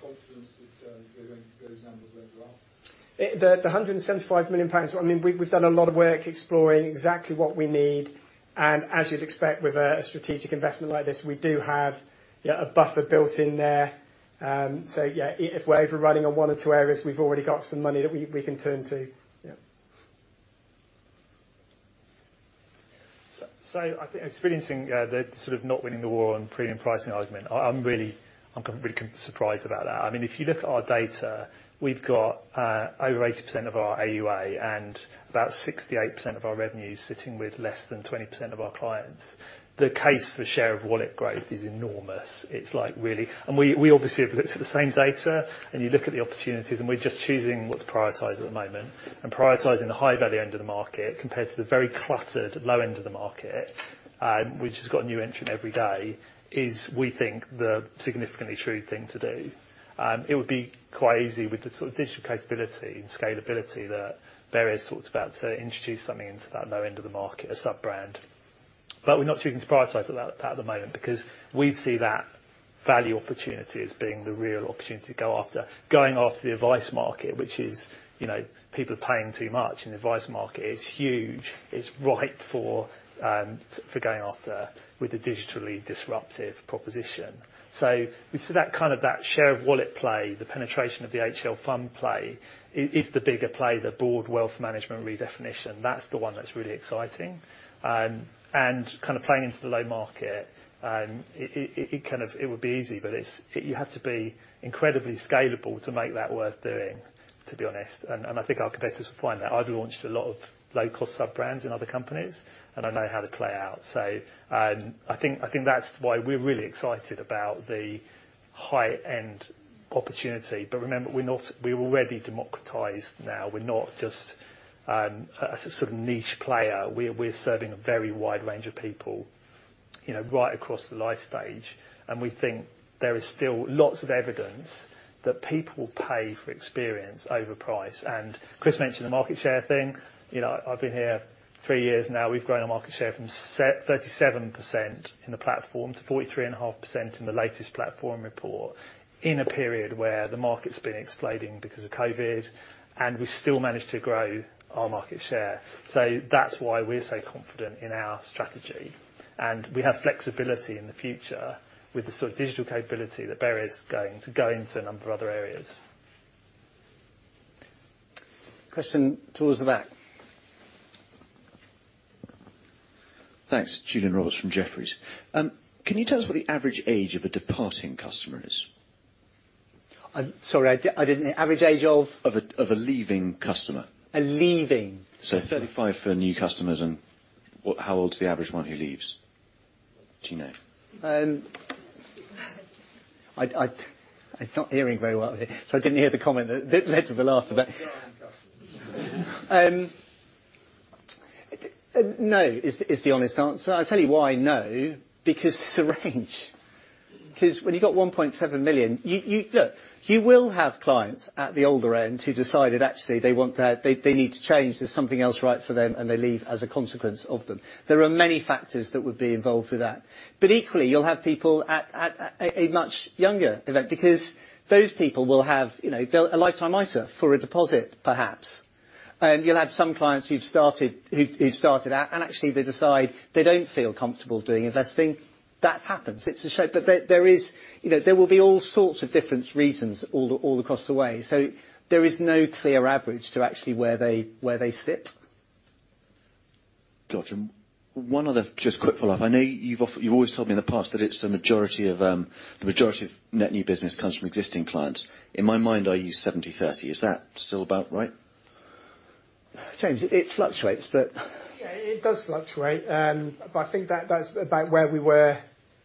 Confidence that you're going to hit those numbers where you are? The 175 million pounds, I mean, we've done a lot of work exploring exactly what we need. As you'd expect with a strategic investment like this, we do have, yeah, a buffer built in there. If we're overrunning on one or two areas, we've already got some money that we can turn to. Yeah. I think experiencing the sort of not winning the war on premium pricing argument, I'm really kind of surprised about that. I mean, if you look at our data, we've got over 80% of our AUA and about 68% of our revenue sitting with less than 20% of our clients. The case for share of wallet growth is enormous. It's like, really. We obviously have looked at the same data, and you look at the opportunities, and we're just choosing what to prioritize at the moment. Prioritizing the high-value end of the market compared to the very cluttered low end of the market, which has got a new entrant every day, is, we think, the significantly true thing to do. It would be quite easy with the sort of digital capability and scalability that Vanguard talks about to introduce something into that low end of the market, a sub-brand. We're not choosing to prioritize that at the moment, because we see that value opportunity as being the real opportunity to go after. Going after the Advice market, which is, you know, people are paying too much, and the Advice market is huge. It's ripe for going after with a digitally disruptive proposition. We see that kind of share of wallet play, the penetration of the HL fund play is the bigger play. The broader wealth management redefinition, that's the one that's really exciting. Kind of playing into the retail market. It would be easy, but you have to be incredibly scalable to make that worth doing, to be honest. I think our competitors will find that. I've launched a lot of low-cost sub-brands in other companies, and I know how to play out. I think that's why we're really excited about the high-end opportunity. Remember, we're already democratized now. We're not just a sort of niche player. We're serving a very wide range of people, you know, right across the life stage, and we think there is still lots of evidence that people will pay for experience over price. Chris mentioned the market share thing. You know, I've been here three years now. We've grown our market share from 37% in the platform to 43.5% in the latest platform report, in a period where the market's been exploding because of COVID-19, and we've still managed to grow our market share. That's why we're so confident in our strategy. We have flexibility in the future with the sort of digital capability that Birger is going to go into a number of other areas. Question towards the back. Thanks. Julian Roberts from Jefferies. Can you tell us what the average age of a departing customer is? I'm sorry, I didn't. Average age of? Of a leaving customer. A leaving. 35 for new customers, and how old is the average one who leaves? Do you know? I'm not hearing very well, so I didn't hear the comment that led to the laughter. No is the honest answer. I'll tell you why no, because it's a range. Because when you've got 1.7 million, Look, you will have clients at the older end who decided, actually, they need to change. There's something else right for them, and they leave as a consequence of them. There are many factors that would be involved with that. But equally, you'll have people at a much younger end. Because those people will have, you know, built a Lifetime ISA for a deposit, perhaps. You'll have some clients who've started out, and actually they decide they don't feel comfortable doing investing. That happens. It's a show. But there is. You know, there will be all sorts of different reasons all across the way. There is no clear average to actually where they sit. Gotcha. One other just quick follow-up. I know you've always told me in the past that it's the majority of net new business comes from existing clients. In my mind, I use 70-30. Is that still about right? James, it fluctuates, but. Yeah, it does fluctuate. But I think that's about where we were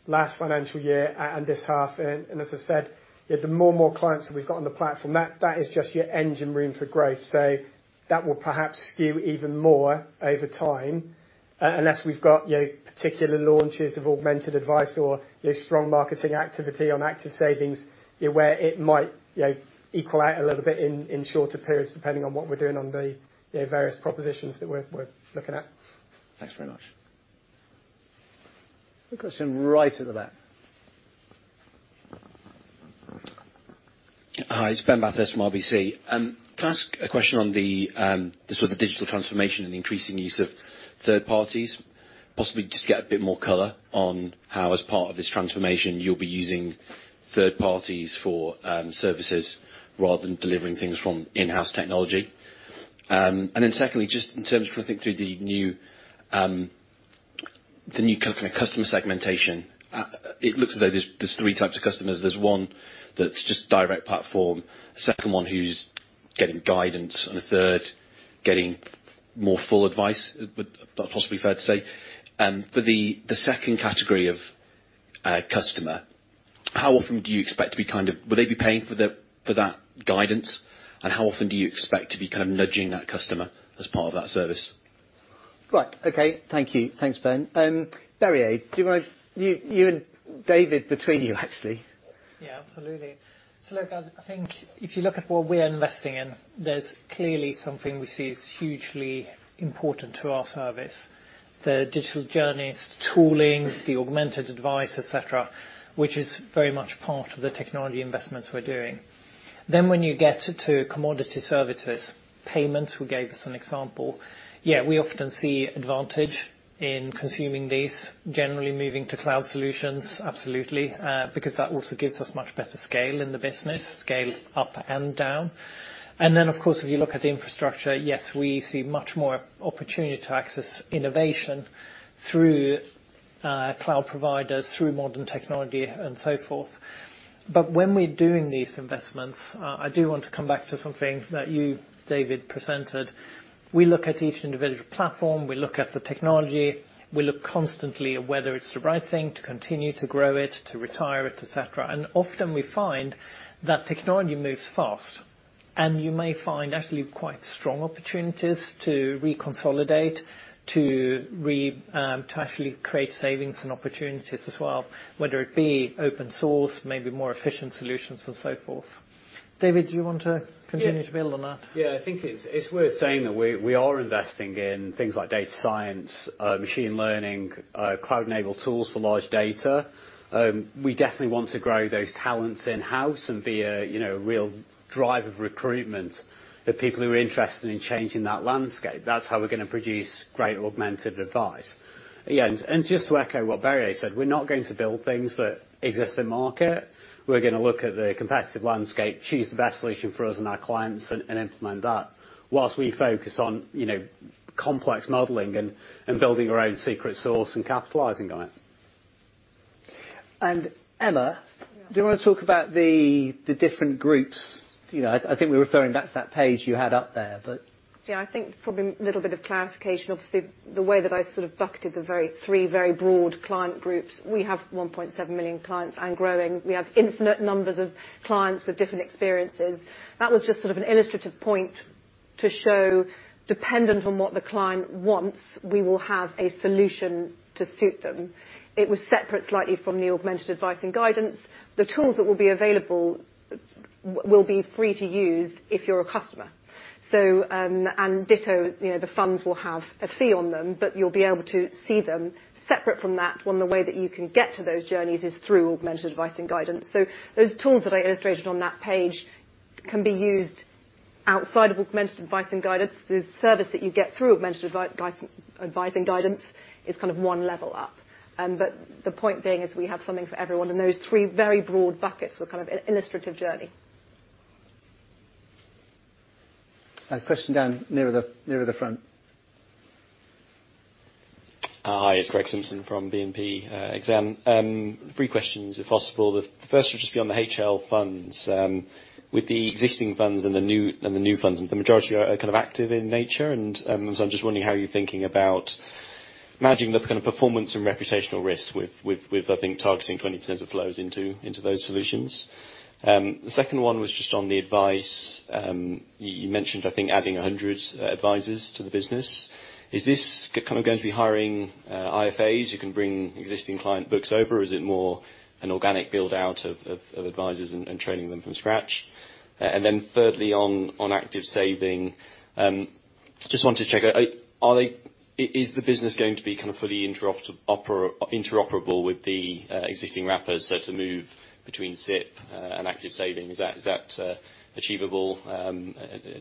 last financial year and this half. As I said, yeah, the more and more clients that we've got on the platform, that is just your engine room for growth. That will perhaps skew even more over time. Unless we've got, you know, particular launches of Augmented Advice or, you know, strong marketing activity on Active Savings where it might, you know, equal out a little bit in shorter periods, depending on what we're doing on the, you know, various propositions that we're looking at. Thanks very much. A question right at the back. Hi, it's Ben Bathurst from RBC. Can I ask a question on the sort of digital transformation and increasing use of third parties? Possibly just get a bit more color on how, as part of this transformation, you'll be using third parties for services rather than delivering things from in-house technology. Secondly, just in terms of, I think through the new kind of customer segmentation, it looks as though there's three types of customers. There's one that's just direct platform, second one who's getting guidance, and a third getting more full advice, would possibly fair to say. For the second category of customer, how often do you expect? Will they be paying for that guidance? How often do you expect to be kind of nudging that customer as part of that service? Right. Okay, thank you. Thanks, Ben. Birger, do you mind you and David between you, actually. Yeah, absolutely. Look, I think if you look at what we're investing in, there's clearly something we see is hugely important to our service. The digital journeys, tooling, the Augmented Advice, et cetera, which is very much part of the technology investments we're doing. Then when you get to commodity services, payments, we gave as an example. Yeah, we often see advantage in consuming these, generally moving to cloud solutions, absolutely, because that also gives us much better scale in the business, scale up and down. Then, of course, if you look at the infrastructure, yes, we see much more opportunity to access innovation through cloud providers, through modern technology and so forth. When we're doing these investments, I do want to come back to something that you, David, presented. We look at each individual platform, we look at the technology, we look constantly at whether it's the right thing to continue to grow it, to retire it, et cetera. Often we find that technology moves fast. You may find actually quite strong opportunities to reconsolidate, to actually create savings and opportunities as well, whether it be open source, maybe more efficient solutions and so forth. David, do you want to continue to build on that? Yeah. I think it's worth saying that we are investing in things like data science, machine learning, cloud-enabled tools for large data. We definitely want to grow those talents in-house and be a, you know, real driver of recruitment for people who are interested in changing that landscape. That's how we're going to produce great Augmented Advice. Again, just to echo what Birger said, we're not going to build things that exist in market. We're going to look at the competitive landscape, choose the best solution for us and our clients, and implement that whilst we focus on, you know, complex modeling and building our own secret sauce and capitalizing on it. Emma? Do you wanna talk about the different groups? You know, I think we're referring back to that page you had up there, but. Yeah, I think probably a little bit of clarification. Obviously, the way that I sort of bucketed the three very broad client groups, we have 1.7 million clients and growing. We have infinite numbers of clients with different experiences. That was just sort of an illustrative point to show dependent on what the client wants, we will have a solution to suit them. It was separate slightly from the Augmented Advice & Guidance. The tools that will be available will be free to use if you're a customer. And ditto, you know, the funds will have a fee on them, but you'll be able to see them separate from that when the way that you can get to those journeys is through Augmented Advice & Guidance. Those tools that I illustrated on that page can be used outside of Augmented Advice & Guidance. The service that you get through Augmented Advice & Guidance is kind of one level up. The point being is we have something for everyone, and those three very broad buckets were kind of an illustrative journey. A question down near the front. Hi. It's Greg Simpson from BNP Paribas Exane. Three questions, if possible. The first will just be on the HL Funds. With the existing funds and the new funds, the majority are kind of active in nature and so I'm just wondering how you're thinking about managing the kind of performance and reputational risks with, I think, targeting 20% of flows into those solutions. The second one was just on the Advice. You mentioned, I think, adding 100 advisors to the business. Is this kind of going to be hiring IFAs who can bring existing client books over? Or is it more an organic build-out of advisors and training them from scratch? Thirdly, on Active Savings, just wanted to check. Are they... Is the business going to be kind of fully interoperable with the existing wrappers so to move between SIPP and Active Savings? Is that achievable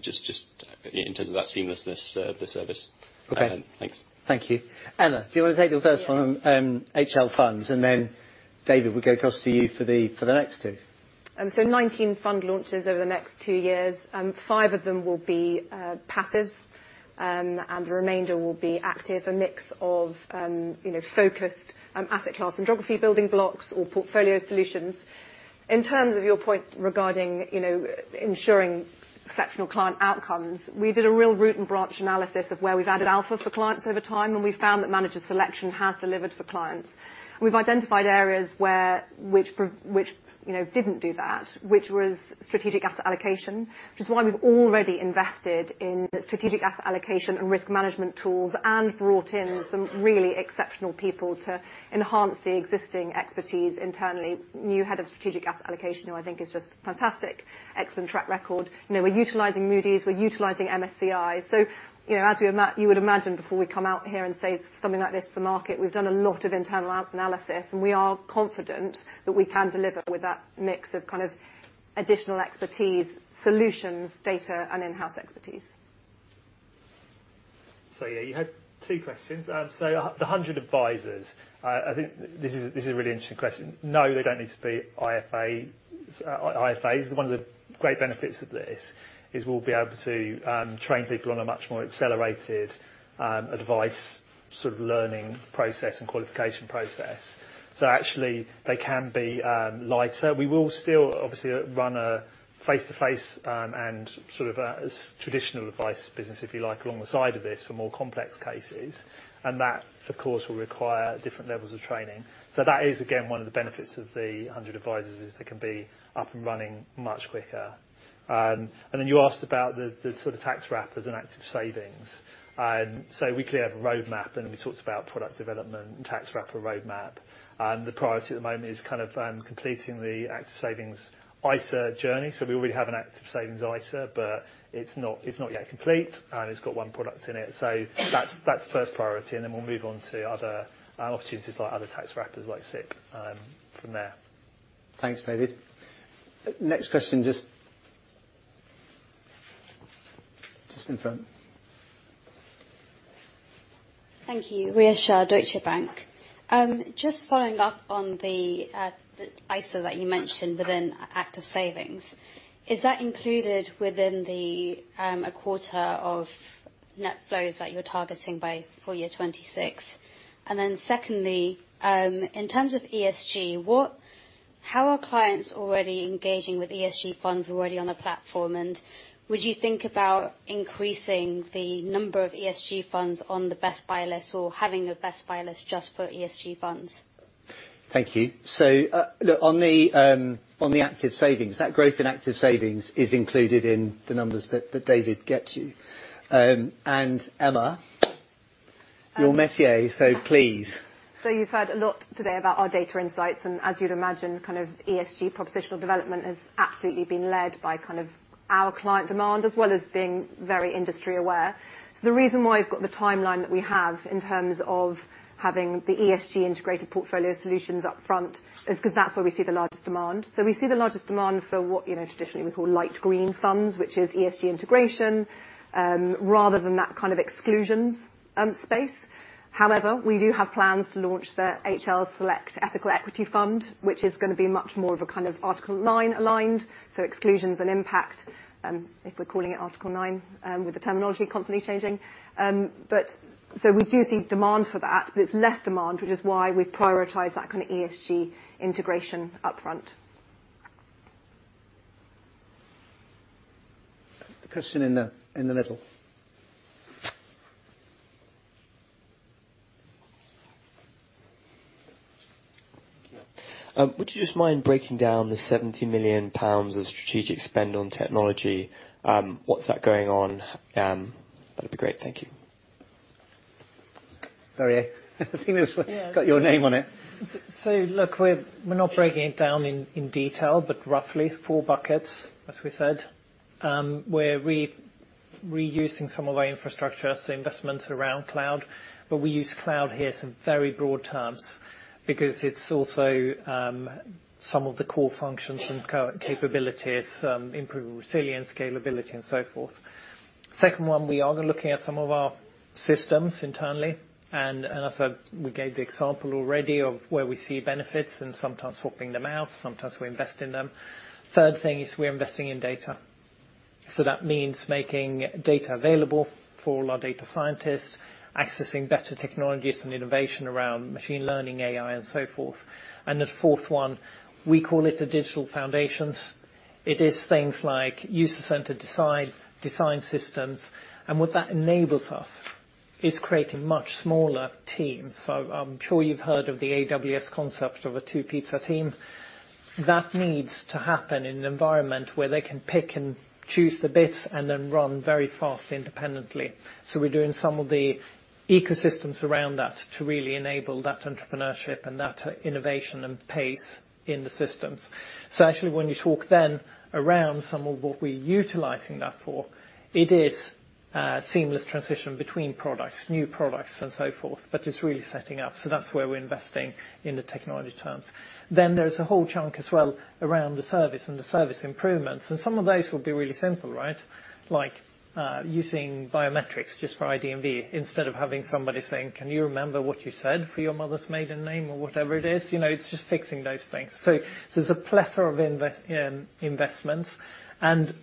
just in terms of that seamlessness of the service? Okay. Thanks. Thank you. Emma, do you wanna take the first one? HL Funds, and then David, we'll go across to you for the next two. 19 fund launches over the next two years. Five of them will be passives, and the remainder will be active. A mix of, you know, focused asset class and geography building blocks or portfolio solutions. In terms of your point regarding, you know, ensuring exceptional client outcomes, we did a real root and branch analysis of where we've added alpha for clients over time, and we found that manager selection has delivered for clients. We've identified areas where, which, you know, didn't do that, which was strategic asset allocation, which is why we've already invested in strategic asset allocation and risk management tools and brought in some really exceptional people to enhance the existing expertise internally. New head of strategic asset allocation, who I think is just fantastic. Excellent track record. You know, we're utilizing Moody's, we're utilizing MSCI. You know, as you would imagine before we come out here and say something like this to the market, we've done a lot of internal analysis, and we are confident that we can deliver with that mix of kind of additional expertise, solutions, data, and in-house expertise. Yeah, you had two questions. The 100 advisors, I think this is a really interesting question. No, they don't need to be IFAs. IFAs, one of the great benefits of this is we'll be able to train people on a much more accelerated advice sort of learning process and qualification process. Actually, they can be lighter. We will still obviously run a face-to-face and sort of a traditional advice business, if you like, along the side of this for more complex cases. That, of course, will require different levels of training. That is, again, one of the benefits of the 100 advisors is they can be up and running much quicker. Then you asked about the sort of tax wrappers and Active Savings. We clearly have a roadmap, and we talked about product development and tax wrapper roadmap. The priority at the moment is kind of completing the Active Savings ISA journey. We already have an Active Savings ISA, but it's not yet complete, and it's got one product in it. That's first priority, and then we'll move on to other opportunities like other tax wrappers like SIPP from there. Thanks, David. Next question, just in front. Thank you. Rhea Shah, Deutsche Bank. Just following up on the ISA that you mentioned within Active Savings. Is that included within a quarter of net flows that you're targeting by full year 2026? And then secondly, in terms of ESG, how are clients already engaging with ESG funds already on the platform? And would you think about increasing the number of ESG funds on the best buy list or having a best buy list just for ESG funds? Thank you. Look, on the Active Savings, that growth in Active Savings is included in the numbers that David gave you. Emma, your métier, please. You've heard a lot today about our data insights, and as you'd imagine, kind of ESG proposition development has absolutely been led by kind of our client demand as well as being very industry aware. The reason why we've got the timeline that we have in terms of having the ESG integrated portfolio solutions up front is 'cause that's where we see the largest demand. We see the largest demand for what, you know, traditionally we call light green funds, which is ESG integration, rather than that kind of exclusions space. However, we do have plans to launch the HL Select Ethical Equity Fund, which is going to be much more of a kind of Article 9 aligned, exclusions and impact, if we're calling it Article 9, with the terminology constantly changing. We do see demand for that, but it's less demand, which is why we prioritize that kind of ESG integration upfront. The question in the middle. Would you just mind breaking down the 70 million pounds of strategic spend on technology? What's that going on? That'd be great. Thank you. Birger, I think that's got your name on it. Look, we're not breaking it down in detail, but roughly four buckets, as we said. We're reusing some of our infrastructure, so investments around cloud, but we use "cloud" here in some very broad terms because it's also some of the core functions and current capabilities, some improved resilience, scalability and so forth. Second one, we are looking at some of our systems internally and we gave the example already of where we see benefits and sometimes swapping them out, sometimes we invest in them. Third thing is we are investing in data. That means making data available for all our data scientists, accessing better technologies and innovation around machine learning, AI and so forth. The fourth one, we call it the digital foundations. It is things like user-centered design systems, and what that enables us is creating much smaller teams. I'm sure you've heard of the AWS concept of a two pizza team. That needs to happen in an environment where they can pick and choose the bits and then run very fast independently. We're doing some of the ecosystems around that to really enable that entrepreneurship and that innovation and pace in the systems. Actually when you talk then around some of what we're utilizing that for, it is a seamless transition between products, new products and so forth. It's really setting up. That's where we're investing in the technology terms. There's a whole chunk as well around the service and the service improvements, and some of those will be really simple, right? Like, using biometrics just for ID&V instead of having somebody saying, "Can you remember what you said for your mother's maiden name?" Or whatever it is. You know, it's just fixing those things. There's a plethora of investments and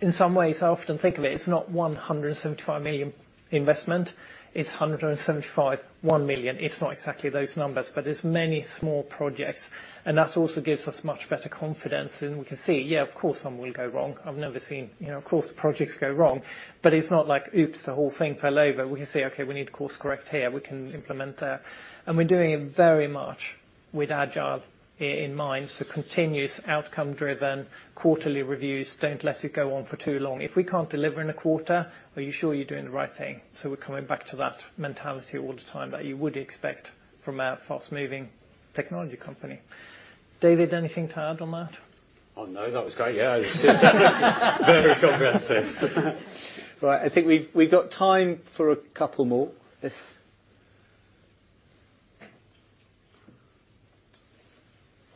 in some ways I often think of it's not 175 million investment, it's 175 million, 1 million. It's not exactly those numbers, but it's many small projects and that also gives us much better confidence. We can see, yeah, of course some will go wrong. I've never seen. You know, of course projects go wrong, but it's not like, oops, the whole thing fell over. We can say, "Okay, we need to course correct here. We can implement there." We're doing it very much with Agile in mind. Continuous outcome driven quarterly reviews. Don't let it go on for too long. If we can't deliver in a quarter, are you sure you're doing the right thing? We're coming back to that mentality all the time that you would expect from a fast moving technology company. David, anything to add on that? Oh, no, that was great. Yeah. Very comprehensive. Right. I think we've got time for a couple more. If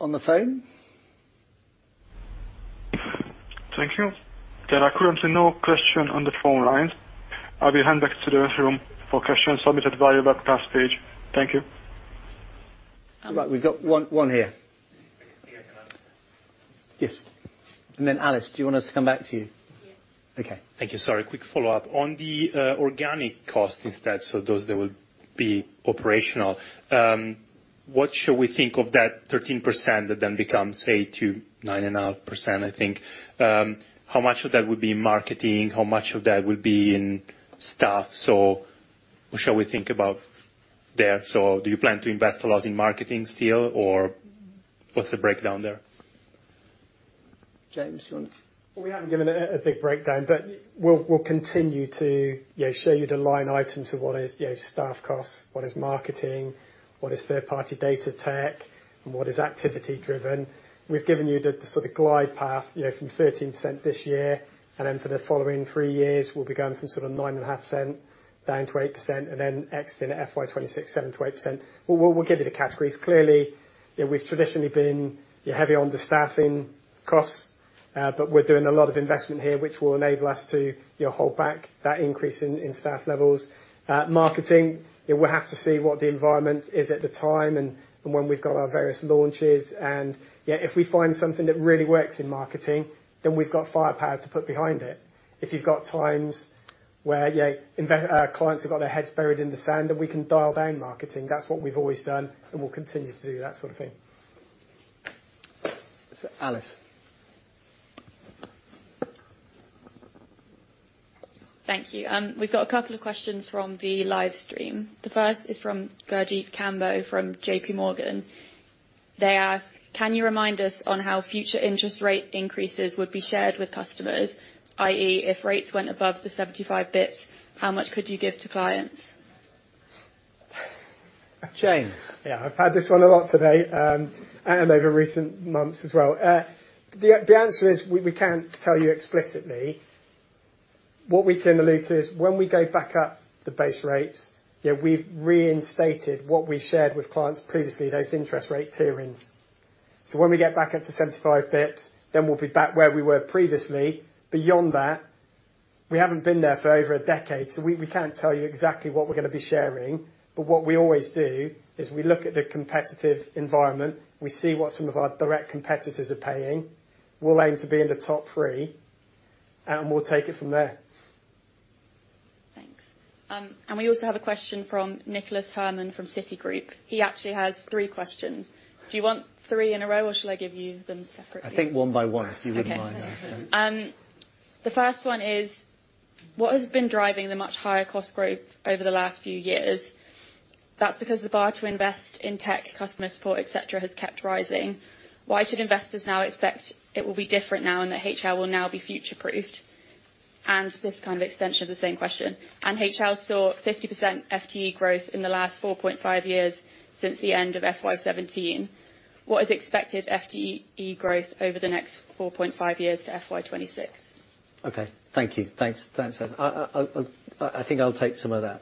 on the phone. Thank you. There are currently no questions on the phone lines. I'll hand back to the room for questions submitted via webcast page. Thank you. All right. We've got one here. Yes. Alice, do you want us to come back to you? Yes. Okay. Thank you. Sorry. Quick follow-up. On the organic cost instead, those that will be operational, what should we think of that 13% that then becomes 8%-9.5%, I think? How much of that would be in marketing? How much of that would be in staff? What shall we think about there? Do you plan to invest a lot in marketing still or what's the breakdown there? James, do you want to? We haven't given a big breakdown, but we'll continue to, you know, show you the line items of what is, you know, staff costs, what is marketing, what is third party data tech, and what is activity driven. We've given you the sort of glide path, you know, from 13% this year, and then for the following three years we'll be going from sort of 9.5% down to 8% and then exiting at FY 2026, 7%-8%. We'll give you the categories. Clearly, you know, we've traditionally been, yeah, heavy on the staffing costs, but we're doing a lot of investment here, which will enable us to, you know, hold back that increase in staff levels. Marketing, you know, we'll have to see what the environment is at the time and when we've got our various launches and, yeah, if we find something that really works in marketing, then we've got firepower to put behind it. If you've got times where, you know, clients have got their heads buried in the sand, then we can dial down marketing. That's what we've always done and will continue to do that sort of thing. Alice? Thank you. We've got a couple of questions from the live stream. The first is from Gurjit Kambo from JP Morgan. They ask: Can you remind us on how future interest rate increases would be shared with customers, i.e., if rates went above the 75 bps, how much could you give to clients? James? Yeah. I've had this one a lot today, and over recent months as well. The answer is we can't tell you explicitly. What we can allude to is when we go back up the base rates, we've reinstated what we shared with clients previously, those interest rate ceilings. When we get back up to 75 bps, then we'll be back where we were previously. Beyond that, we haven't been there for over a decade, so we can't tell you exactly what we're going to be sharing. What we always do is we look at the competitive environment. We see what some of our direct competitors are paying. We'll aim to be in the top three, and we'll take it from there. Thanks. We also have a question from Nicholas Herman from Citigroup. He actually has three questions. Do you want three in a row, or should I give you them separately? I think one by one, if you wouldn't mind. Okay. The first one is: What has been driving the much higher cost growth over the last few years? That's because the bar to invest in tech, customer support, et cetera, has kept rising. Why should investors now expect it will be different now and that HL will now be future-proofed? This is kind of an extension of the same question: HL saw 50% FTE growth in the last 4.5 years since the end of FY 2017. What is expected FTE growth over the next 4.5 years to FY 2026? Okay. Thank you. Thanks. Thanks, Alice. I think I'll take some of that.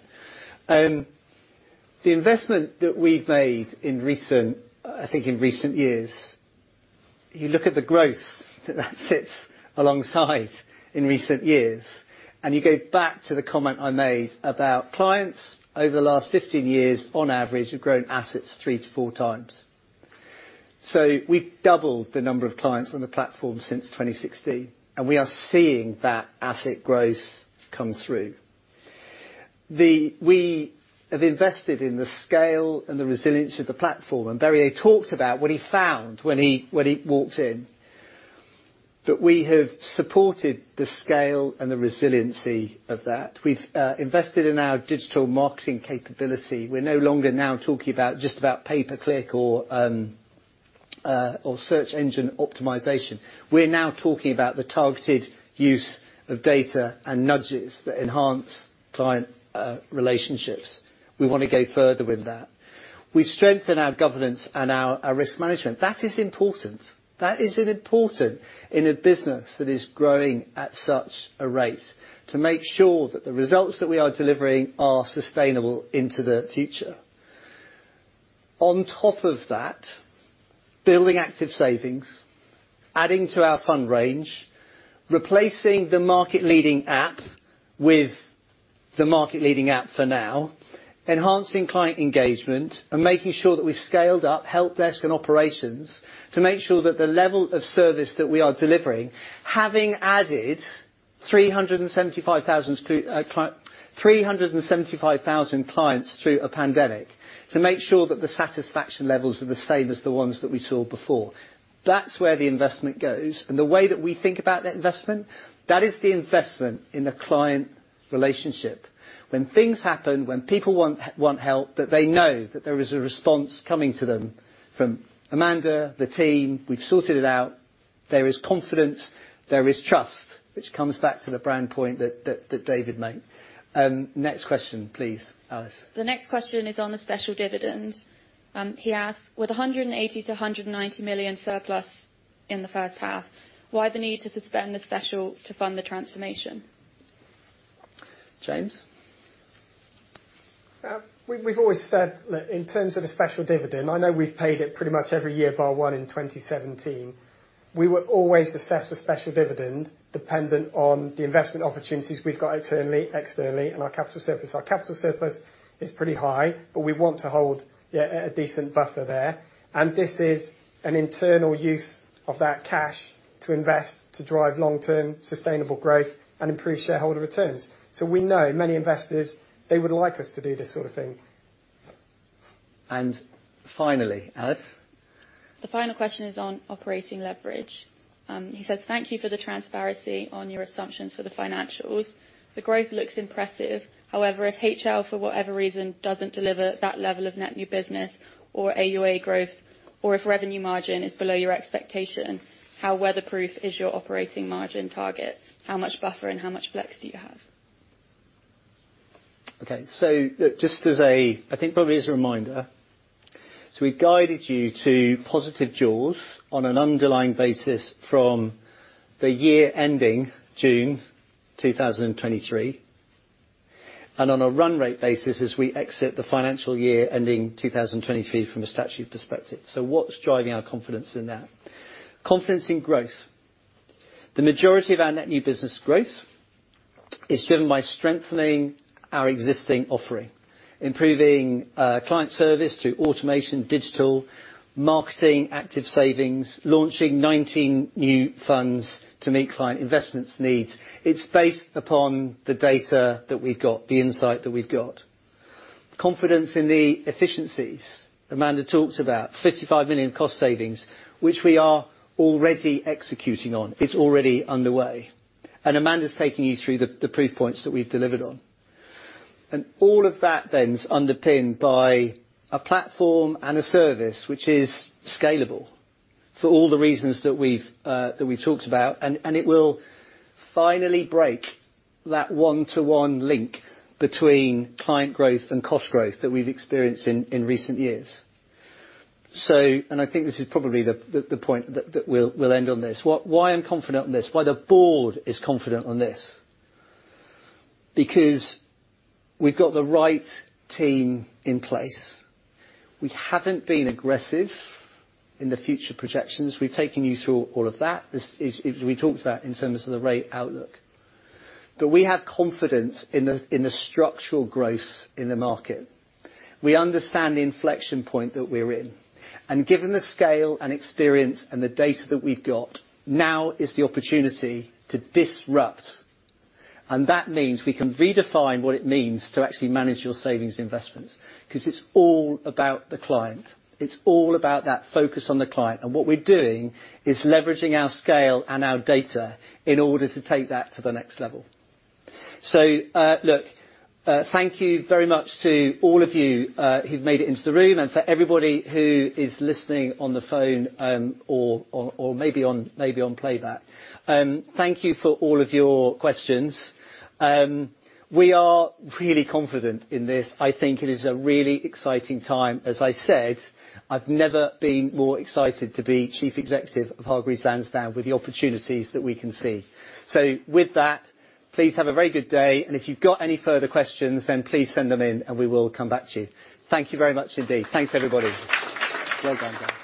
The investment that we've made in recent years, I think in recent years, you look at the growth that sits alongside in recent years, and you go back to the comment I made about clients over the last 15 years on average have grown assets 3x-4x. We've doubled the number of clients on the platform since 2016, and we are seeing that asset growth come through. We have invested in the scale and the resilience of the platform, and Birger talked about what he found when he walked in, that we have supported the scale and the resiliency of that. We've invested in our digital marketing capability. We're no longer talking about just about pay per click or search engine optimization. We're now talking about the targeted use of data and nudges that enhance client relationships. We wanna go further with that. We've strengthened our governance and our risk management. That is important in a business that is growing at such a rate to make sure that the results that we are delivering are sustainable into the future. On top of that, building Active Savings, adding to our fund range, replacing the market-leading app with the market-leading app for now, enhancing client engagement and making sure that we've scaled up help desk and operations to make sure that the level of service that we are delivering, having added 375,000 clients through a pandemic, to make sure that the satisfaction levels are the same as the ones that we saw before. That's where the investment goes. The way that we think about that investment, that is the investment in the client relationship. When things happen, when people want help, that they know that there is a response coming to them from Amanda, the team, we've sorted it out. There is confidence, there is trust, which comes back to the brand point that David made. Next question, please, Alice. The next question is on the special dividend. He asks: With a 180 million-190 million surplus in the first half, why the need to suspend the special to fund the transformation? James? We've always said that in terms of the special dividend, I know we've paid it pretty much every year bar one in 2017. We would always assess a special dividend dependent on the investment opportunities we've got externally and our capital surplus. Our capital surplus is pretty high, but we want to hold, yeah, a decent buffer there. This is an internal use of that cash to invest, to drive long-term sustainable growth and improve shareholder returns. We know many investors, they would like us to do this sort of thing. Finally, Alice. The final question is on operating leverage. He says: Thank you for the transparency on your assumptions for the financials. The growth looks impressive. However, if HL, for whatever reason, doesn't deliver that level of net new business or AUA growth, or if revenue margin is below your expectation, how weatherproof is your operating margin target? How much buffer and how much flex do you have? Okay. Look, just as a I think probably as a reminder, we guided you to positive jaws on an underlying basis from the year ending June 2023, and on a run rate basis as we exit the financial year ending 2023 from a statutory perspective. What's driving our confidence in that? Confidence in growth. The majority of our net new business growth is driven by strengthening our existing offering, improving client service through automation, digital, marketing, Active Savings, launching 19 new funds to meet client investment needs. It's based upon the data that we've got, the insight that we've got. Confidence in the efficiencies Amanda talked about, 55 million cost savings, which we are already executing on, is already underway. Amanda's taking you through the proof points that we've delivered on. All of that then is underpinned by a platform and a service which is scalable for all the reasons that we've talked about. It will finally break that one-to-one link between client growth and cost growth that we've experienced in recent years. I think this is probably the point that we'll end on this. Why I'm confident on this? Why the board is confident on this? Because we've got the right team in place. We haven't been aggressive in the future projections. We've taken you through all of that. This is as we talked about in terms of the rate outlook. We have confidence in the structural growth in the market. We understand the inflection point that we're in, and given the scale and experience and the data that we've got, now is the opportunity to disrupt. That means we can redefine what it means to actually manage your savings investments, 'cause it's all about the client. It's all about that focus on the client. What we're doing is leveraging our scale and our data in order to take that to the next level. Look, thank you very much to all of you who've made it into the room and for everybody who is listening on the phone, or maybe on playback. Thank you for all of your questions. We are really confident in this. I think it is a really exciting time. As I said, I've never been more excited to be Chief Executive of Hargreaves Lansdown with the opportunities that we can see. With that, please have a very good day, and if you've got any further questions, then please send them in and we will come back to you. Thank you very much indeed. Thanks, everybody. Well done.